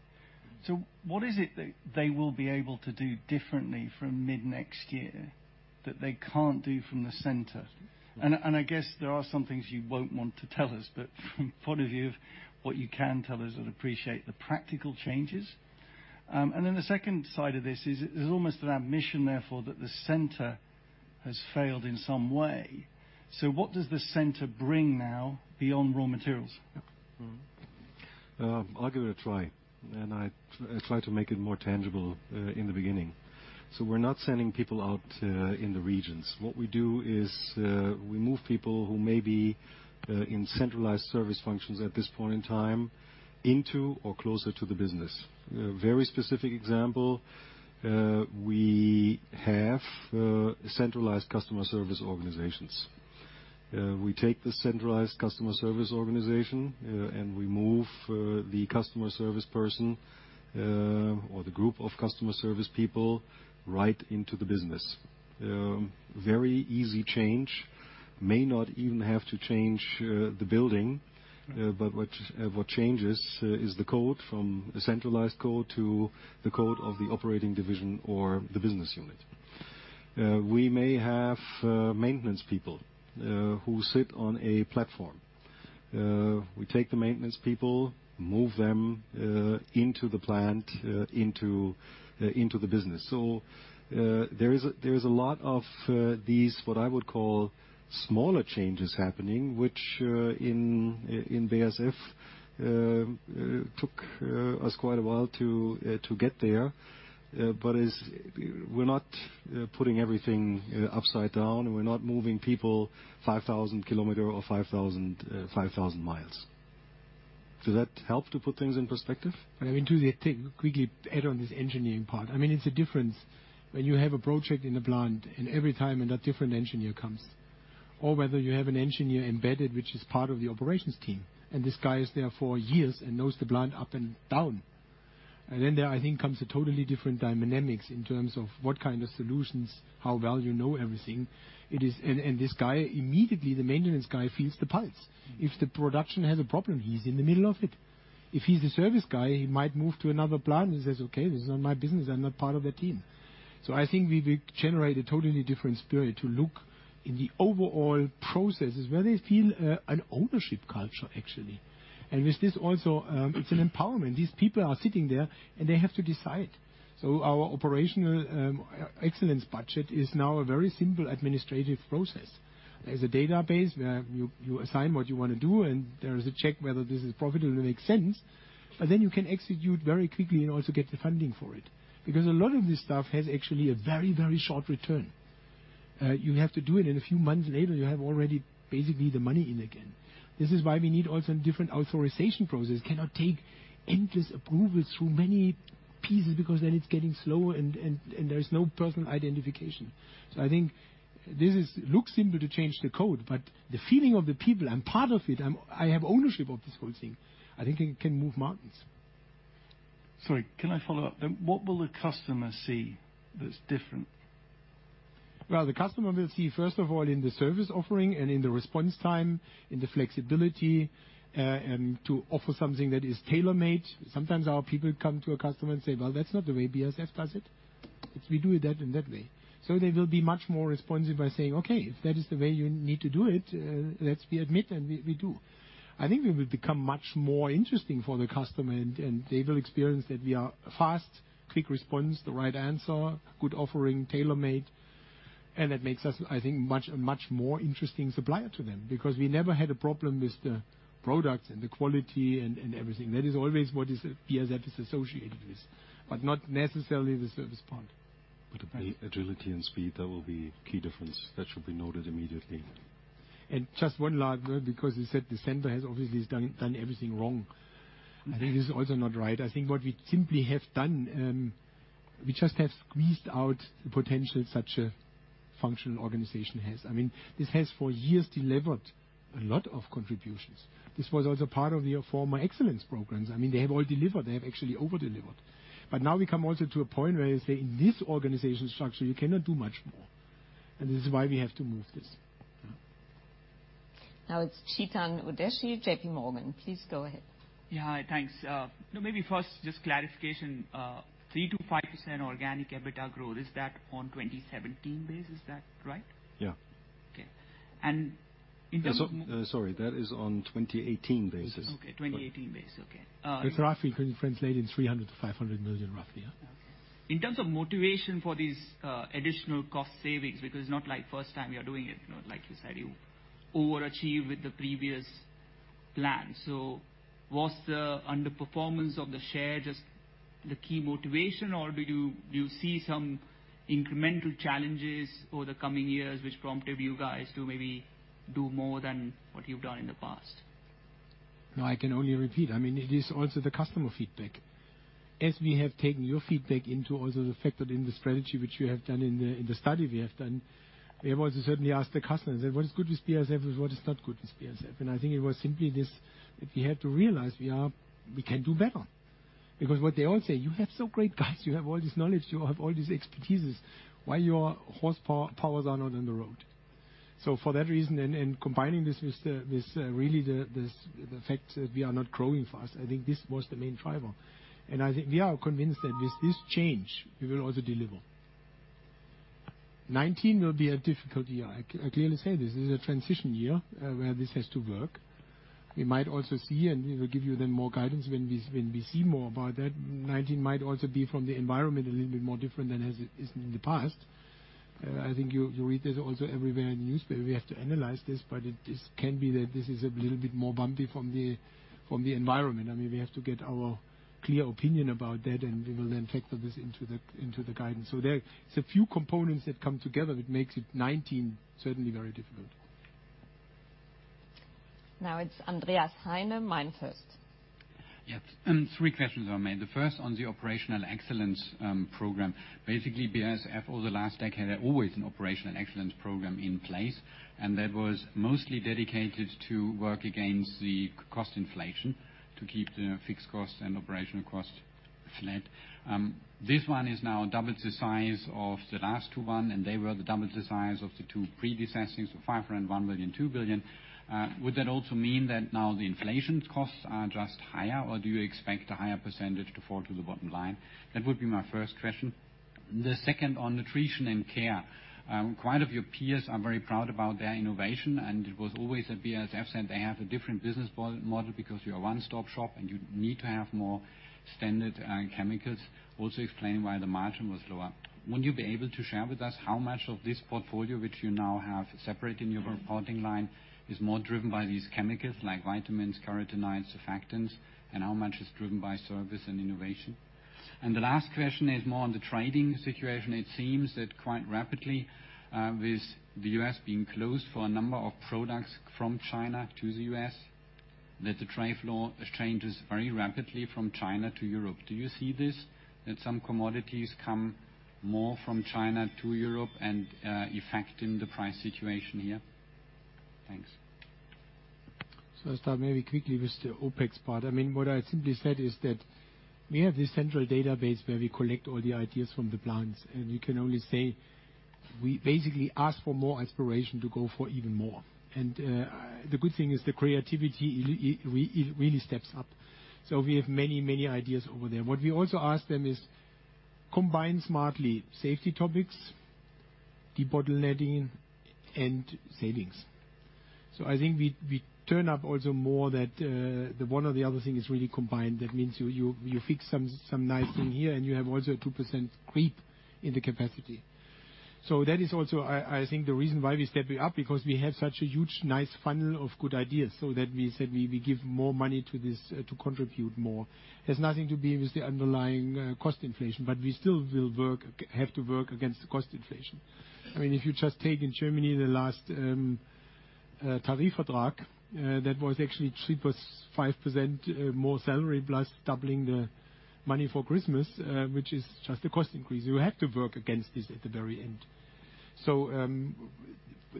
[SPEAKER 12] What is it that they will be able to do differently from mid-next year that they can't do from the center? I guess there are some things you won't want to tell us, but from the point of view of what you can tell us, I'd appreciate the practical changes. The second side of this is almost an admission, therefore, that the center has failed in some way. What does the center bring now beyond raw materials?
[SPEAKER 2] Mm-hmm.
[SPEAKER 3] I'll give it a try, and I try to make it more tangible in the beginning. We're not sending people out in the regions. What we do is we move people who may be in centralized service functions at this point in time into or closer to the business. A very specific example, we have centralized customer service organizations. We take the centralized customer service organization, and we move the customer service person or the group of customer service people right into the business. Very easy change. May not even have to change the building. What changes is the code from a centralized code to the code of the operating division or the business unit. We may have maintenance people who sit on a platform. We take the maintenance people, move them into the plant, into the business. There is a lot of these, what I would call smaller changes happening, which in BASF took us quite a while to get there. We're not putting everything upside down, and we're not moving people 5,000 kilometers or 5,000 miles. Does that help to put things in perspective?
[SPEAKER 2] I mean, to the tech, quickly add on this engineering part. I mean, it's a difference when you have a project in a plant, and every time, and a different engineer comes. Or whether you have an engineer embedded, which is part of the operations team, and this guy is there for years and knows the plant up and down. Then there, I think, comes a totally different dynamics in terms of what kind of solutions, how well you know everything. It is this guy, immediately, the maintenance guy feels the pulse. If the production has a problem, he's in the middle of it. If he's a service guy, he might move to another plant and says, "Okay, this is not my business. I'm not part of that team." I think we will generate a totally different spirit to look in the overall processes where they feel an ownership culture, actually. With this also, it's an empowerment. These people are sitting there, and they have to decide. Our operational excellence budget is now a very simple administrative process. There's a database where you assign what you wanna do, and there is a check whether this is profitable and makes sense. But then you can execute very quickly and also get the funding for it. Because a lot of this stuff has actually a very, very short return. You have to do it, and a few months later, you have already basically the money in again. This is why we need also a different authorization process. Cannot take endless approvals through many pieces because then it's getting slower and there is no personal identification. I think this looks simple to change the code, but the feeling of the people, I'm part of it, I have ownership of this whole thing, I think it can move mountains.
[SPEAKER 12] Sorry, can I follow up? What will the customer see that's different?
[SPEAKER 2] The customer will see, first of all, in the service offering and in the response time, in the flexibility, and to offer something that is tailor-made. Sometimes our people come to a customer and say, "Well, that's not the way BASF does it. It's we do it that and that way." They will be much more responsive by saying, "Okay, if that is the way you need to do it, that's we admit, and we do." I think we will become much more interesting for the customer, and they will experience that we are fast, quick response, the right answer, good offering, tailor-made. That makes us, I think, a much more interesting supplier to them. Because we never had a problem with the products and the quality and everything. That is always what BASF is associated with, but not necessarily the service part.
[SPEAKER 3] Agility and speed, that will be key differences. That should be noted immediately.
[SPEAKER 2] Just one last note, because you said the center has obviously done everything wrong. I think this is also not right. I think what we simply have done, we just have squeezed out the potential such a functional organization has. I mean, this has for years delivered a lot of contributions. This was also part of your former excellence programs. I mean, they have all delivered. They have actually over-delivered. Now we come also to a point where you say, in this organization structure, you cannot do much more. This is why we have to move this.
[SPEAKER 1] Now it's Chetan Udeshi, J.P. Morgan. Please go ahead.
[SPEAKER 13] Yeah. Hi. Thanks. Maybe first just clarification, 3%-5% organic EBITDA growth, is that on 2017 base? Is that right?
[SPEAKER 3] Yeah.
[SPEAKER 13] Okay.
[SPEAKER 2] Sorry, that is on 2018 basis.
[SPEAKER 13] Okay, 2018 BASF, okay.
[SPEAKER 2] It's roughly can translate into 300 million-500 million roughly, yeah.
[SPEAKER 13] In terms of motivation for these additional cost savings, because it's not like first time you're doing it, you know, like you said, you overachieved with the previous plan. Was the underperformance of the share just the key motivation or do you see some incremental challenges over the coming years which prompted you guys to maybe do more than what you've done in the past?
[SPEAKER 2] No, I can only repeat. I mean, it is also the customer feedback. As we have taken your feedback into also the factor in the strategy which you have done in the study we have done, we have also certainly asked the customers, what is good with BASF and what is not good with BASF? I think it was simply this, we had to realize we can do better. Because what they all say, you have so great guys, you have all this knowledge, you have all these expertises. Why your horsepower powers are not on the road? For that reason, and combining this with really the fact that we are not growing fast, I think this was the main driver. I think we are convinced that with this change, we will also deliver. 2019 will be a difficult year. I clearly say this. This is a transition year where this has to work. We might also see, and we will give you then more guidance when we see more about that. 2019 might also be from the environment a little bit more different than is in the past. I think you read this also everywhere in the newspaper. We have to analyze this, but it can be that this is a little bit more bumpy from the environment. I mean, we have to get our clear opinion about that, and we will then factor this into the guidance. There's a few components that come together that makes it 2019 certainly very difficult.
[SPEAKER 1] Now it's Andreas Heine, MainFirst.
[SPEAKER 14] Yes. Three questions on main. The first on the operational excellence program. Basically, BASF over the last decade had always an operational excellence program in place, and that was mostly dedicated to work against the cost inflation to keep the fixed costs and operational costs flat. This one is now double the size of the last two one, and they were double the size of the two predecessors, so 500 million, 1 billion, 2 billion. Would that also mean that now the inflation costs are just higher, or do you expect a higher percentage to fall to the bottom line? That would be my first question. The second on Nutrition & Care. Quite a few peers are very proud about their innovation, and it was always said at BASF they have a different business model because you're a one-stop shop and you need to have more standard chemicals. Also, explain why the margin was lower. Will you be able to share with us how much of this portfolio, which you now have separate in your reporting line, is more driven by these chemicals like vitamins, carotenoids, surfactants, and how much is driven by service and innovation? The last question is more on the trading situation. It seems that quite rapidly, with the U.S. being closed for a number of products from China to the U.S., that the trade flow changes very rapidly from China to Europe. Do you see this, that some commodities come more from China to Europe and affecting the price situation here? Thanks.
[SPEAKER 2] I'll start maybe quickly with the OpEx part. I mean, what I simply said is that we have this central database where we collect all the ideas from the plants, and we can only say we basically ask for more inspiration to go for even more. The good thing is the creativity it really steps up. We have many, many ideas over there. What we also ask them is to combine smartly safety topics, debottlenecking, and savings. I think we turn up also more that the one or the other thing is really combined. That means you fix some nice thing here, and you have also a 2% creep in the capacity. That is also, I think, the reason why we step it up, because we have such a huge, nice funnel of good ideas so that we said we give more money to this to contribute more. It has nothing to do with the underlying cost inflation, but we still have to work against the cost inflation. I mean, if you just take in Germany the last Tarifvertrag, that was actually 3 + 5% more salary plus doubling the money for Christmas, which is just a cost increase. You have to work against this at the very end.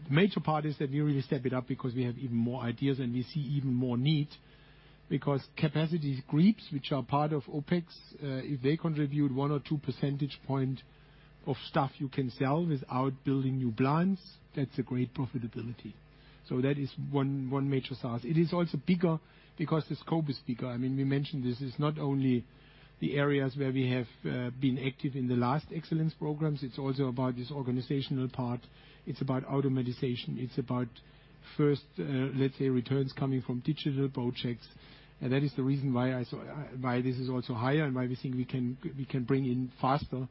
[SPEAKER 2] Major part is that we really step it up because we have even more ideas and we see even more need because capacity creeps, which are part of OpEx, if they contribute one or two percentage points of stuff you can sell without building new plants, that's a great profitability. That is one major source. It is also bigger because the scope is bigger. I mean, we mentioned this is not only the areas where we have been active in the last excellence programs, it's also about this organizational part. It's about automation. It's about first, let's say, returns coming from digital projects. That is the reason why this is also higher and why we think we can bring in faster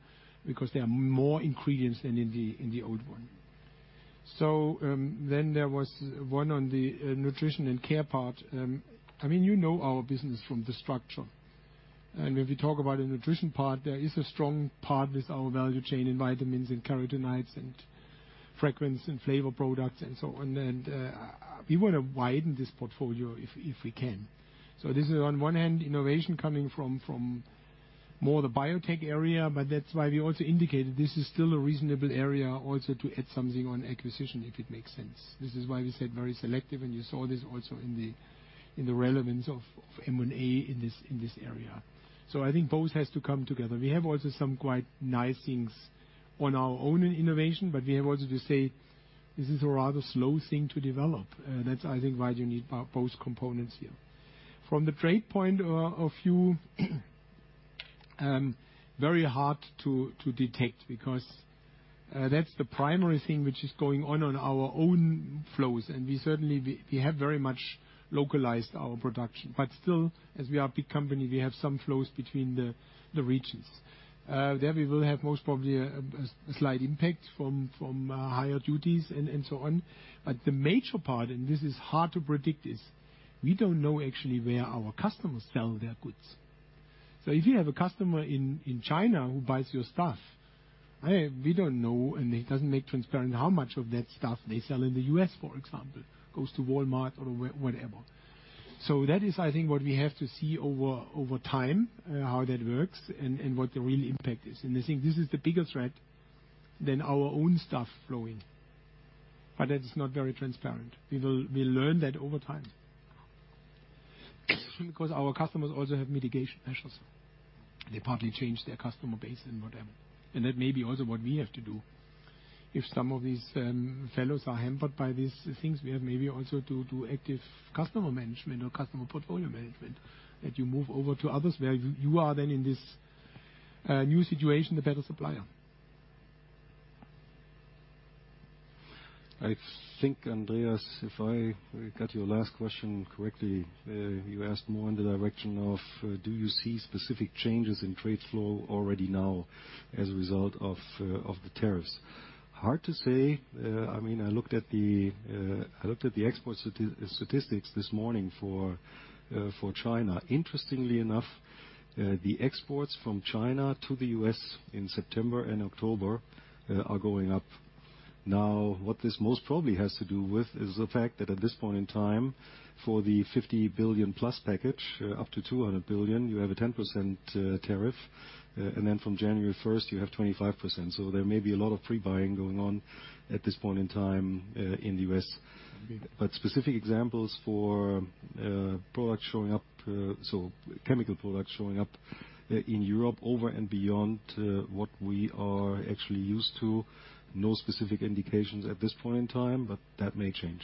[SPEAKER 2] because there are more ingredients than in the old one. Then there was one on the Nutrition and Care part. I mean, you know our business from the structure. If you talk about the nutrition part, there is a strong part with our value chain in vitamins and carotenoids and fragrance and flavor products and so on. We want to widen this portfolio if we can. This is on one hand, innovation coming from more the biotech area, but that's why we also indicated this is still a reasonable area also to add something on acquisition if it makes sense. This is why we said very selective, and you saw this also in the relevance of M&A in this area. I think both has to come together. We have also some quite nice things on our own innovation, but we have also to say this is a rather slow thing to develop. That's, I think, why you need both components here. From the trade point of view, very hard to detect because that's the primary thing which is going on our own flows, and we certainly have very much localized our production. Still, as we are a big company, we have some flows between the regions. There we will have most probably a slight impact from higher duties and so on. The major part, and this is hard to predict, is we don't know actually where our customers sell their goods. If you have a customer in China who buys your stuff, we don't know, and it doesn't make transparent how much of that stuff they sell in the U.S., for example, goes to Walmart or whatever. That is, I think, what we have to see over time, how that works and what the real impact is. I think this is the bigger threat than our own stuff flowing. That is not very transparent. We learn that over time. Because our customers also have mitigation measures. They partly change their customer base and whatever. That may be also what we have to do. If some of these fellows are hampered by these things, we have maybe also to do active customer management or customer portfolio management, that you move over to others where you are then in this new situation, the better supplier.
[SPEAKER 3] I think, Andreas, if I got your last question correctly, you asked more in the direction of, do you see specific changes in trade flow already now as a result of the tariffs? Hard to say. I mean, I looked at the export statistics this morning for China. Interestingly enough, the exports from China to the U.S. in September and October are going up. Now, what this most probably has to do with is the fact that at this point in time, for the $50 billion-plus package, up to $200 billion, you have a 10% tariff. And then from January first, you have 25%. There may be a lot of pre-buying going on at this point in time, in the U.S. Specific examples for products showing up, so chemical products showing up in Europe over and beyond what we are actually used to, no specific indications at this point in time, but that may change.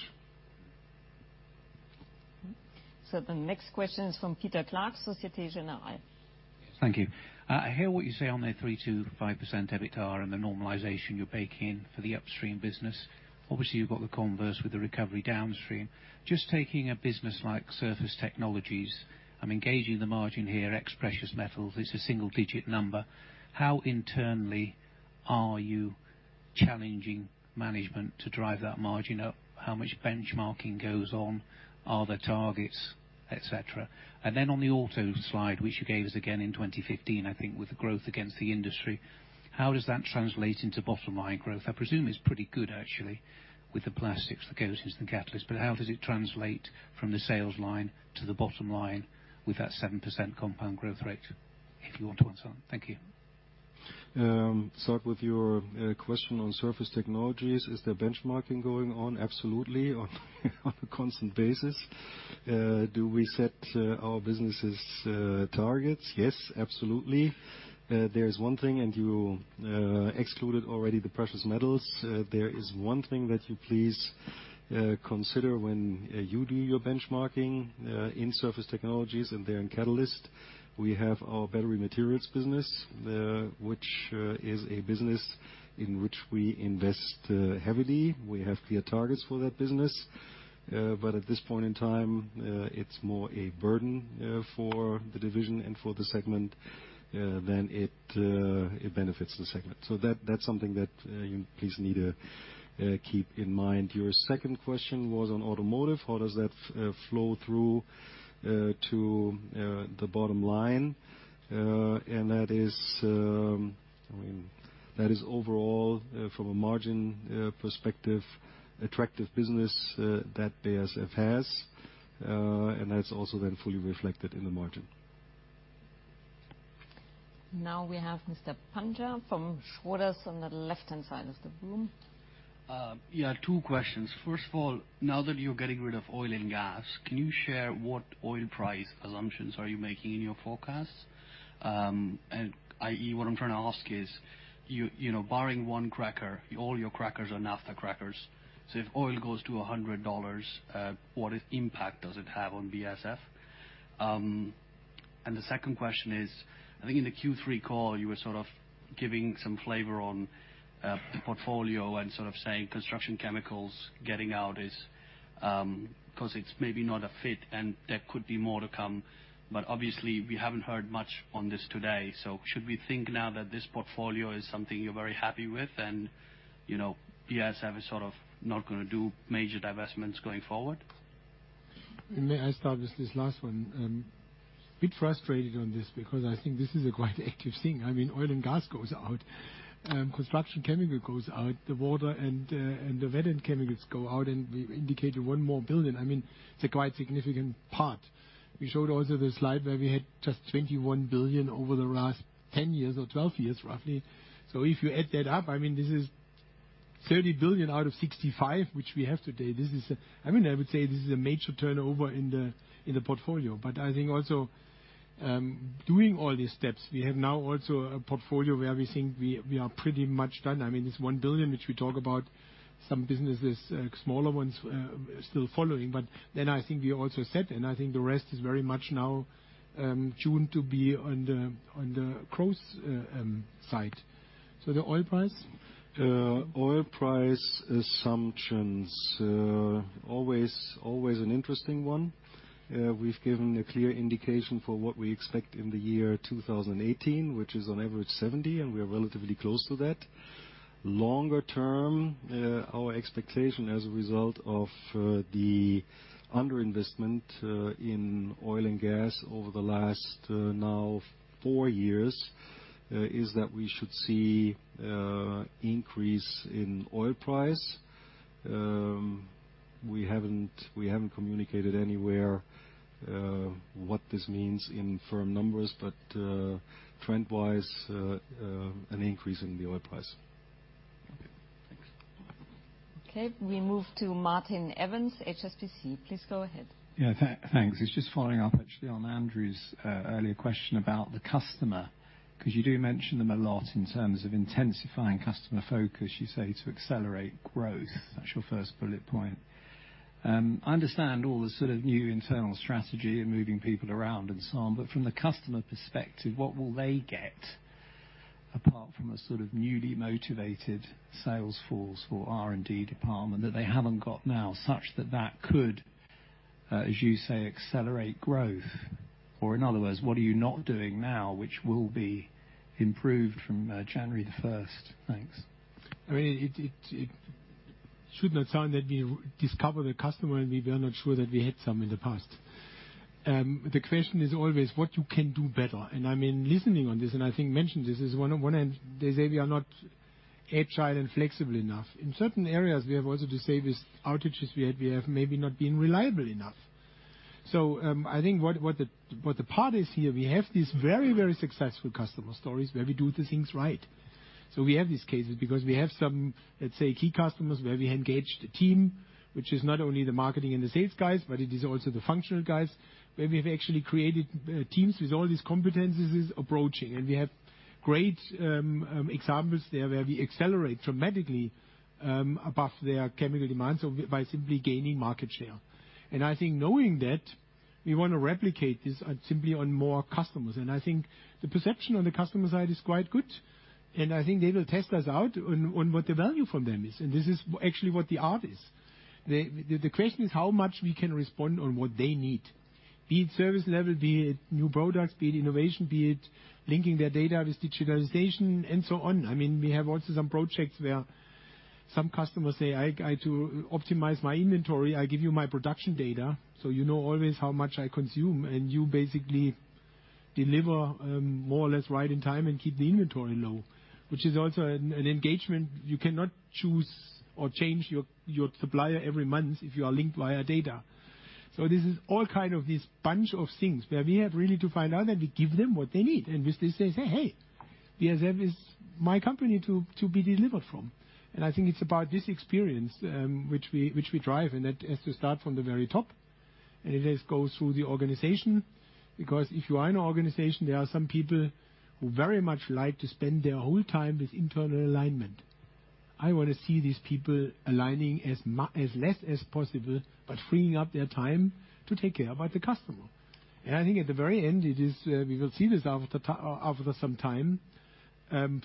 [SPEAKER 1] The next question is from Peter Clark, Société Générale.
[SPEAKER 15] Thank you. I hear what you say on the 3%-5% EBITDA and the normalization you're baking for the upstream business. Obviously, you've got the converse with the recovery downstream. Just taking a business like Surface Technologies, I'm engaging the margin here, ex precious metals, it's a single-digit number. How internally are you challenging management to drive that margin up? How much benchmarking goes on? Are there targets, et cetera? On the auto slide, which you gave us again in 2015, I think, with the growth against the industry, how does that translate into bottom line growth? I presume it's pretty good actually, with the plastics that goes into the catalyst. How does it translate from the sales line to the bottom line with that 7% compound growth rate, if you want to answer that? Thank you.
[SPEAKER 3] Start with your question on Surface Technologies. Is there benchmarking going on? Absolutely. On a constant basis. Do we set our businesses targets? Yes, absolutely. There is one thing, and you excluded already the precious metals. There is one thing that you please consider when you do your benchmarking in Surface Technologies and there in catalyst. We have our battery materials business, which is a business in which we invest heavily. We have clear targets for that business. But at this point in time, it's more a burden for the division and for the segment than it benefits the segment. That's something that you please need to keep in mind. Your second question was on automotive. How does that flow through to the bottom line? That is, I mean, overall from a margin perspective, attractive business that BASF has. That's also then fully reflected in the margin.
[SPEAKER 1] Now we have Mr. Panja from Schroders on the left-hand side of the room.
[SPEAKER 16] 2 questions. First of all, now that you're getting rid of oil and gas, can you share what oil price assumptions are you making in your forecast? And i.e. what I'm trying to ask is, you know, barring one cracker, all your crackers are Naphtha crackers. So if oil goes to $100, what impact does it have on BASF? And the second question is, I think in the Q3 call, you were sort of giving some flavor on the portfolio and sort of saying construction chemicals getting out is 'cause it's maybe not a fit and there could be more to come. But obviously, we haven't heard much on this today. So should we think now that this portfolio is something you're very happy with and, you know, BASF is sort of not gonna do major divestments going forward?
[SPEAKER 3] May I start with this last one? I'm a bit frustrated on this because I think this is a quite active thing. I mean, oil and gas goes out, construction chemical goes out, the water and the water chemicals go out, and we indicated 1 billion. I mean, it's a quite significant part. We showed also the slide where we had just 21 billion over the last 10 years or 12 years, roughly. If you add that up, I mean, this is.
[SPEAKER 2] 30 billion out of 65 billion, which we have today. I mean, I would say this is a major turnover in the portfolio. I think also, doing all these steps, we have now also a portfolio where we think we are pretty much done. I mean, this 1 billion which we talk about some businesses, smaller ones, still following. I think we are also set, and I think the rest is very much now tuned to be on the growth side. The oil price? Oil price assumptions always an interesting one. We've given a clear indication for what we expect in the year 2018, which is on average $70, and we are relatively close to that. Longer term, our expectation as a result of the under-investment in oil and gas over the last now 4 years is that we should see increase in oil price. We haven't communicated anywhere what this means in firm numbers, but trend-wise an increase in the oil price.
[SPEAKER 16] Okay. Thanks.
[SPEAKER 1] Okay, we move to Martin Evans, HSBC. Please go ahead.
[SPEAKER 17] Thanks. It's just following up actually on Andrew's earlier question about the customer, 'cause you do mention them a lot in terms of intensifying customer focus, you say, to accelerate growth. That's your first bullet point. I understand all the sort of new internal strategy and moving people around and so on, but from the customer perspective, what will they get apart from a sort of newly motivated sales force or R&D department that they haven't got now, such that could, as you say, accelerate growth? Or in other words, what are you not doing now which will be improved from January the first? Thanks.
[SPEAKER 2] I mean, it should not sound that we discovered a customer and we were not sure that we had some in the past. The question is always what you can do better. I mean, listening to this, and I think mentioned this, is one, on one hand, they say we are not agile and flexible enough. In certain areas, we have also to say with outages we had, we have maybe not been reliable enough. I think what the point is here, we have these very, very successful customer stories where we do things right. We have these cases because we have some, let's say, key customers where we engage the team, which is not only the marketing and the sales guys, but it is also the functional guys, where we have actually created teams with all these competencies approaching. We have great examples there where we accelerate dramatically above their chemical demands so by simply gaining market share. I think knowing that we want to replicate this simply on more customers. I think the perception on the customer side is quite good, and I think they will test us out on what the value from them is. This is actually what the art is. The question is how much we can respond on what they need, be it service level, be it new products, be it innovation, be it linking their data with digitalization, and so on. I mean, we have also some projects where some customers say, "I to optimize my inventory, I give you my production data, so you know always how much I consume, and you basically deliver more or less right in time and keep the inventory low," which is also an engagement. You cannot choose or change your supplier every month if you are linked via data. This is all kind of this bunch of things where we really have to find out and we give them what they need, and which they say, "Hey, BASF is my company to be delivered from." I think it's about this experience, which we drive, and that has to start from the very top. It has to go through the organization, because if you are in an organization, there are some people who very much like to spend their whole time with internal alignment. I want to see these people aligning as less as possible, but freeing up their time to take care about the customer. I think at the very end it is we will see this after some time,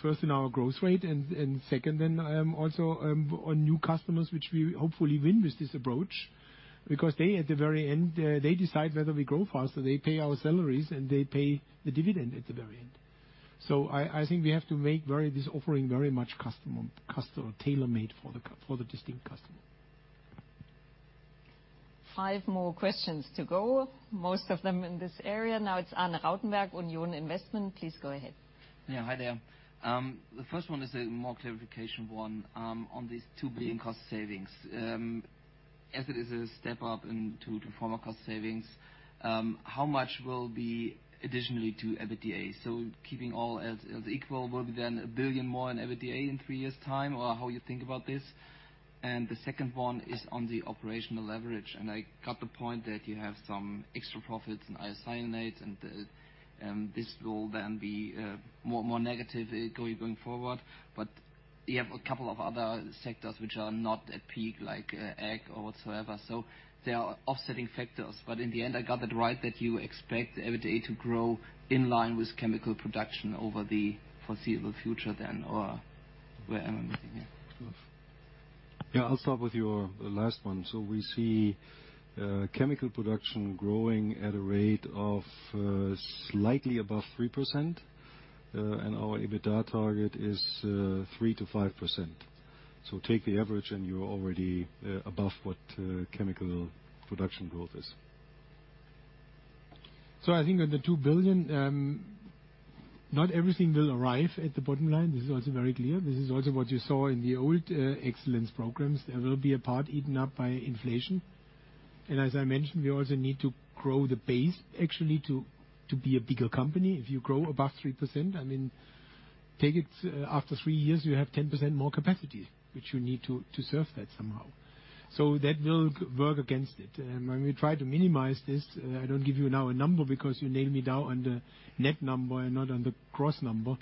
[SPEAKER 2] first in our growth rate and second then also on new customers which we hopefully win with this approach. Because they at the very end decide whether we grow faster. They pay our salaries, and they pay the dividend at the very end. I think we have to make this offering very much customer tailor-made for the distinct customer.
[SPEAKER 1] Five more questions to go, most of them in this area. Now it's Arne Rautenberg, Union Investment. Please go ahead.
[SPEAKER 18] Yeah, hi there. The first one is a mere clarification one on these 2 billion cost savings. As it is a step up into the former cost savings, how much will be additionally to EBITDA? Keeping all else equal, will it be then 1 billion more in EBITDA in three years' time, or how you think about this? The second one is on the operational leverage. I got the point that you have some extra profits in isocyanates and this will then be more negative going forward. But you have a couple of other sectors which are not at peak, like ag or whatsoever. There are offsetting factors. In the end, I got it right that you expect the EBITDA to grow in line with chemical production over the foreseeable future then, or where am I missing here?
[SPEAKER 3] Yeah, I'll start with your last one. We see chemical production growing at a rate of slightly above 3%, and our EBITDA target is 3%-5%. Take the average, and you're already above what chemical production growth is.
[SPEAKER 2] I think on the 2 billion, not everything will arrive at the bottom line. This is also very clear. This is also what you saw in the old excellence programs. There will be a part eaten up by inflation. As I mentioned, we also need to grow the base actually to be a bigger company. If you grow above 3%, I mean, take it after three years, you have 10% more capacity, which you need to serve that somehow. That will work against it. We try to minimize this. I don't give you now a number because you nail me down on the net number and not on the gross number.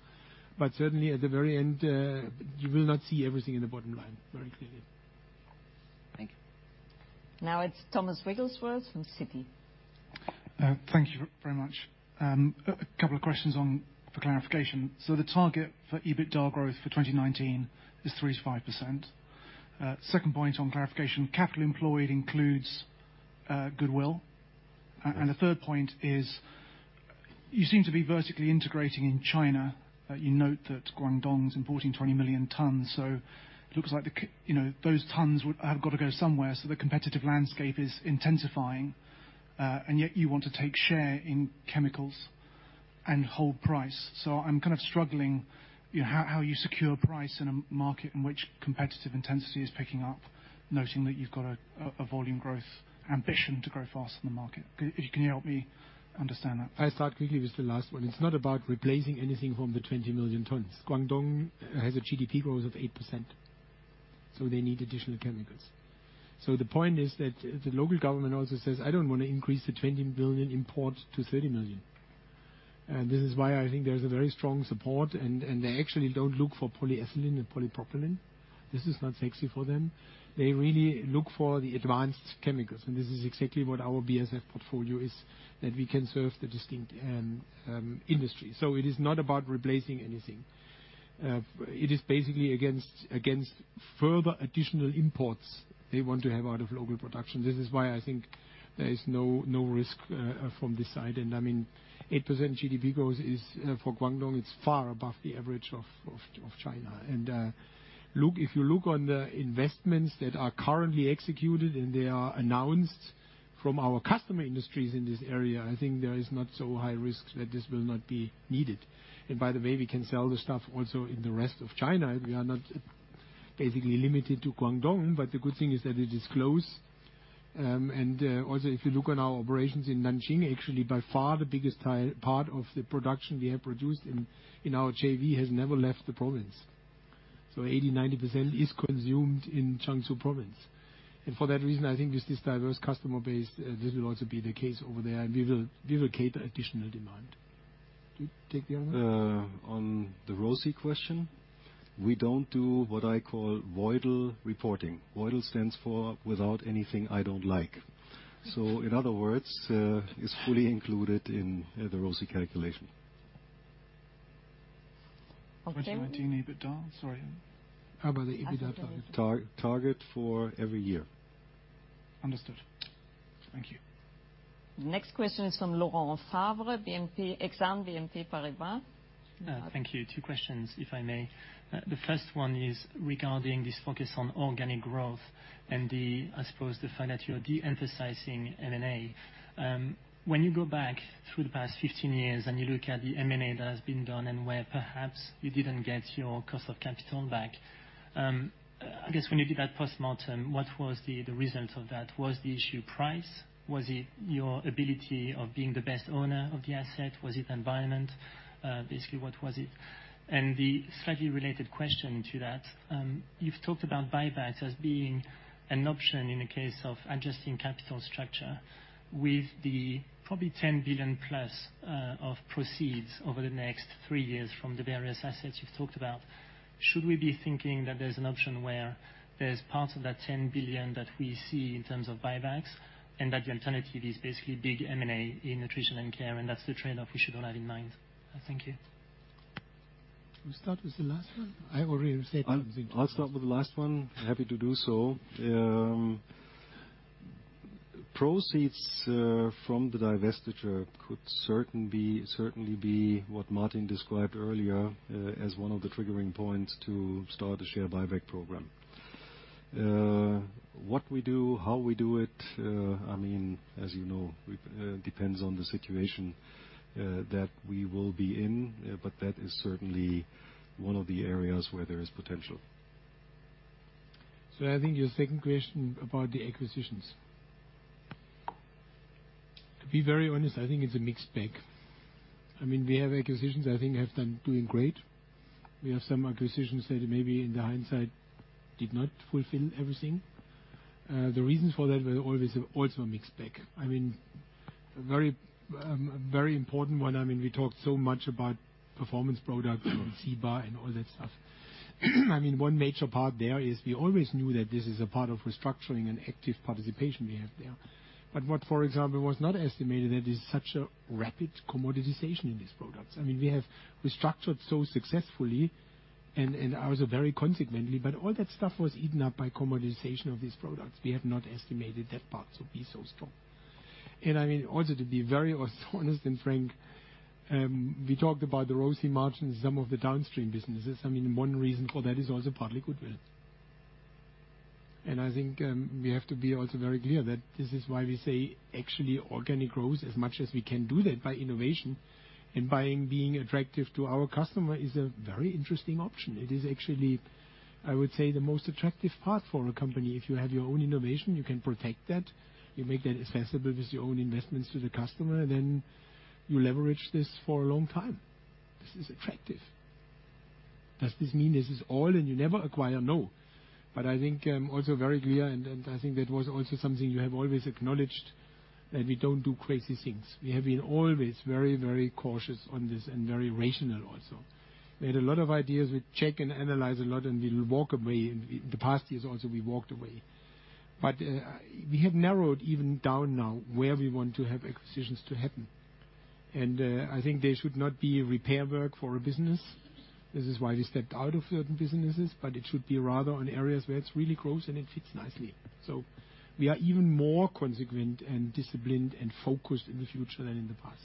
[SPEAKER 2] Certainly at the very end, you will not see everything in the bottom line very clearly.
[SPEAKER 18] Thank you.
[SPEAKER 1] Now it's Thomas Wrigglesworth from Citi.
[SPEAKER 19] Thank you very much. A couple of questions, one for clarification. The target for EBITDA growth for 2019 is 3%-5%. Second point for clarification, capital employed includes goodwill.
[SPEAKER 2] Yes.
[SPEAKER 19] The third point is you seem to be vertically integrating in China. You note that Guangdong's importing 20 million tons. Looks like the, you know, those tons would have got to go somewhere. The competitive landscape is intensifying. Yet you want to take share in chemicals and hold price. I'm kind of struggling, you know, how you secure price in a market in which competitive intensity is picking up, noting that you've got a volume growth ambition to grow faster than the market. Can you help me understand that?
[SPEAKER 2] I'll start quickly with the last one. It's not about replacing anything from the 20 million tons. Guangdong has a GDP growth of 8%, so they need additional chemicals. The point is that the local government also says, "I don't want to increase the 20 billion import to 30 million." This is why I think there's a very strong support, and they actually don't look for polyethylene and polypropylene. This is not sexy for them. They really look for the advanced chemicals, and this is exactly what our BASF portfolio is, that we can serve the distinct industry. It is not about replacing anything. It is basically against further additional imports they want to have out of local production. This is why I think there is no risk from this side. I mean, 8% GDP growth is, for Guangdong, it's far above the average of China. If you look on the investments that are currently executed, and they are announced from our customer industries in this area, I think there is not so high risk that this will not be needed. By the way, we can sell the stuff also in the rest of China. We are not basically limited to Guangdong, but the good thing is that it is close. If you look on our operations in Nanjing, actually by far the biggest part of the production we have produced in our JV has never left the province. 80%-90% is consumed in Jiangsu province. For that reason, I think with this diverse customer base, this will also be the case over there, and we will cater additional demand. Do you take the other one?
[SPEAKER 3] On the ROSI question, we don't do what I call VOIDL reporting. VOIDL stands for without anything I don't like. In other words, it's fully included in the ROSI calculation.
[SPEAKER 19] Do you mean EBITDA? Sorry. How about the EBITDA target?
[SPEAKER 3] Target for every year.
[SPEAKER 19] Understood. Thank you.
[SPEAKER 1] Next question is from Laurent Favre, Exane BNP Paribas.
[SPEAKER 20] Thank you. Two questions, if I may. The first one is regarding this focus on organic growth and the, I suppose, the fact that you're de-emphasizing M&A. When you go back through the past 15 years and you look at the M&A that has been done and where perhaps you didn't get your cost of capital back, I guess when you did that post-mortem, what was the reasons of that? Was the issue price? Was it your ability of being the best owner of the asset? Was it environment? Basically, what was it? The slightly related question to that, you've talked about buybacks as being an option in the case of adjusting capital structure. With the probably 10 billion-plus of proceeds over the next 3 years from the various assets you've talked about, should we be thinking that there's an option where there's part of that 10 billion that we see in terms of buybacks and that the alternative is basically big M&A in Nutrition & Care, and that's the trade-off we should all have in mind? Thank you.
[SPEAKER 2] We start with the last one? I already said something.
[SPEAKER 3] I'll start with the last one. Happy to do so. Proceeds from the divestiture could certainly be what Martin described earlier as one of the triggering points to start a share buyback program. What we do, how we do it, I mean, as you know, depends on the situation that we will be in, but that is certainly one of the areas where there is potential.
[SPEAKER 2] I think your second question about the acquisitions. To be very honest, I think it's a mixed bag. I mean, we have acquisitions I think have done, doing great. We have some acquisitions that maybe in the hindsight did not fulfill everything. The reasons for that were always, also a mixed bag. I mean, a very, very important one, I mean, we talked so much about Performance Products and Ciba and all that stuff. I mean, one major part there is we always knew that this is a part of restructuring and active participation we have there. What, for example, was not estimated that is such a rapid commoditization in these products. I mean, we have restructured so successfully and also very consequently, but all that stuff was eaten up by commoditization of these products. We have not estimated that part to be so strong. I mean, also to be very honest and frank, we talked about the ROSI margins in some of the downstream businesses. I mean, one reason for that is also partly goodwill. I think, we have to be also very clear that this is why we say actually organic growth, as much as we can do that by innovation and by being attractive to our customer, is a very interesting option. It is actually, I would say, the most attractive path for a company. If you have your own innovation, you can protect that. You make that accessible with your own investments to the customer, then you leverage this for a long time. This is attractive. Does this mean this is all and you never acquire? No. I think I'm also very clear, and I think that was also something you have always acknowledged, that we don't do crazy things. We have been always very, very cautious on this and very rational also. We had a lot of ideas. We check and analyze a lot, and we walk away. In the past years also, we walked away. We have narrowed even down now where we want to have acquisitions to happen. I think they should not be repair work for a business. This is why we stepped out of certain businesses. It should be rather on areas where it's really growth and it fits nicely. We are even more consequent and disciplined and focused in the future than in the past.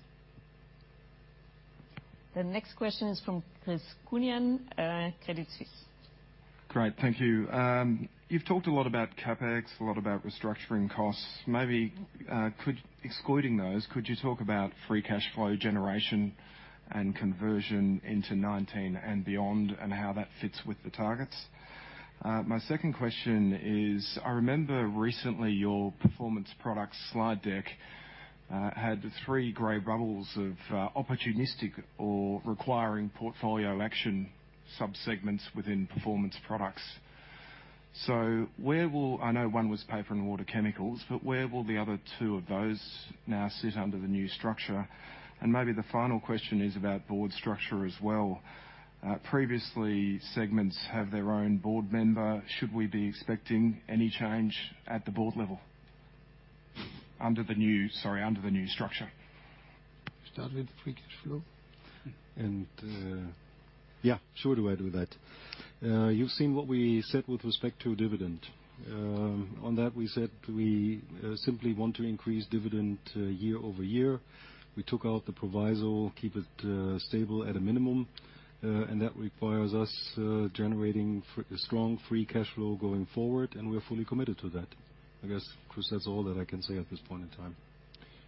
[SPEAKER 1] The next question is from Chris Parkinson, Credit Suisse.
[SPEAKER 21] Great, thank you. You've talked a lot about CapEx, a lot about restructuring costs. Maybe excluding those, could you talk about free cash flow generation and conversion into 2019 and beyond, and how that fits with the targets? My second question is, I remember recently your Performance Products slide deck had the three gray bubbles of opportunistic or requiring portfolio action sub-segments within Performance Products. I know one was paper and water chemicals, but where will the other two of those now sit under the new structure? Maybe the final question is about board structure as well. Previously, segments have their own board member. Should we be expecting any change at the board level under the new structure?
[SPEAKER 2] Start with free cash flow?
[SPEAKER 3] Yeah, sure do I do that. You've seen what we said with respect to dividend. On that, we said we simply want to increase dividend year over year. We took out the proviso, keep it stable at a minimum, and that requires us generating strong free cash flow going forward, and we're fully committed to that. I guess, Chris, that's all that I can say at this point in time.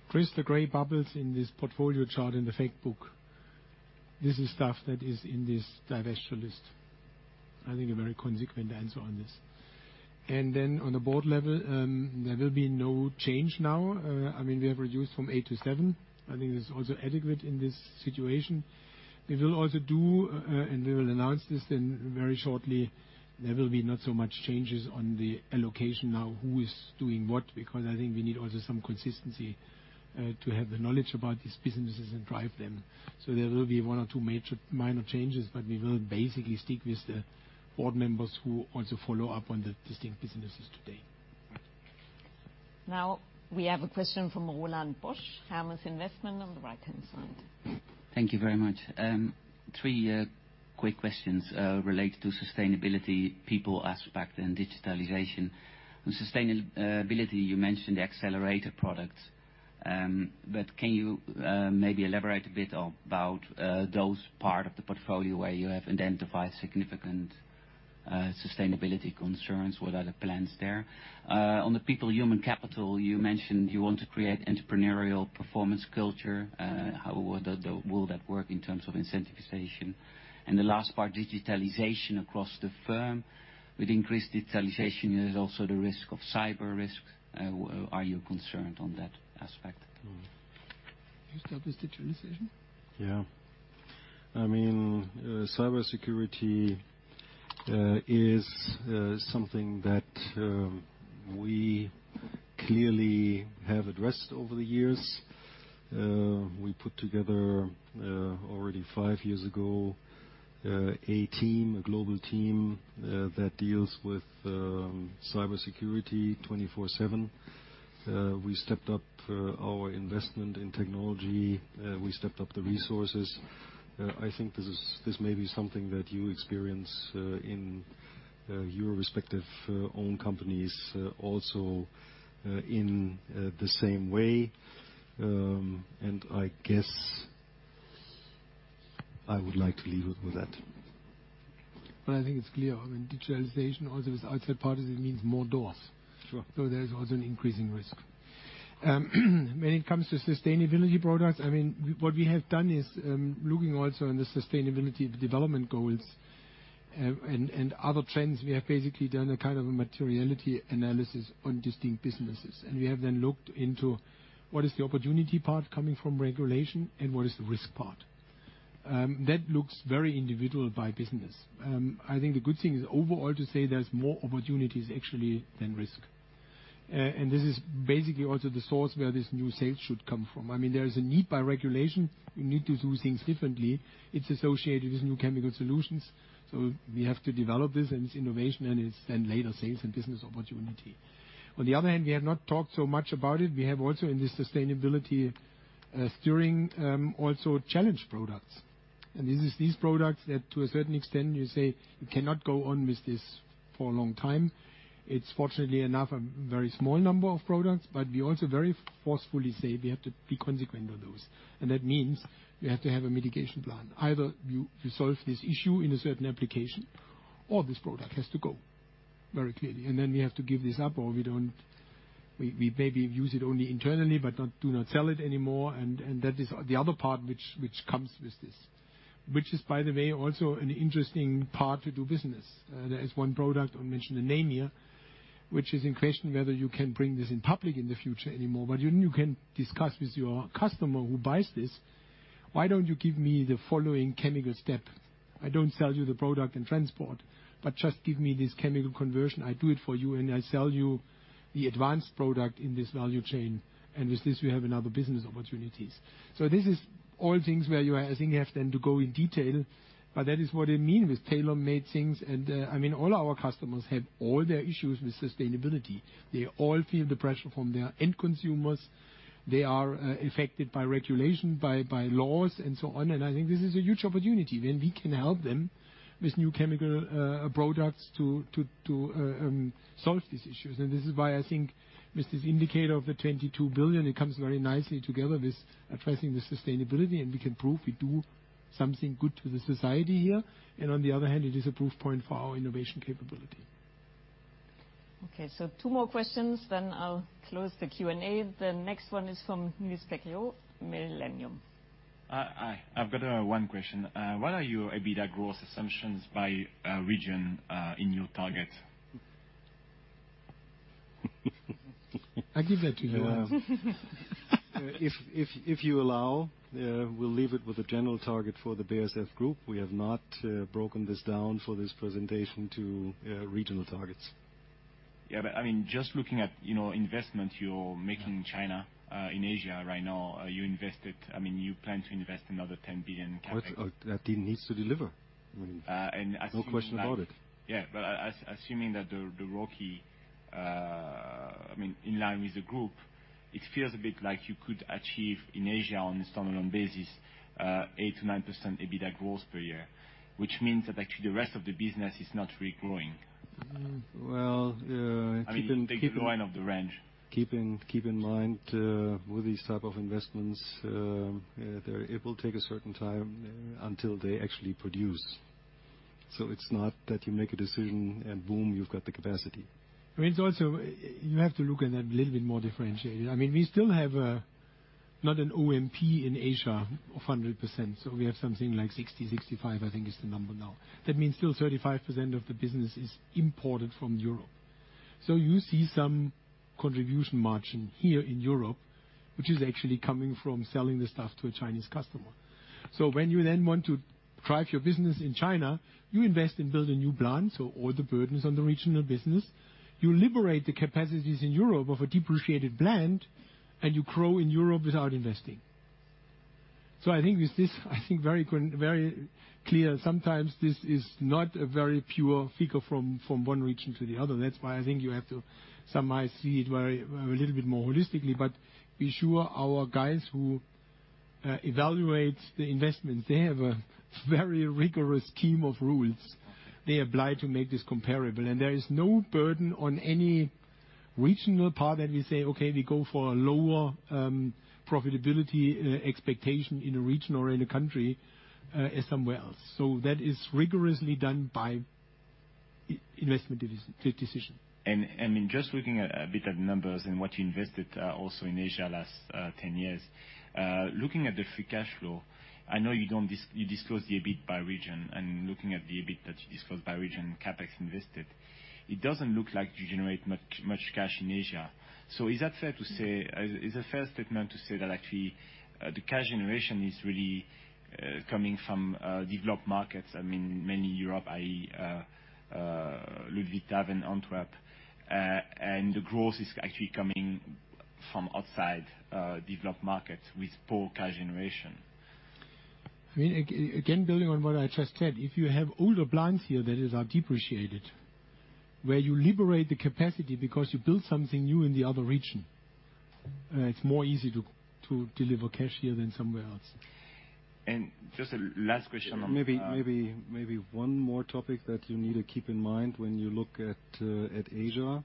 [SPEAKER 2] Chris, the gray bubbles in this portfolio chart in the fact book, this is stuff that is in this divestiture list. I think a very consistent answer on this. Then on the board level, there will be no change now. I mean, we have reduced from 8 to 7. I think it's also adequate in this situation. We will also do, and we will announce this then very shortly. There will be not so much changes on the allocation now who is doing what, because I think we need also some consistency, to have the knowledge about these businesses and drive them. There will be one or two major minor changes, but we will basically stick with the board members who also follow up on the distinct businesses today.
[SPEAKER 1] Now we have a question from Roland Bosch, Berenberg on the right-hand side.
[SPEAKER 22] Thank you very much. 3 quick questions related to sustainability, people aspect, and digitalization. On sustainability, you mentioned the Accelerator products. Can you maybe elaborate a bit about those part of the portfolio where you have identified significant sustainability concerns? What are the plans there? On the people, human capital, you mentioned you want to create entrepreneurial performance culture. How would that, will that work in terms of incentivization? The last part, digitalization across the firm. With increased digitalization, there's also the risk of cyber risks. Are you concerned on that aspect?
[SPEAKER 2] You start with digitalization?
[SPEAKER 3] Yeah. I mean, cybersecurity is something that we clearly have addressed over the years. We put together already 5 years ago a team, a global team that deals with cybersecurity 24/7. We stepped up our investment in technology. We stepped up the resources. I think this may be something that you experience in your respective own companies also in the same way. I guess I would like to leave it with that.
[SPEAKER 2] I think it's clear. I mean, digitalization also is outside parties, it means more doors.
[SPEAKER 3] Sure.
[SPEAKER 2] There's also an increasing risk. When it comes to sustainability products, what we have done is, looking also in the Sustainable Development Goals and other trends, we have basically done a kind of a materiality analysis on distinct businesses. We have then looked into what is the opportunity part coming from regulation and what is the risk part. That looks very individual by business. I think the good thing is overall to say there's more opportunities actually than risk. This is basically also the source where this new sales should come from. There is a need by regulation. We need to do things differently. It's associated with new chemical solutions. We have to develop this, and it's innovation, and it's then later sales and business opportunity. On the other hand, we have not talked so much about it. We have also in the sustainability steering also challenge products. This is these products that to a certain extent, you say you cannot go on with this for a long time. It's fortunately enough a very small number of products, but we also very forcefully say we have to be consequent on those. That means we have to have a mitigation plan. Either you solve this issue in a certain application or this product has to go. Very clearly. Then we have to give this up or we don't. We maybe use it only internally, but do not sell it anymore. That is the other part which comes with this, which is by the way, also an interesting part to do business. There is one product, I won't mention the name here, which is in question whether you can bring this in public in the future anymore. Even you can discuss with your customer who buys this, "Why don't you give me the following chemical step? I don't sell you the product and transport, but just give me this chemical conversion. I do it for you, and I sell you the advanced product in this value chain." With this, we have another business opportunities. This is all things where you, I think, you have then to go in detail, but that is what I mean with tailor-made things. I mean, all our customers have all their issues with sustainability. They all feel the pressure from their end consumers. They are affected by regulation, by laws, and so on. I think this is a huge opportunity when we can help them with new chemical products to solve these issues. This is why I think with this indicator of 22 billion, it comes very nicely together with addressing the sustainability. We can prove we do something good to the society here. On the other hand, it is a proof point for our innovation capability.
[SPEAKER 1] Okay, two more questions, then I'll close the Q&A. The next one is from Louis Pecchiot, Millennium.
[SPEAKER 23] Hi. I've got one question. What are your EBITDA growth assumptions by region in your target?
[SPEAKER 2] I give that to you. If you allow, we'll leave it with a general target for the BASF Group. We have not broken this down for this presentation to regional targets.
[SPEAKER 23] Yeah, I mean, just looking at, you know, investment you're making.
[SPEAKER 2] Yeah.
[SPEAKER 23] In China, in Asia right now, I mean, you plan to invest another 10 billion CapEx-
[SPEAKER 2] That team needs to deliver. I mean
[SPEAKER 23] Assuming like
[SPEAKER 2] No question about it.
[SPEAKER 23] Assuming that the ROCE, I mean, in line with the group, it feels a bit like you could achieve in Asia on a standalone basis, 8%-9% EBITDA growth per year, which means that actually the rest of the business is not really growing.
[SPEAKER 2] Well, keep in.
[SPEAKER 23] I mean, taking the low end of the range.
[SPEAKER 2] Keep in mind, with these type of investments, it will take a certain time until they actually produce. It's not that you make a decision, and boom, you've got the capacity. I mean, it's also, you have to look at that a little bit more differentiated. I mean, we still have a, not an OMP in Asia of 100%, so we have something like 60, 65, I think is the number now. That means still 35% of the business is imported from Europe. You see some contribution margin here in Europe, which is actually coming from selling the stuff to a Chinese customer. When you then want to drive your business in China, you invest in building new plants, so all the burdens on the regional business. You liberate the capacities in Europe of a depreciated plant, and you grow in Europe without investing. I think with this, I think very clear sometimes this is not a very pure figure from one region to the other. That's why I think you have to somehow see it very a little bit more holistically. Be sure our guys who evaluate the investments, they have a very rigorous scheme of rules they apply to make this comparable. There is no burden on any regional part that we say, "Okay, we go for a lower profitability expectation in a region or in a country as somewhere else." That is rigorously done by investment decision.
[SPEAKER 23] I mean, just looking at a bit at numbers and what you invested also in Asia last 10 years. Looking at the free cash flow, I know you don't disclose the EBIT by region, and looking at the EBIT that you disclose by region, CapEx invested. It doesn't look like you generate much cash in Asia. Is that fair to say? Is it a fair statement to say that actually the cash generation is really coming from developed markets? I mean, mainly Europe, i.e., Ludwigshafen, Antwerp, and the growth is actually coming from outside developed markets with poor cash generation.
[SPEAKER 2] I mean, again, building on what I just said, if you have older plants here that are depreciated, where you liberate the capacity because you build something new in the other region, it's more easy to deliver cash here than somewhere else.
[SPEAKER 23] Just a last question.
[SPEAKER 2] Maybe one more topic that you need to keep in mind when you look at Asia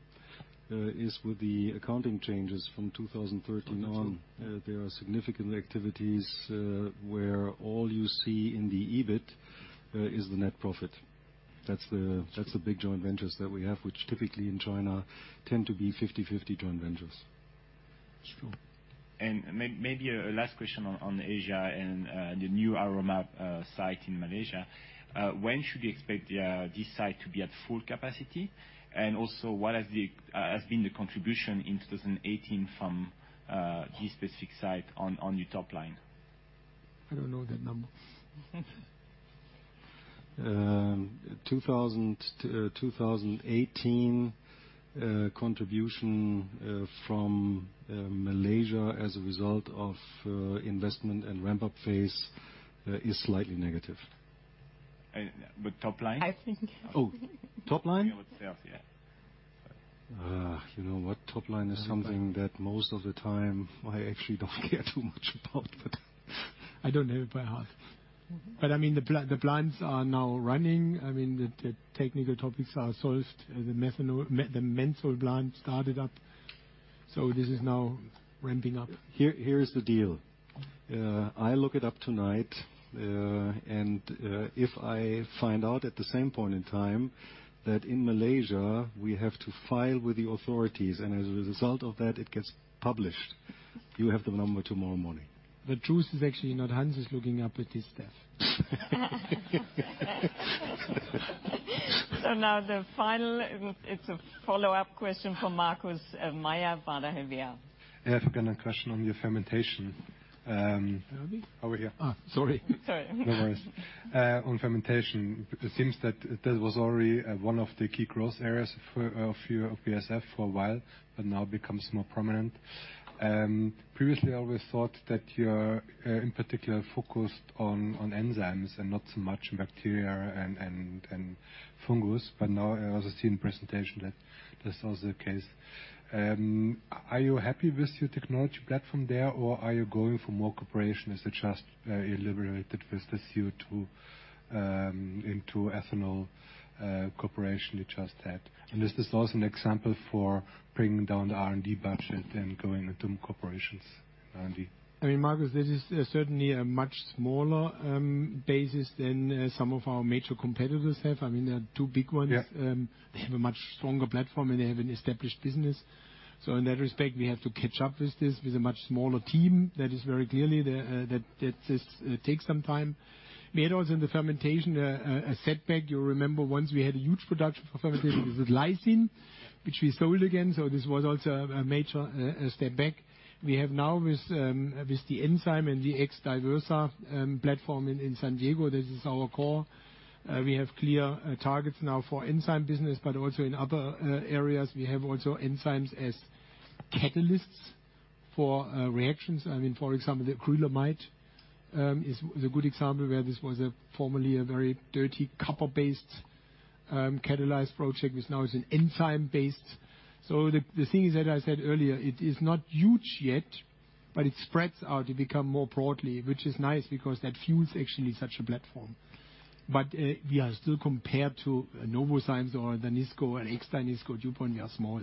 [SPEAKER 2] is with the accounting changes from 2013 on.
[SPEAKER 23] Oh, that's all.
[SPEAKER 2] There are significant activities where all you see in the EBIT is the net profit. That's the big joint ventures that we have, which typically in China tend to be 50/50 joint ventures. It's true.
[SPEAKER 23] Maybe a last question on Asia and the new Kuantan site in Malaysia. When should we expect this site to be at full capacity? Also, what has been the contribution in 2018 from this specific site on your top line?
[SPEAKER 2] I don't know that number. 2018 contribution from Malaysia as a result of investment and ramp-up phase is slightly negative.
[SPEAKER 23] Top line?
[SPEAKER 2] I think. Oh, top line?
[SPEAKER 23] Yeah, with sales. Yeah.
[SPEAKER 2] You know what? Top line is something that most of the time I actually don't care too much about. I don't know it by heart. I mean, the plants are now running. I mean, the technical topics are solved. The menthol plant started up. This is now ramping up. Here is the deal. I look it up tonight, and if I find out at the same point in time that in Malaysia, we have to file with the authorities, and as a result of that it gets published, you have the number tomorrow morning. The truth is actually not. Hans is looking up at this stuff.
[SPEAKER 1] It's a follow-up question from Markus Mayer, Baader Helvea.
[SPEAKER 9] Yeah, I've got a question on your fermentation.
[SPEAKER 2] Pardon me?
[SPEAKER 9] Over here.
[SPEAKER 2] Sorry.
[SPEAKER 1] Sorry.
[SPEAKER 9] No worries. On fermentation, it seems that was already one of the key growth areas for BASF for a while, but now becomes more prominent. Previously, I always thought that you in particular focused on enzymes and not so much bacteria and fungus, but now I also see in the presentation that this is also the case. Are you happy with your technology platform there, or are you going for more cooperation as you just elaborated with the CO2 into ethanol cooperation you just had? Is this also an example for bringing down the R&D budget and going into cooperations, R&D?
[SPEAKER 2] I mean, Markus, this is certainly a much smaller basis than some of our major competitors have. I mean, there are two big ones.
[SPEAKER 9] Yeah.
[SPEAKER 2] They have a much stronger platform, and they have an established business. In that respect, we have to catch up with this with a much smaller team. That is very clearly that this takes some time. We had also in the fermentation a setback. You remember once we had a huge production for fermentation with lysine, which we sold again. This was also a major step back. We have now with the enzyme and the Diversa platform in San Diego, this is our core. We have clear targets now for enzyme business, but also in other areas. We have also enzymes as catalysts for reactions. I mean, for example, acrylamide is a good example where this was formerly a very dirty copper-based catalyzed project which now is an enzyme-based. The thing is that I said earlier, it is not huge yet, but it spreads out. It become more broadly, which is nice because that fuels actually such a platform. We are still compared to Novozymes or the Danisco and Genencor, DuPont, we are small.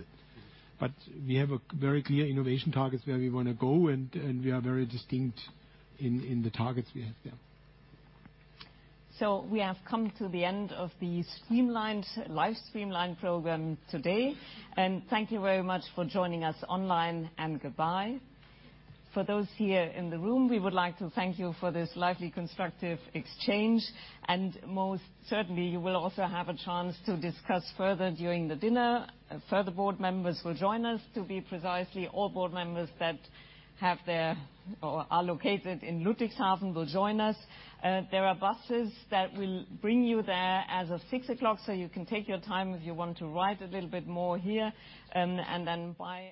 [SPEAKER 2] We have a very clear innovation targets where we wanna go, and we are very distinct in the targets we have.
[SPEAKER 1] We have come to the end of the streamlined live stream program today, and thank you very much for joining us online and goodbye. For those here in the room, we would like to thank you for this lively, constructive exchange, and most certainly, you will also have a chance to discuss further during the dinner. Further board members will join us. To be precise, all board members that have their or are located in Ludwigshafen will join us. There are buses that will bring you there as of 6:00 P.M., so you can take your time if you want to ride a little bit more here, and then bye.